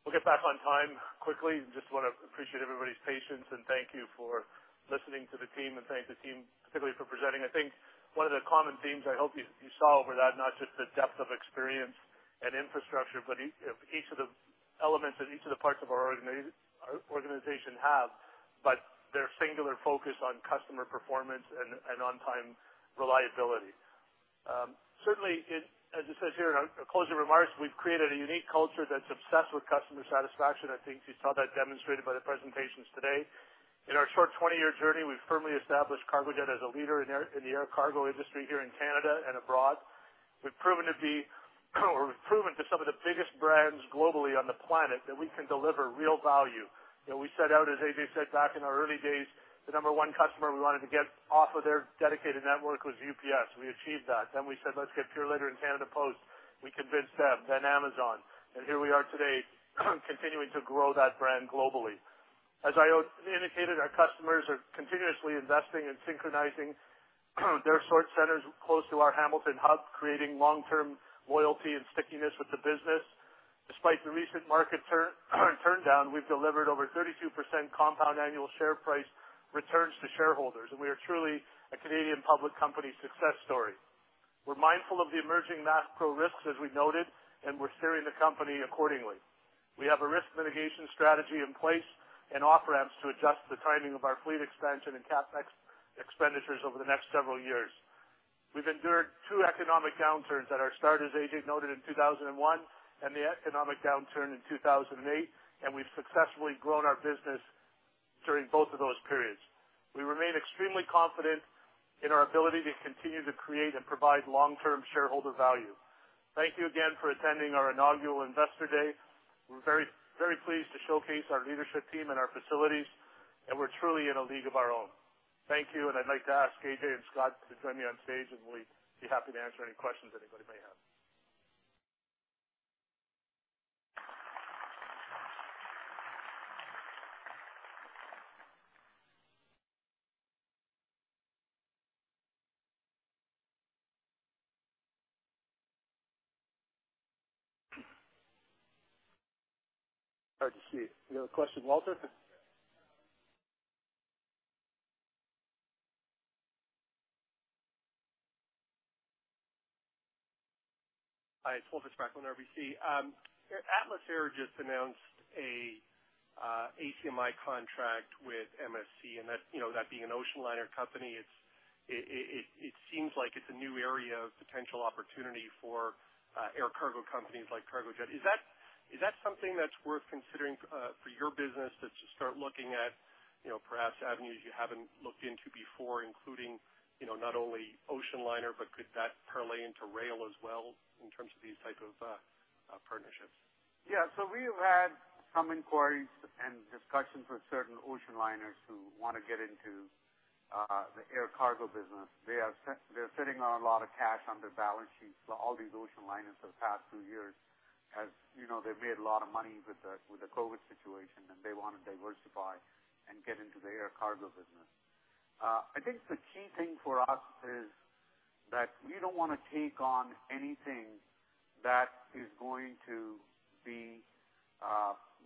we'll get back on time quickly. Just wanna appreciate everybody's patience and thank you for listening to the team and thank the team particularly for presenting. I think one of the common themes I hope you saw over that, not just the depth of experience and infrastructure, but each of the elements and each of the parts of our organization have, but their singular focus on customer performance and on-time reliability. Certainly, as it says here in our closing remarks, we've created a unique culture that's obsessed with customer satisfaction. I think you saw that demonstrated by the presentations today. In our short 20-year journey, we've firmly established Cargojet as a leader in the air cargo industry here in Canada and abroad. We've proven to be or proven to some of the biggest brands globally on the planet that we can deliver real value. You know, we set out, as Ajay said, back in our early days, the number one customer we wanted to get off of their dedicated network was UPS. We achieved that. Then we said, let's get Purolator and Canada Post. We convinced them, then Amazon. Here we are today continuing to grow that brand globally. As I indicated, our customers are continuously investing and synchronizing their sort centers close to our Hamilton hub, creating long-term loyalty and stickiness with the business. Despite the recent market turn down, we've delivered over 32% compound annual share price returns to shareholders, and we are truly a Canadian public company success story. We're mindful of the emerging macro risks, as we noted, and we're steering the company accordingly. We have a risk mitigation strategy in place and on-ramps to adjust the timing of our fleet expansion and CapEx expenditures over the next several years. We've endured two economic downturns at our start, as Ajay noted, in 2001 and the economic downturn in 2008, and we've successfully grown our business during both of those periods. We remain extremely confident in our ability to continue to create and provide long-term shareholder value. Thank you again for attending our Inaugural Investor Day. We're very, very pleased to showcase our leadership team and our facilities, and we're truly in a league of our own. Thank you, and I'd like to ask Ajay and Scott to join me on stage, and we'd be happy to answer any questions anybody may have. Hard to see. You have a question, Walter? Hi, it's Walter Spracklin, RBC. Atlas Air just announced a ACMI contract with MSC, and that, you know, that being an ocean liner company, it seems like it's a new area of potential opportunity for air cargo companies like Cargojet. Is that something that's worth considering for your business to start looking at, you know, perhaps avenues you haven't looked into before, including, you know, not only ocean liner, but could that parlay into rail as well in terms of these type of partnerships? Yeah. We have had some inquiries and discussions with certain ocean liners who wanna get into the air cargo business. They're sitting on a lot of cash on their balance sheets. All these ocean liners for the past two years, as you know, they've made a lot of money with the COVID situation, and they wanna diversify and get into the air cargo business. I think the key thing for us is that we don't wanna take on anything that is going to be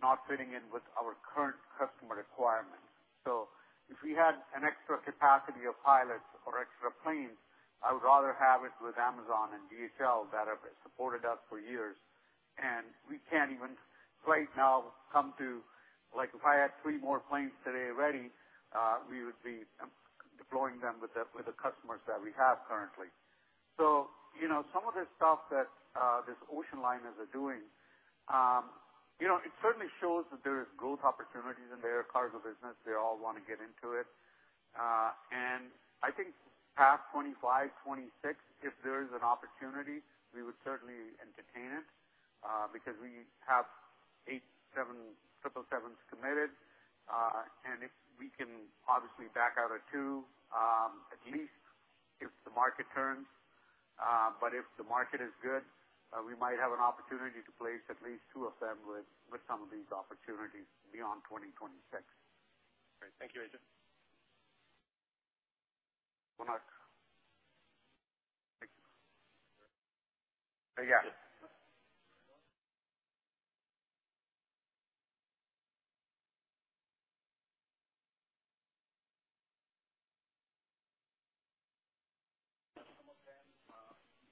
not fitting in with our current customer requirements. If we had an extra capacity of pilots or extra planes, I would rather have it with Amazon and DHL that have supported us for years, and we can't even right now come to. Like, if I had three more planes today ready, we would be deploying them with the customers that we have currently. You know, some of the stuff that these ocean liners are doing, you know, it certainly shows that there is growth opportunities in the air cargo business. They all wanna get into it. I think past 25, 26, if there is an opportunity, we would certainly entertain it, because we have eight 777s committed, and if we can obviously back out of two, at least if the market turns. If the market is good, we might have an opportunity to place at least two of them with some of these opportunities beyond 2026. Great. Thank you, Ajay. Konark. Thank you. Yeah.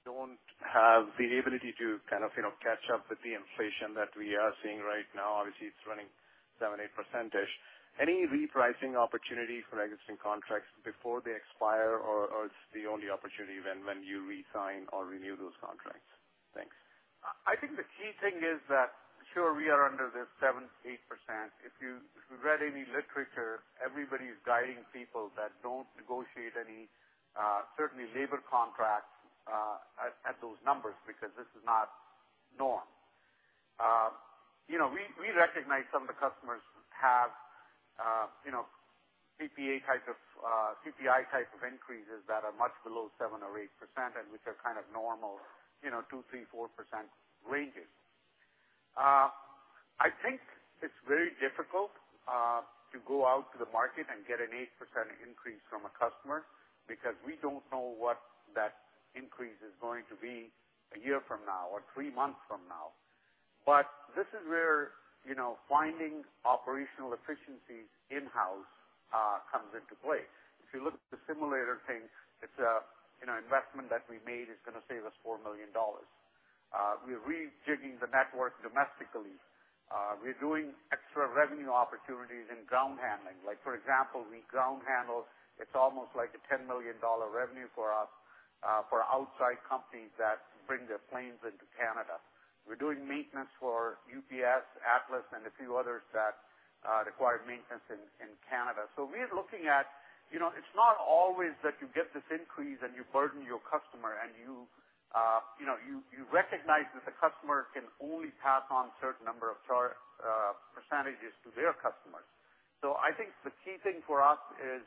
Some of them don't have the ability to kind of, you know, catch up with the inflation that we are seeing right now. Obviously, it's running 7%-8%. Any repricing opportunity for existing contracts before they expire, or it's the only opportunity when you re-sign or renew those contracts? Thanks. I think the key thing is that, sure, we are under this 7%, 8%. If you read any literature, everybody is guiding people that don't negotiate any, certainly labor contracts at those numbers, because this is not the norm. You know, we recognize some of the customers have, you know, CPA types of CPI types of increases that are much below 7% or 8% and which are kind of normal, you know, 2%, 3%, 4% ranges. I think it's very difficult to go out to the market and get an 8% increase from a customer because we don't know what that increase is going to be a year from now or three months from now. This is where, you know, finding operational efficiencies in-house comes into play. If you look at the simulator thing, it's, you know, an investment that we made is gonna save us 4 million dollars. We're rejigging the network domestically. We're doing extra revenue opportunities in ground handling. Like for example, we ground handle, it's almost like a 10 million dollar revenue for us, for outside companies that bring their planes into Canada. We're doing maintenance for UPS, Atlas and a few others that require maintenance in Canada. We are looking at, you know, it's not always that you get this increase and you burden your customer and you know you recognize that the customer can only pass on certain number of percentages to their customers. I think the key thing for us is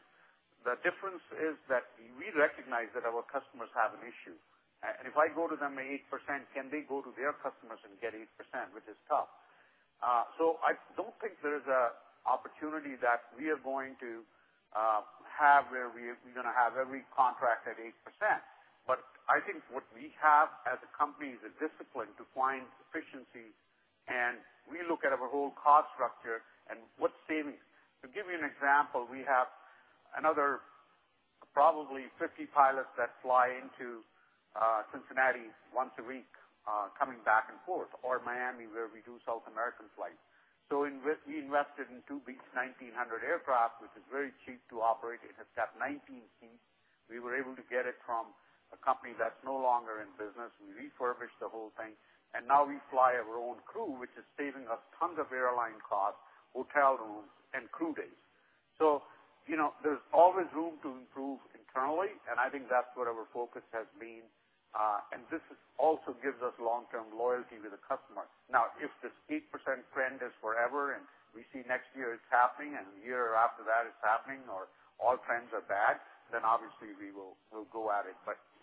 the difference is that we recognize that our customers have an issue. If I go to them at 8%, can they go to their customers and get 8%, which is tough. I don't think there's an opportunity that we are going to have where we're gonna have every contract at 8%. I think what we have as a company is a discipline to find efficiency, and we look at our whole cost structure and what savings. To give you an example, we have another probably 50 pilots that fly into Cincinnati once a week, coming back and forth, or Miami, where we do South American flights. We invested in two Beechcraft 1900 aircraft, which is very cheap to operate. It has got 19 seats. We were able to get it from a company that's no longer in business. We refurbished the whole thing, and now we fly our own crew, which is saving us tons of airline costs, hotel rooms and crew days. You know, there's always room to improve internally, and I think that's what our focus has been. This also gives us long-term loyalty with the customer. Now, if this 8% trend is forever and we see next year it's happening and year after that it's happening or all trends are bad, then obviously we'll go at it.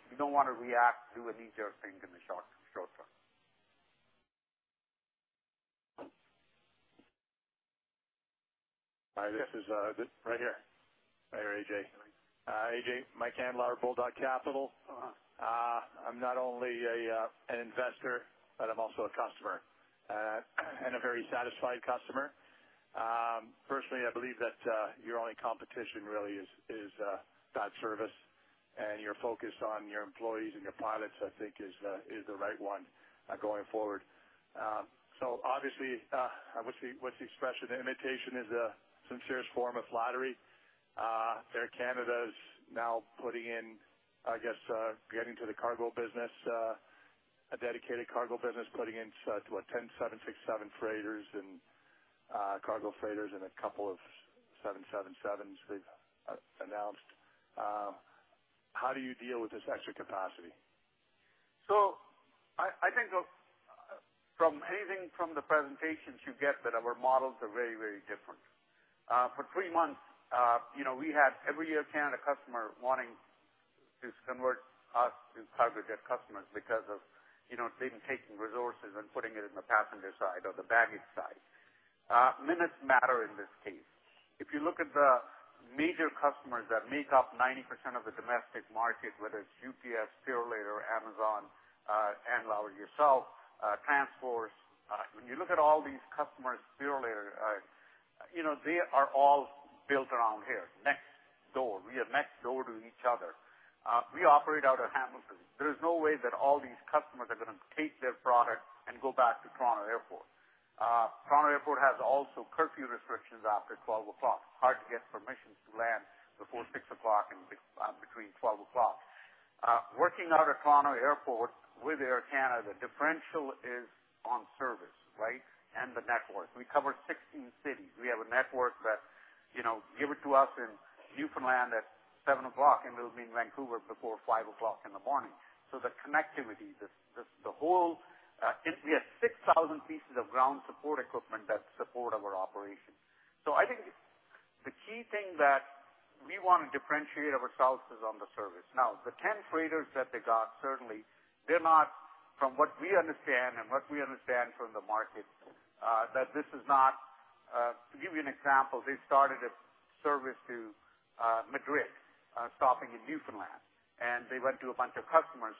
We don't wanna react to a knee-jerk thing in the short term. Hi, this is right here. Hi, Ajay. Ajay, Mike Andlauer, Bulldog Capital. Uh-huh. I'm not only an investor, but I'm also a customer and a very satisfied customer. Personally, I believe that your only competition really is bad service. Your focus on your employees and your pilots, I think is the right one going forward. Obviously, what's the expression? Imitation is the sincerest form of flattery. Air Canada is now putting in, I guess, getting to the cargo business, a dedicated cargo business, putting in 10 767 freighters and cargo freighters and a couple of 777s they've announced. How do you deal with this extra capacity? I think, from anything from the presentations, you get that our models are very, very different. For three months, you know, we had every Air Canada customer wanting to convert us to Cargojet customers because of, you know, they've been taking resources and putting it in the passenger side or the baggage side. Minutes matter in this case. If you look at the major customers that make up 90% of the domestic market, whether it's UPS, Purolator, Amazon, Andlauer, yourself, TransForce. When you look at all these customers, Purolator, you know, they are all built around here next door. We are next door to each other. We operate out of Hamilton. There is no way that all these customers are gonna take their product and go back to Toronto Airport. Toronto Airport has also curfew restrictions after 12:00 A.M. Hard to get permissions to land before 6:00 A.M. and between 12:00 A.M. Working out of Toronto Airport with Air Canada, differential is on service, right, and the network. We cover 16 cities. We have a network that, you know, give it to us in Newfoundland at 7:00 P.M., and it'll be in Vancouver before 5:00 A.M. The connectivity, the whole, we have 6,000 pieces of ground support equipment that support our operation. I think the key thing that we wanna differentiate ourselves is on the service. Now, the 10 freighters that they got, certainly they're not from what we understand from the market, that this is not... To give you an example, they started a service to Madrid, stopping in Newfoundland, and they went to a bunch of customers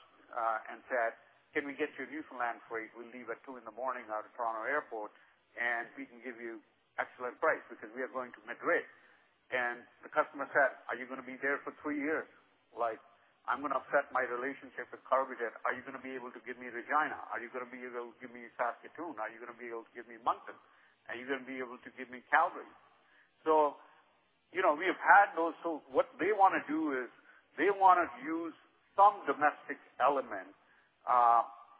and said, "Can we get you a Newfoundland freight? We leave at 2:00 A.M. out of Toronto Airport, and we can give you excellent price because we are going to Madrid." And the customer said, "Are you gonna be there for three years? Like, I'm gonna upset my relationship with Cargojet. Are you gonna be able to give me Regina? Are you gonna be able to give me Saskatoon? Are you gonna be able to give me Moncton? Are you gonna be able to give me Calgary?" You know, we have had those. What they wanna do is they wanna use some domestic element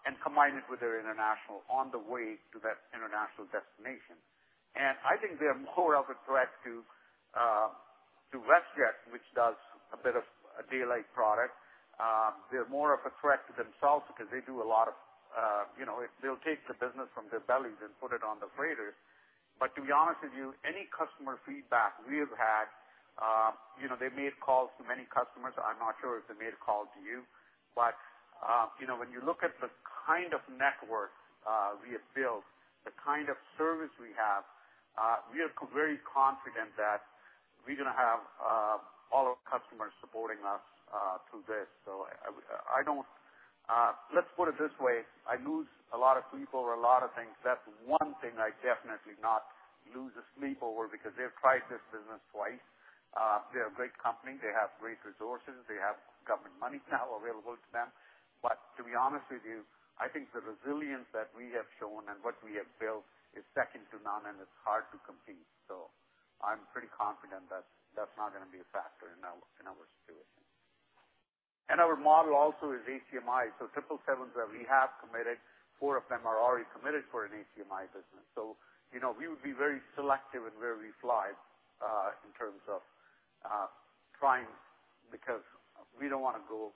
and combine it with their international on the way to that international destination. I think they are more of a threat to WestJet, which does a bit of a daylight product. They're more of a threat to themselves because they do a lot of, you know, they'll take the business from their bellies and put it on the freighters. But to be honest with you, any customer feedback we have had, you know, they made calls to many customers. I'm not sure if they made a call to you, but, you know, when you look at the kind of network we have built, the kind of service we have, we are very confident that we're gonna have all our customers supporting us through this. I don't. Let's put it this way, I lose a lot of sleep over a lot of things. That's one thing I definitely not lose a sleep over because they've tried this business twice. They're a great company. They have great resources. They have government money now available to them. To be honest with you, I think the resilience that we have shown and what we have built is second to none, and it's hard to compete. I'm pretty confident that that's not gonna be a factor in our situation. Our model also is ACMI. So 777 that we have committed, four of them are already committed for an ACMI business. You know, we would be very selective in where we fly in terms of trying because we don't wanna go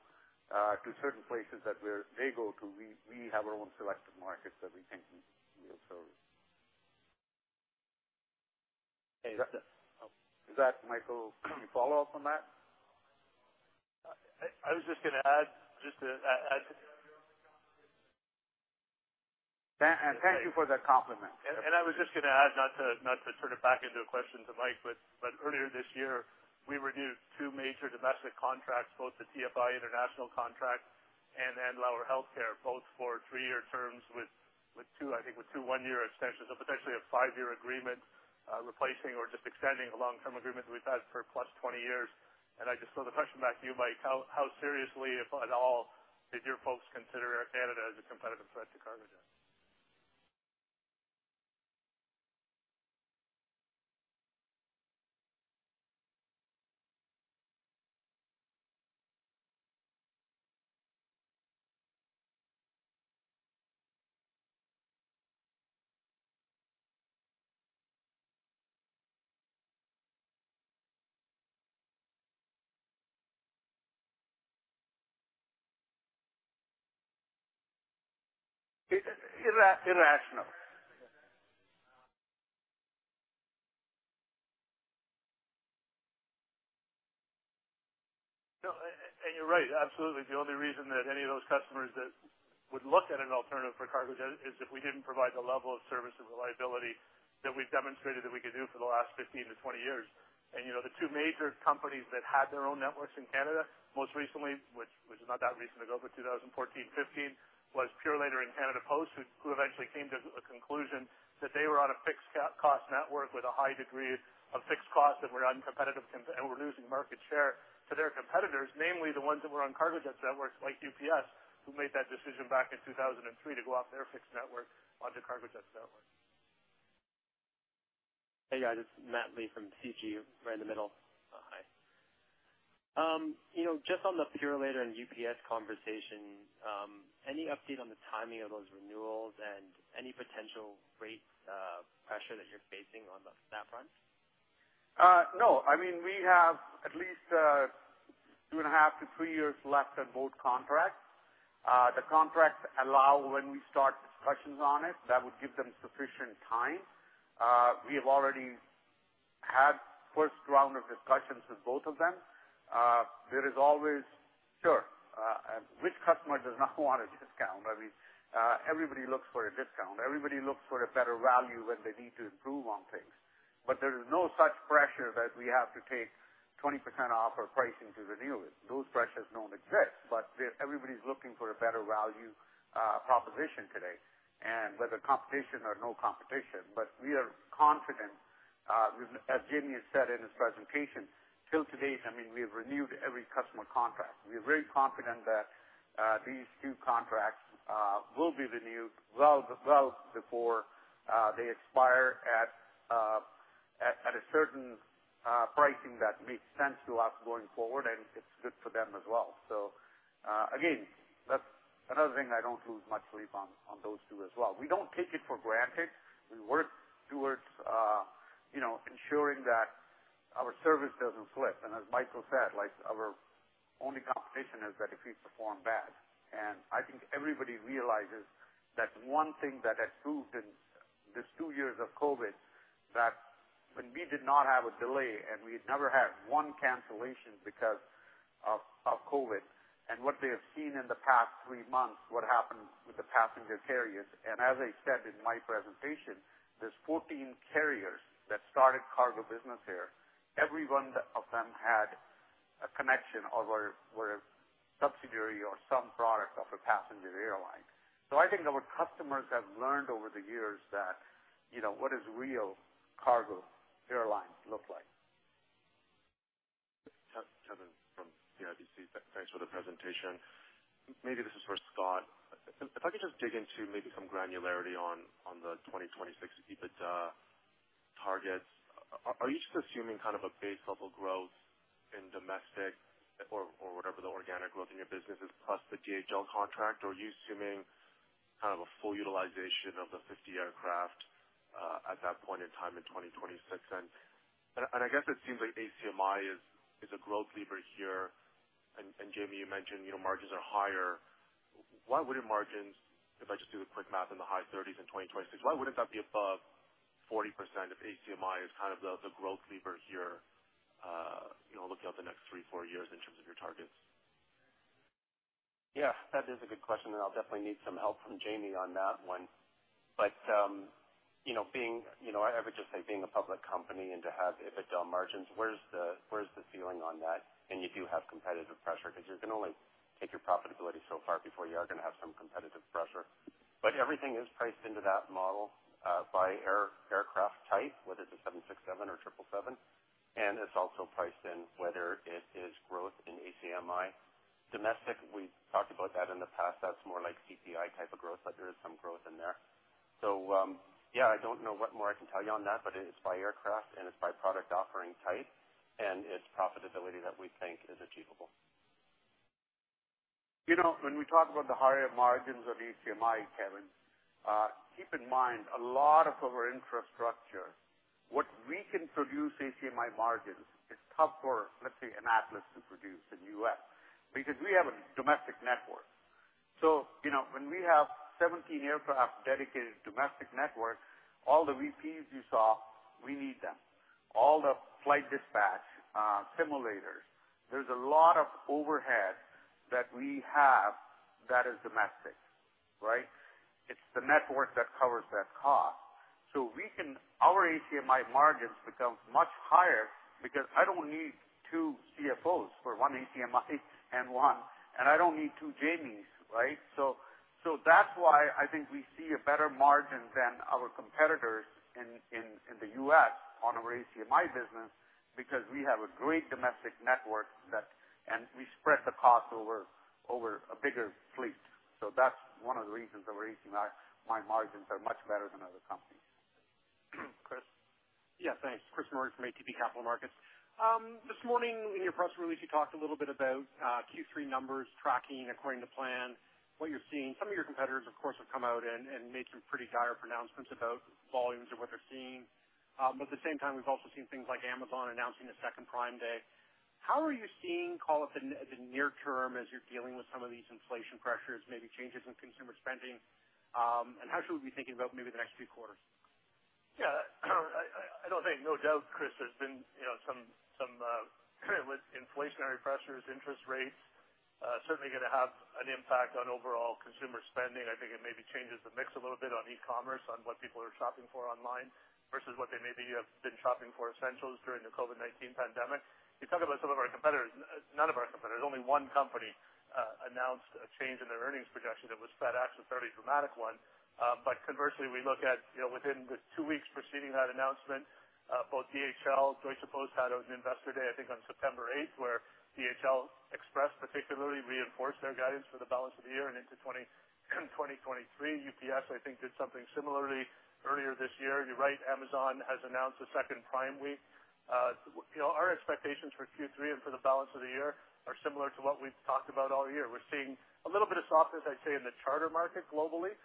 to certain places that they go to. We have our own selective markets that we think we will serve. Is that, Michael, can you follow up on that? I was just gonna add just to add to Thank you for the compliment. I was just gonna add, not to turn it back into a question to Mike, but earlier this year, we renewed two major domestic contracts, both the TFI International contract and then Loomis Express, both for three-year terms with two, I think with two one-year extensions. So potentially a five-year agreement, replacing or just extending a long-term agreement we've had for +20 years. I just throw the question back to you, Mike. How seriously, if at all, did your folks consider Air Canada as a competitive threat to Cargojet? Irra-irrational. No. You're right. Absolutely. The only reason that any of those customers that would look at an alternative for Cargojet is if we didn't provide the level of service and reliability that we've demonstrated that we could do for the last 15 to 20 years. You know, the two major companies that had their own networks in Canada most recently, which was not that recent ago, but 2014, 2015, was Purolator and Canada Post, who eventually came to a conclusion that they were on a fixed cost network with a high degree of fixed costs and were uncompetitive and were losing market share to their competitors, namely the ones that were on Cargojet's networks, like UPS, who made that decision back in 2003 to go off their fixed network onto Cargojet's network. Hey, guys. It's Matt Lee from CG, right in the middle. Hi. You know, just on the Purolator and UPS conversation, any update on the timing of those renewals and any potential rate pressure that you're facing on the snap runs? No. I mean, we have at least two and a half to three years left on both contracts. The contracts allow when we start discussions on it, that would give them sufficient time. We have already had first round of discussions with both of them. There is always, sure, which customer does not want a discount? I mean, everybody looks for a discount. Everybody looks for a better value when they need to improve on things. There is no such pressure that we have to take 20% off our pricing to renew it. Those pressures don't exist. Everybody's looking for a better value proposition today, and whether competition or no competition. We are confident, as Jamie has said in his presentation, till today, I mean, we've renewed every customer contract. We are very confident that these two contracts will be renewed well before they expire at a certain pricing that makes sense to us going forward, and it's good for them as well. Again, that's another thing I don't lose much sleep on those two as well. We don't take it for granted. We work towards you know ensuring that our service doesn't slip. As Michael said, like, our only competition is that if we perform bad. I think everybody realizes that one thing that has proved in these two years of COVID, that when we did not have a delay and we never had one cancellation because of COVID, and what they have seen in the past three months, what happened with the passenger carriers. As I said in my presentation, there's 14 carriers that started cargo business here. Every one of them had a connection or were a subsidiary or some product of a passenger airline. I think our customers have learned over the years that, you know, what does real cargo airlines look like. Kevin from CIBC. Thanks for the presentation. Maybe this is for Scott. If I could just dig into maybe some granularity on the 2026 EBITDA targets. Are you just assuming kind of a base level growth in domestic or whatever the organic growth in your business is, plus the DHL contract? Or are you assuming kind of a full utilization of the 50 aircraft at that point in time in 2026? I guess it seems like ACMI is a growth lever here. Jamie, you mentioned, you know, margins are higher. Why wouldn't margins, if I just do the quick math in the high 30s% in 2026, why wouldn't that be above 40% if ACMI is kind of the growth lever here, you know, looking at the next three, four years in terms of your targets? Yeah, that is a good question, and I'll definitely need some help from Jamie on that one. You know, I would just say being a public company and to have EBITDA margins, where's the ceiling on that when you do have competitive pressure? 'Cause you can only take your profitability so far before you are gonna have some competitive pressure. Everything is priced into that model by aircraft type, whether it's a 767 or 777, and it's also priced in whether it is growth in ACMI. Domestic, we've talked about that in the past. That's more like CPI type of growth, but there is some growth in there. I don't know what more I can tell you on that, but it is by aircraft and it's by product offering type, and it's profitability that we think is achievable. You know, when we talk about the higher margins of ACMI, Kevin, keep in mind a lot of our infrastructure, what we can produce ACMI margins. It's tough for, let's say, an Atlas to produce in U.S. because we have a domestic network. You know, when we have 17 aircraft dedicated domestic network, all the VPs you saw, we need them. All the flight dispatch simulators. There's a lot of overhead that we have that is domestic, right? It's the network that covers that cost. Our ACMI margins becomes much higher because I don't need two CFOs for one ACMI and one, and I don't need two Jamies, right? That's why I think we see a better margin than our competitors in the U.S. on our ACMI business because we have a great domestic network and we spread the cost over a bigger fleet. That's one of the reasons our ACMI margins are much better than other companies. Chris. Yeah, thanks. Chris Murray from ATB Capital Markets. This morning in your press release, you talked a little bit about Q3 numbers tracking according to plan, what you're seeing. Some of your competitors, of course, have come out and made some pretty dire pronouncements about volumes of what they're seeing. But at the same time we've also seen things like Amazon announcing a second Prime Day. How are you seeing call it the near term as you're dealing with some of these inflation pressures, maybe changes in consumer spending, and how should we be thinking about maybe the next few quarters? Yeah. No doubt, Chris, there's been, you know, some with inflationary pressures, interest rates, certainly gonna have an impact on overall consumer spending. I think it maybe changes the mix a little bit on e-commerce, on what people are shopping for online versus what they maybe have been shopping for essentials during the COVID-19 pandemic. You talk about some of our competitors. None of our competitors, only one company, announced a change in their earnings projection that was FedEx, a fairly dramatic one. But conversely, we look at, you know, within the two weeks preceding that announcement, both DHL, Deutsche Post had an investor day, I think on September 8, where DHL Express particularly reinforced their guidance for the balance of the year and into 2023. UPS, I think, did something similarly earlier this year. You're right, Amazon has announced a second Prime week. You know, our expectations for Q3 and for the balance of the year are similar to what we've talked about all year. We're seeing a little bit of softness, I'd say, in the charter market globally.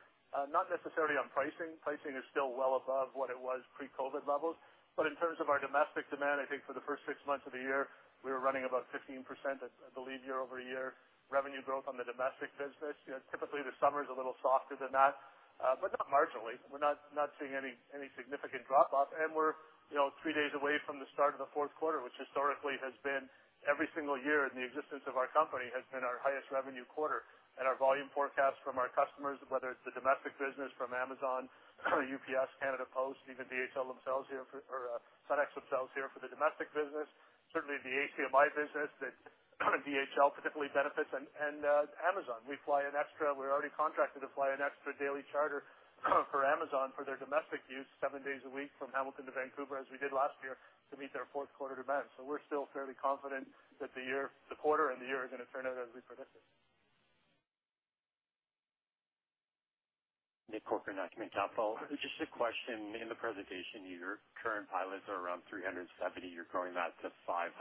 Not necessarily on pricing. Pricing is still well above what it was pre-COVID levels. In terms of our domestic demand, I think for the first six months of the year, we were running about 15%, I believe, year-over-year revenue growth on the domestic business. You know, typically the summer is a little softer than that, but not marginally. We're not seeing any significant drop-off. We're, you know, three days away from the start of the fourth quarter, which historically has been every single year in the existence of our company, has been our highest revenue quarter. Our volume forecast from our customers, whether it's the domestic business from Amazon, UPS, Canada Post, even DHL themselves here for or FedEx themselves here for the domestic business, certainly the ACMI business that DHL particularly benefits and Amazon. We're already contracted to fly an extra daily charter for Amazon for their domestic use seven days a week from Hamilton to Vancouver, as we did last year, to meet their fourth quarter demand. We're still fairly confident that the year, the quarter and the year are gonna turn out as we predicted. Nick Corcoran, Cardinal Capital. Just a question. In the presentation, your current pilots are around 370. You're growing that to 500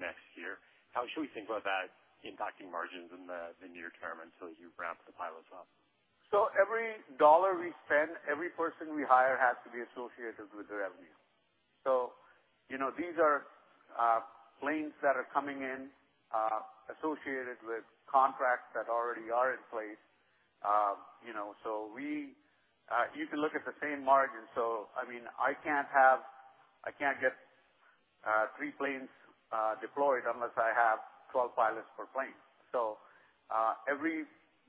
next year. How should we think about that impacting margins in the near term until you ramp the pilots up? Every dollar we spend, every person we hire has to be associated with the revenue. These are planes that are coming in, associated with contracts that already are in place. You can look at the same margin. I mean, I can't get three planes deployed unless I have 12 pilots per plane.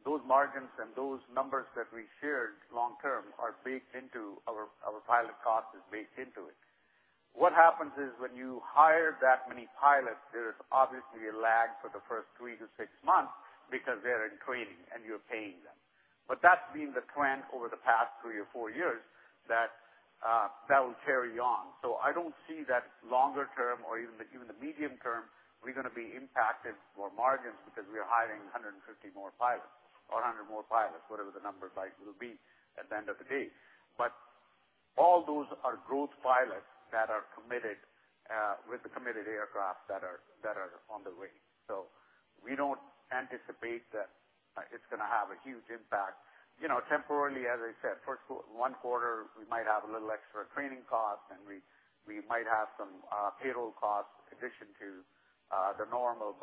Those margins and those numbers that we shared long term are baked into our pilot cost, which is baked into it. What happens is when you hire that many pilots, there is obviously a lag for the first three to six months because they're in training and you're paying them. That's been the trend over the past three or four years that will carry on. I don't see that longer term or even the medium term, we're gonna be impacted for margins because we are hiring 150 more pilots or 100 more pilots, whatever the numbers like will be at the end of the day. All those are growth pilots that are committed with the committed aircraft that are on the way. We don't anticipate that it's gonna have a huge impact. You know, temporarily, as I said, first quarter, we might have a little extra training cost, and we might have some payroll costs in addition to the normal.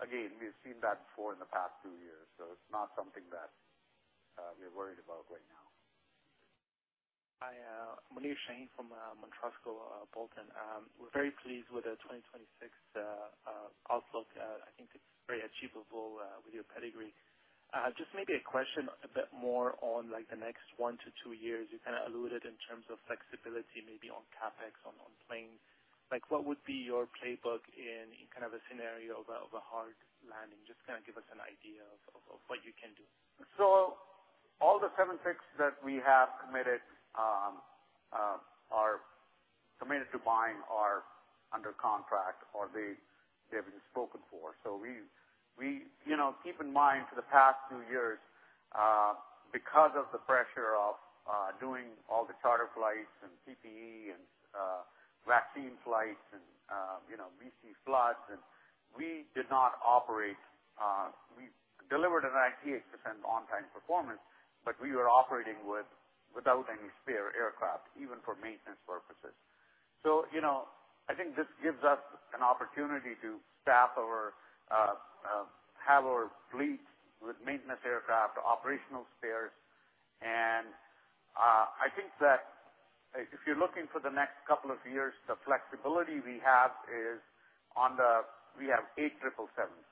Again, we've seen that before in the past two years, so it's not something that we're worried about right now. Hi, Munir Shahin from Montrusco Bolton. We're very pleased with the 2026 outlook. I think it's very achievable with your pedigree. Just maybe a question a bit more on, like, the next one to two years. You kinda alluded in terms of flexibility, maybe on CapEx on planes. Like, what would be your playbook in kind of a scenario of a hard landing? Just kinda give us an idea of what you can do. All the 76 that we have committed to buying are under contract or they've been spoken for. You know, keep in mind for the past two years, because of the pressure of doing all the charter flights and PPE and vaccine flights and, you know, BC floods, and we did not operate. We delivered a 98% on-time performance, but we were operating without any spare aircraft, even for maintenance purposes. You know, I think this gives us an opportunity to have our fleet with maintenance aircraft, operational spares. I think that if you're looking for the next couple of years, the flexibility we have is. We have eight 777s,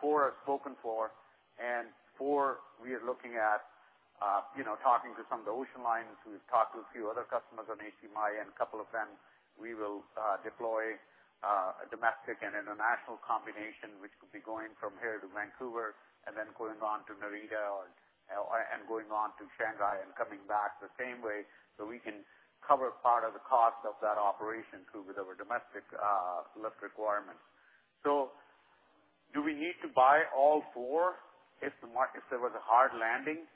four are spoken for, and four we are looking at, you know, talking to some of the ocean lines. We've talked to a few other customers on ACMI, and a couple of them, we will deploy a domestic and international combination, which could be going from here to Vancouver and then going on to Narita or, and going on to Shanghai and coming back the same way, so we can cover part of the cost of that operation too, with our domestic lift requirements. Do we need to buy all four if there was a hard landing?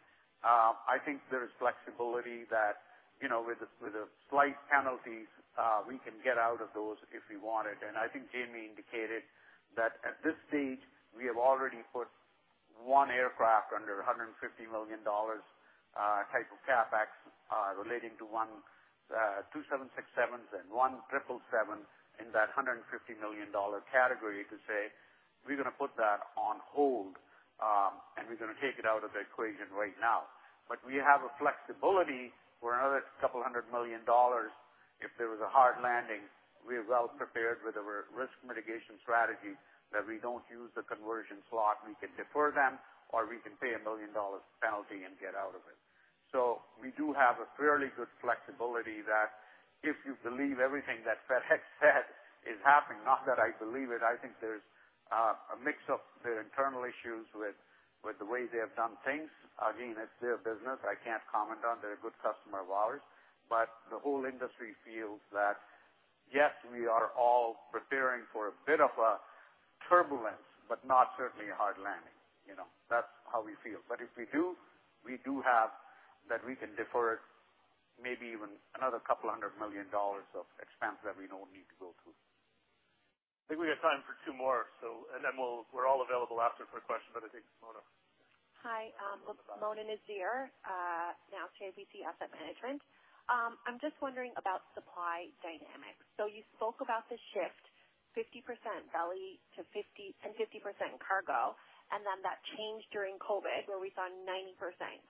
I think there is flexibility that, you know, with slight penalties, we can get out of those if we wanted. I think Jamie indicated that at this stage, we have already put one aircraft under 150 million dollars type of CapEx relating to two 767s and one 777 in that 150 million dollar category to say we're gonna put that on hold, and we're gonna take it out of the equation right now. We have flexibility for another couple hundred million dollars if there was a hard landing. We're well prepared with our risk mitigation strategy, that we don't use the conversion slot. We can defer them, or we can pay 1 million dollars penalty and get out of it. We do have a fairly good flexibility that if you believe everything that FedEx said is happening, not that I believe it, I think there's a mix of their internal issues with the way they have done things. Again, it's their business. I can't comment on. They're a good customer of ours. The whole industry feels that, yes, we are all preparing for a bit of a turbulence, but not certainly a hard landing. You know? That's how we feel. If we do, we do have that we can defer maybe even another a couple of hundred million dollars of expense that we don't need to go through. I think we have time for two more. We're all available after for questions, but I think Mona. Hi, Mona Nazir, now CIBC Asset Management. I'm just wondering about supply dynamics. You spoke about the shift 50% belly to 50% cargo, and then that changed during COVID, where we saw 90%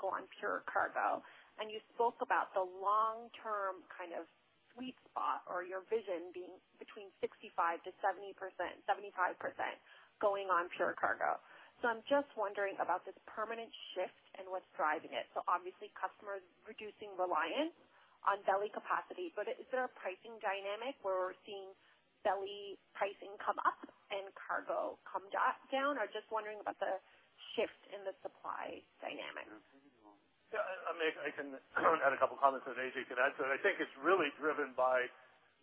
go on pure cargo. You spoke about the long-term kind of sweet spot or your vision being between 65% to 70%, 75% going on pure cargo. I'm just wondering about this permanent shift and what's driving it. Obviously customers reducing reliance on belly capacity, but is there a pricing dynamic where we're seeing belly pricing come up and cargo come down? I'm just wondering about the shift in the supply dynamic. Yeah, I mean, I can add a couple comments, and Ajay can add to it. I think it's really driven by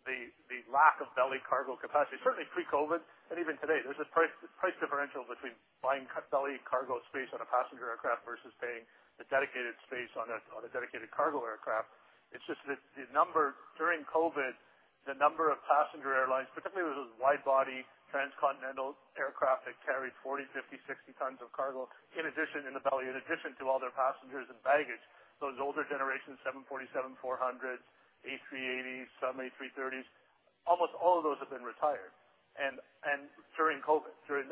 the lack of belly cargo capacity. Certainly pre-COVID, and even today, there's a price differential between buying belly cargo space on a passenger aircraft versus paying the dedicated space on a dedicated cargo aircraft. It's just that the number. During COVID, the number of passenger airlines, particularly with those wide-body transcontinental aircraft that carry 40, 50, 60 tons of cargo in addition, in the belly, in addition to all their passengers and baggage, those older generation Boeing 747-400, A380s, some A330s, almost all of those have been retired. During COVID.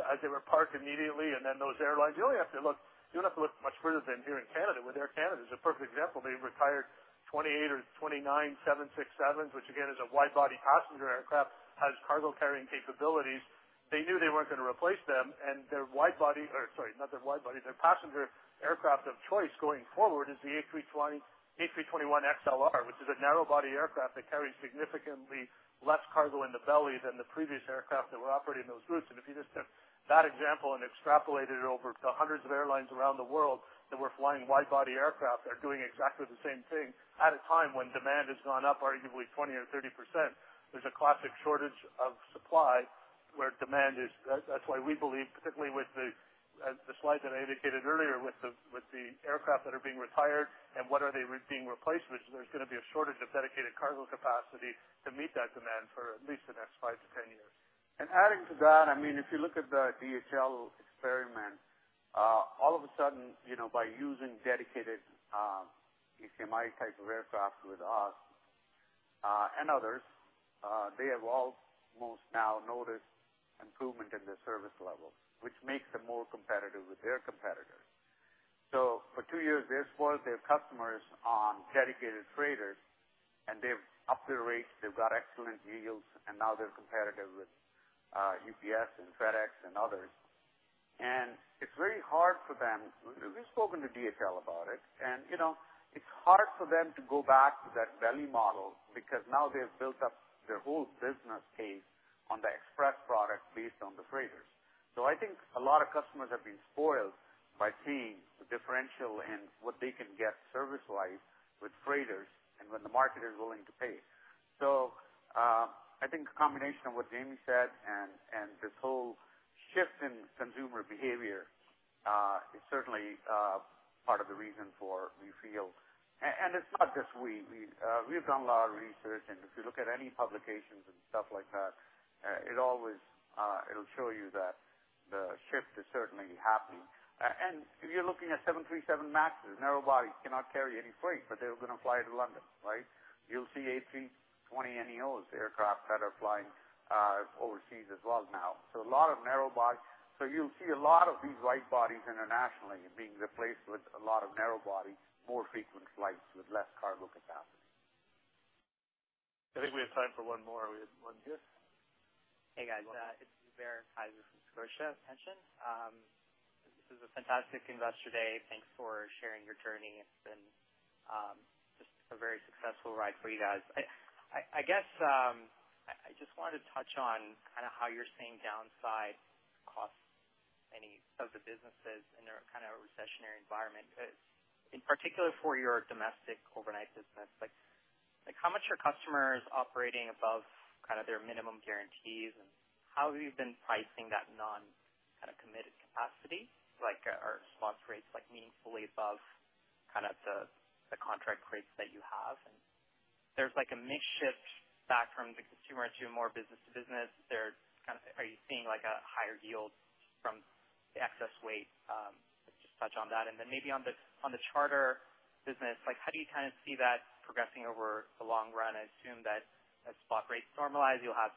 As they were parked immediately, and then those airlines. You only have to look, you don't have to look much further than here in Canada, where Air Canada is a perfect example. They retired 28 or 29 767s, which again, is a wide-body passenger aircraft, has cargo carrying capabilities. They knew they weren't gonna replace them, and, sorry, not their wide-body, their passenger aircraft of choice going forward is the A320, A321XLR, which is a narrow-body aircraft that carries significantly less cargo in the belly than the previous aircraft that were operating those routes. If you just took that example and extrapolated it over the hundreds of airlines around the world that were flying wide-body aircraft that are doing exactly the same thing at a time when demand has gone up arguably 20% or 30%, there's a classic shortage of supply where demand is. That's why we believe, particularly with the slide that I indicated earlier, with the aircraft that are being retired and what are they being replaced with, there's gonna be a shortage of dedicated cargo capacity to meet that demand for at least the next five to ten years. Adding to that, I mean, if you look at the DHL experiment, all of a sudden, you know, by using dedicated, ACMI type of aircraft with us, and others, they have almost now noticed improvement in their service level, which makes them more competitive with their competitors. For two years, they've spoiled their customers on dedicated freighters, and they've upped their rates. They've got excellent yields, and now they're competitive with, UPS and FedEx and others. It's very hard for them. We've spoken to DHL about it, and, you know, it's hard for them to go back to that belly model because now they've built up their whole business case on the express product based on the freighters. I think a lot of customers have been spoiled by seeing the differential in what they can get service-wise with freighters and when the market is willing to pay. I think a combination of what Jamie said and this whole shift in consumer behavior is certainly part of the reason for we feel. It's not just we. We've done a lot of research, and if you look at any publications and stuff like that, it always, it'll show you that the shift is certainly happening. If you're looking at 737 MAX, narrow-body cannot carry any freight, but they're gonna fly to London, right? You'll see A320neos, aircraft that are flying overseas as well now. A lot of narrow-body. You'll see a lot of these wide bodies internationally being replaced with a lot of narrow body, more frequent flights with less cargo capacity. I think we have time for one more. We have one here. Hey, guys. It's [Bear Heiser from Scotia Capital]. This is a fantastic investor day. Thanks for sharing your journey. It's been just a very successful ride for you guys. I guess I just wanted to touch on kinda how you're seeing downside costs any of the businesses in a kinda recessionary environment. In particular for your domestic overnight business, like how much are customers operating above kinda their minimum guarantees, and how have you been pricing that non kinda committed capacity? Like are spot rates like meaningfully above kinda the contract rates that you have? And there's like a mix shift back from the consumer to more business to business. Are you seeing like a higher yield from the excess weight? Just touch on that. Maybe on the charter business, like how do you kinda see that progressing over the long run? I assume that as spot rates normalize, you'll have,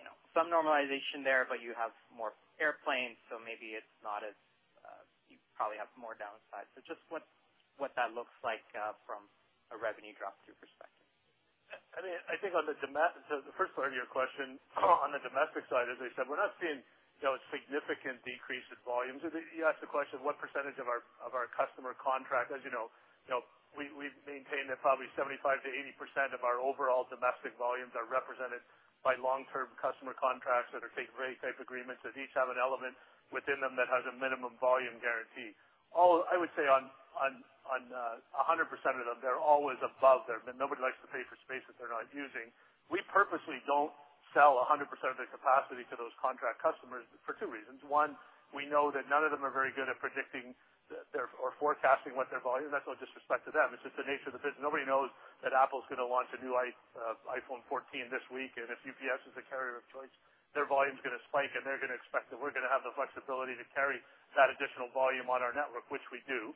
you know, some normalization there, but you have more airplanes, so maybe it's not as. You probably have more downside. So just what that looks like from a revenue drop through perspective. I mean, the first part of your question, on the domestic side, as I said, we're not seeing, you know, a significant decrease in volumes. You asked the question, what percentage of our customer contract. As you know, you know, we've maintained that probably 75%-80% of our overall domestic volumes are represented by long-term customer contracts that are take rate type agreements that each have an element within them that has a minimum volume guarantee. I would say on 100% of them, they're always above their. Nobody likes to pay for space that they're not using. We purposely don't sell 100% of the capacity to those contract customers for two reasons. One, we know that none of them are very good at predicting or forecasting what their volume. That's no disrespect to them. It's just the nature of the biz. Nobody knows that Apple's gonna launch a new iPhone 14 this week. If UPS is a carrier of choice, their volume's gonna spike, and they're gonna expect that we're gonna have the flexibility to carry that additional volume on our network, which we do.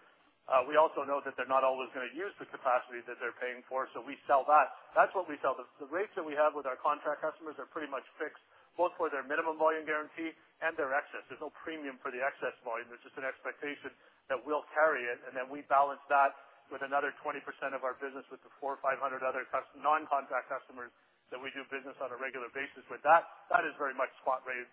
We also know that they're not always gonna use the capacity that they're paying for, so we sell that. That's what we sell. The rates that we have with our contract customers are pretty much fixed, both for their minimum volume guarantee and their excess. There's no premium for the excess volume. There's just an expectation that we'll carry it, and then we balance that with another 20% of our business with the 400 or 500 other non-contract customers that we do business on a regular basis with. That is very much spot rate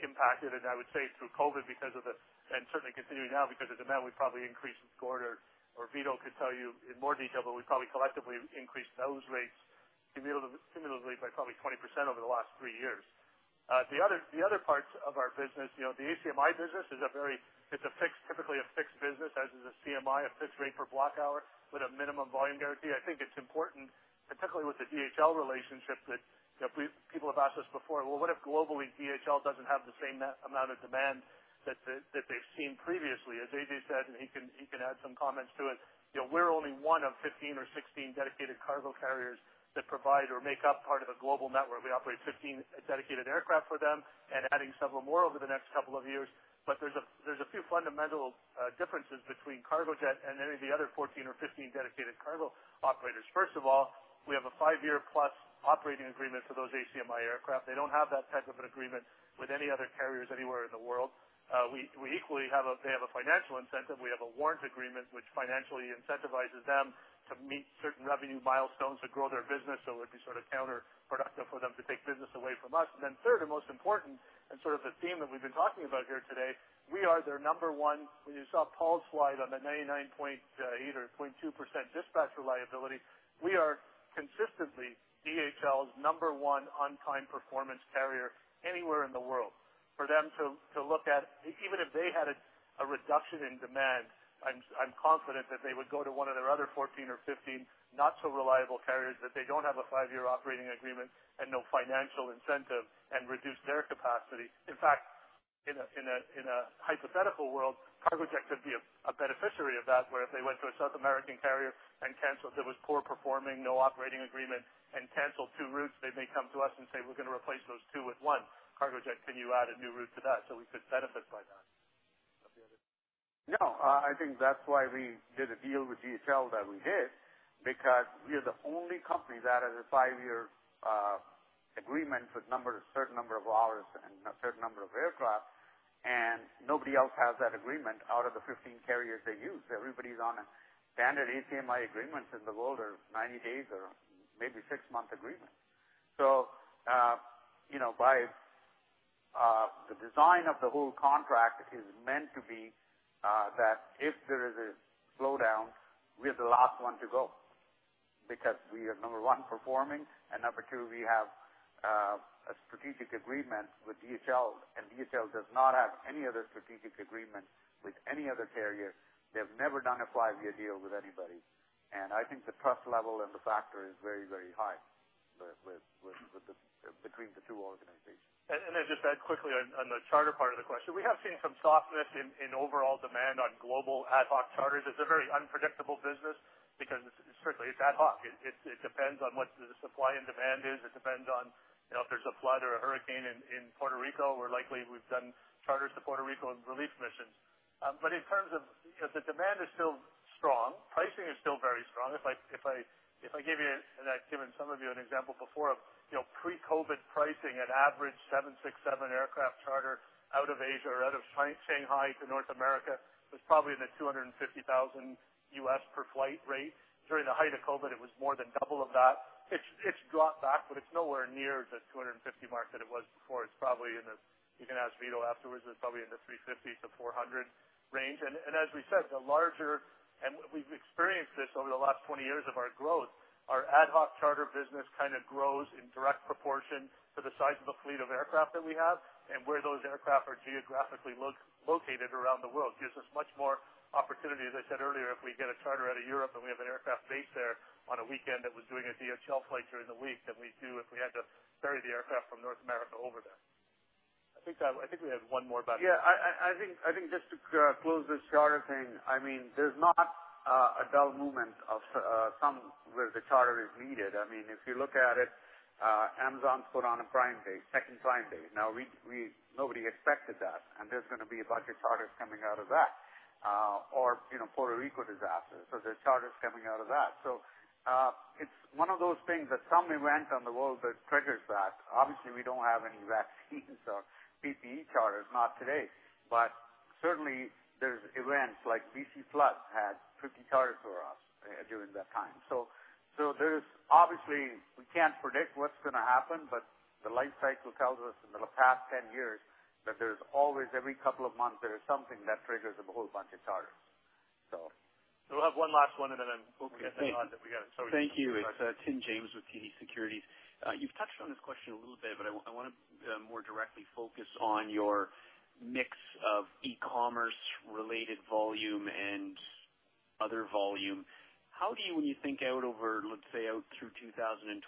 impacted. I would say through COVID because of the and certainly continuing now because of demand, we probably increased, Gord or Vito could tell you in more detail, but we probably collectively increased those rates cumulatively by probably 20% over the last three years. The other parts of our business, you know, the ACMI business is a very, it's a fixed, typically a fixed business, as is a CMI, a fixed rate per block hour with a minimum volume guarantee. I think it's important, particularly with the DHL relationship, that, you know, people have asked us before, "Well, what if globally DHL doesn't have the same amount of demand that they've seen previously?" As Ajay said, and he can add some comments to it, you know, we're only one of 15 or 16 dedicated cargo carriers that provide or make up part of a global network. We operate 15 dedicated aircraft for them and adding several more over the next couple of years. There's a few fundamental differences between Cargojet and any of the other 14 or 15 dedicated cargo operators. First of all, we have a five-year plus operating agreement for those ACMI aircraft. They don't have that type of an agreement with any other carriers anywhere in the world. They have a financial incentive. We have a warrants agreement which financially incentivizes them to meet certain revenue milestones to grow their business, so it would be sort of counterproductive for them to take business away from us. Third and most important, and sort of the theme that we've been talking about here today, we are their number one. When you saw Paul's slide on the 99.8 or 99.2% dispatch reliability, we are consistently DHL's number one on-time performance carrier anywhere in the world for them to look at. Even if they had a reduction in demand, I'm confident that they would go to one of their other 14 or 15 not so reliable carriers, that they don't have a five-year operating agreement and no financial incentive and reduce their capacity. In fact, in a hypothetical world, Cargojet could be a beneficiary of that, where if they went to a South American carrier and canceled, it was poor performing, no operating agreement, and cancel two routes, they may come to us and say, "We're gonna replace those two with one. Cargojet, can you add a new route to that?" We could benefit by that. No, I think that's why we did a deal with DHL that we did, because we are the only company that has a five-year agreement with numbers, certain number of hours and a certain number of aircraft, and nobody else has that agreement out of the 15 carriers they use. Everybody's on a standard ACMI agreement in the world or 90 days or maybe six-month agreement. You know, by the design of the whole contract is meant to be that if there is a slowdown, we're the last one to go because we are, number one, performing, and number two, we have a strategic agreement with DHL, and DHL does not have any other strategic agreement with any other carrier. They've never done a five-year deal with anybody. I think the trust level and the factor is very, very high between the two organizations. I'll just add quickly on the charter part of the question. We have seen some softness in overall demand on global ad hoc charters. It's a very unpredictable business because it's certainly ad hoc. It depends on what the supply and demand is. It depends on, you know, if there's a flood or a hurricane in Puerto Rico, where likely we've done charters to Puerto Rico and relief missions. But in terms of, you know, the demand is still strong. Pricing is still very strong. If I gave you, and I've given some of you an example before of, you know, pre-COVID pricing, an average 767 aircraft charter out of Asia or out of Shanghai to North America was probably in the $250,000 per flight rate. During the height of COVID, it was more than double of that. It's dropped back, but it's nowhere near the 250 mark that it was before. It's probably in the, you can ask Vito afterwards, it's probably in the 350-400 range. As we said, the larger, and we've experienced this over the last 20 years of our growth, our ad hoc charter business kind of grows in direct proportion to the size of the fleet of aircraft that we have and where those aircraft are geographically located around the world. Gives us much more opportunity, as I said earlier, if we get a charter out of Europe and we have an aircraft based there on a weekend that was doing a DHL flight during the week than we do if we had to ferry the aircraft from North America over there. I think we have one more about. I think just to close this charter thing, I mean, there's not a dull moment where the charter is needed. I mean, if you look at it, Amazon put on a Prime Day, second Prime Day. Now nobody expected that, and there's gonna be a bunch of charters coming out of that. Or you know, Puerto Rico disaster, so there are charters coming out of that. It's one of those things that some event in the world that triggers that. Obviously, we don't have any vaccines or PPE charters, not today. Certainly, there's events like BC Flood had 50 charters for us during that time. There's obviously we can't predict what's gonna happen, but the life cycle tells us in the past 10 years that there's always every couple of months there is something that triggers a whole bunch of charters, so. We'll have one last one, and then I'm- Okay. We got to get going. We got it. Sorry. Thank you. It's Tim James with TD Securities. You've touched on this question a little bit, but I wanna more directly focus on your mix of e-commerce related volume and other volume. How do you, when you think out over, let's say, out through 2026,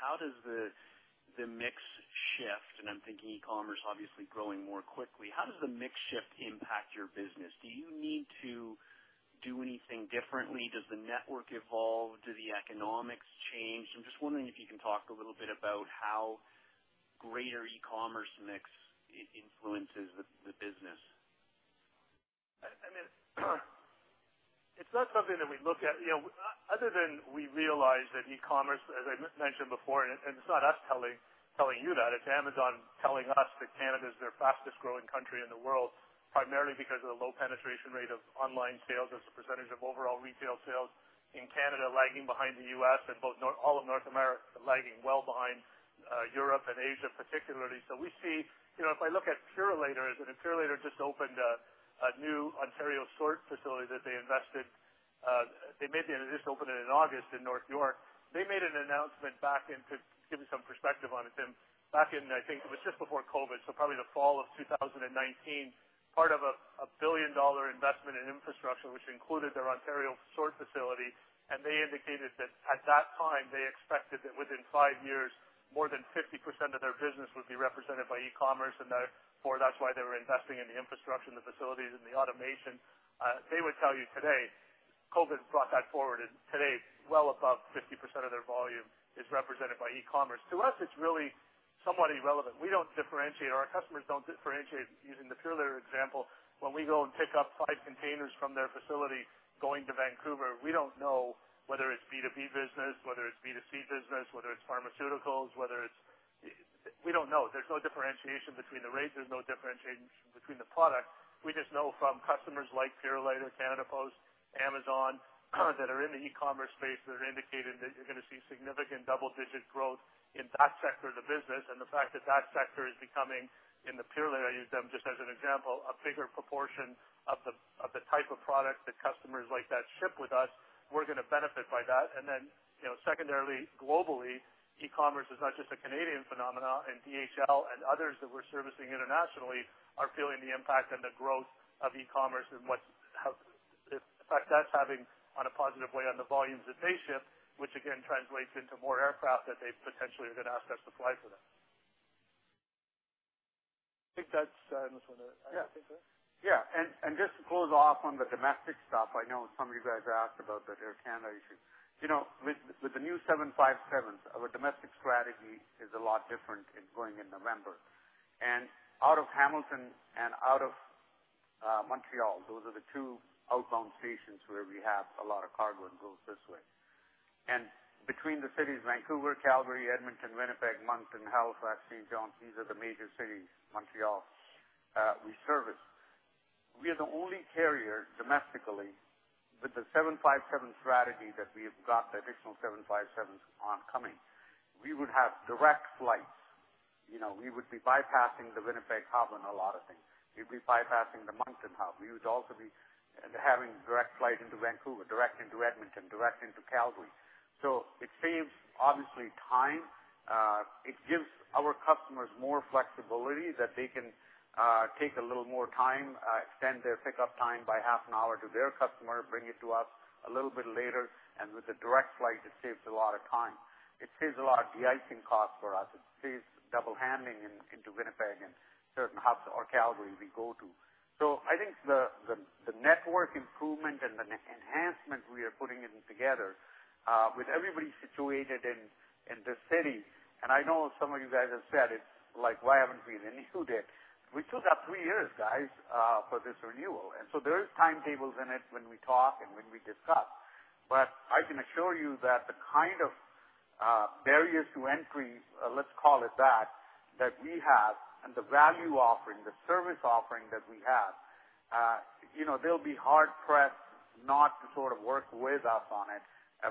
how does the mix shift? I'm thinking e-commerce obviously growing more quickly. How does the mix shift impact your business? Do you need to do anything differently? Does the network evolve? Do the economics change? I'm just wondering if you can talk a little bit about how greater e-commerce mix influences the business. I mean, it's not something that we look at, you know, other than we realize that e-commerce, as I mentioned before, and it's not us telling you that, it's Amazon telling us that Canada is their fastest growing country in the world, primarily because of the low penetration rate of online sales as a percentage of overall retail sales in Canada lagging behind the U.S. and both all of North America lagging well behind, Europe and Asia, particularly. We see. You know, if I look at Purolator, and then Purolator just opened a new Ontario sort facility that they invested, and they just opened it in August in North York. They made an announcement back in to give you some perspective on it, Tim. Back in, I think it was just before COVID, so probably the fall of 2019, part of a billion-dollar investment in infrastructure, which included their Ontario sort facility. They indicated that at that time, they expected that within five years, more than 50% of their business would be represented by e-commerce, and that or that's why they were investing in the infrastructure and the facilities and the automation. They would tell you today, COVID brought that forward, and today well above 50% of their volume is represented by e-commerce. To us, it's really somewhat irrelevant. We don't differentiate, or our customers don't differentiate. Using the Purolator example, when we go and pick up five containers from their facility going to Vancouver, we don't know whether it's B2B business, whether it's B2C business, whether it's pharmaceuticals, whether it's. We don't know. There's no differentiation between the rates. There's no differentiation between the product. We just know from customers like Purolator, Canada Post, Amazon, that are in the e-commerce space that are indicating that you're gonna see significant double-digit growth in that sector of the business. The fact that that sector is becoming, and the Purolator, I use them just as an example, a bigger proportion of the type of product that customers like that ship with us, we're gonna benefit by that. Then, you know, secondarily, globally, e-commerce is not just a Canadian phenomenon, and DHL and others that we're servicing internationally are feeling the impact and the growth of e-commerce and the effect that's having in a positive way on the volumes that they ship, which again translates into more aircraft that they potentially are gonna ask us to fly for them. I think that's. I think so. Just to close off on the domestic stuff, I know some of you guys asked about the Air Canada issue. You know, with the new 757s, our domestic strategy is a lot different in going in November. Out of Hamilton and out of Montreal, those are the two outbound stations where we have a lot of cargo and goes this way. Between the cities, Vancouver, Calgary, Edmonton, Winnipeg, Moncton, Halifax, St. John's, these are the major cities, Montreal, we service. We are the only carrier domestically with the 757 strategy that we've got the additional 757s oncoming. We would have direct flights. You know, we would be bypassing the Winnipeg hub and a lot of things. We'd be bypassing the Moncton hub. We would also be having direct flight into Vancouver, direct into Edmonton, direct into Calgary. It saves, obviously, time. It gives our customers more flexibility that they can take a little more time, extend their pickup time by half an hour to their customer, bring it to us a little bit later. With the direct flight, it saves a lot of time. It saves a lot of de-icing costs for us. It saves double handling into Winnipeg and certain hubs or Calgary we go to. I think the network improvement and the enhancement we are putting in together with everybody situated in the city, and I know some of you guys have said it, like, why haven't we been issued it? We took up three years, guys, for this renewal, and so there are timelines in it when we talk and when we discuss. I can assure you that the kind of barriers to entry, let's call it that we have and the value offering, the service offering that we have, you know, they'll be hard pressed not to sort of work with us on it.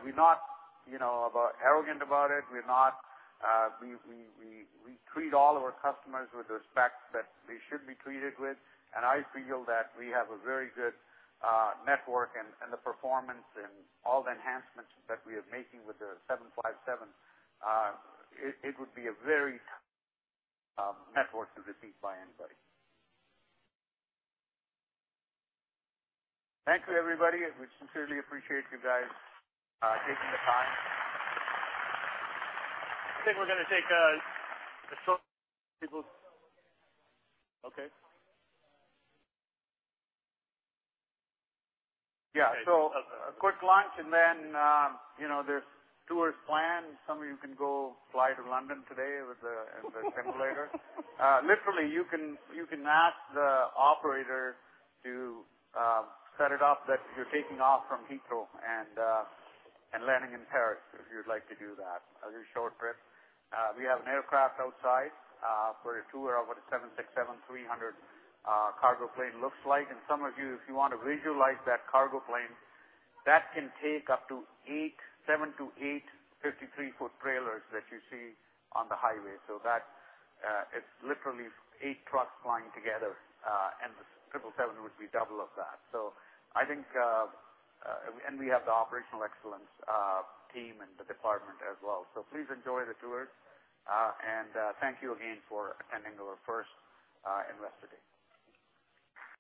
We're not, you know, arrogant about it. We treat all of our customers with respect that they should be treated with. I feel that we have a very good network and the performance and all the enhancements that we are making with the 757, it would be a very network to receive by anybody. Thank you, everybody. We sincerely appreciate you guys taking the time. I think we're gonna take a quick lunch, and then you know, there's tours planned. Some of you can go fly to London today with the simulator. Literally, you can ask the operator to set it up that you're taking off from Heathrow and landing in Paris, if you'd like to do that as a short trip. We have an aircraft outside for a tour of what a 767-300 cargo plane looks like. Some of you, if you wanna visualize that cargo plane, that can take up to eight, seven to eight 53-foot trailers that you see on the highway. That it's literally eight trucks flying together, and the 777 would be double of that. I think, and we have the operational excellence team and the department as well. Please enjoy the tours. Thank you again for attending our first Investor Day.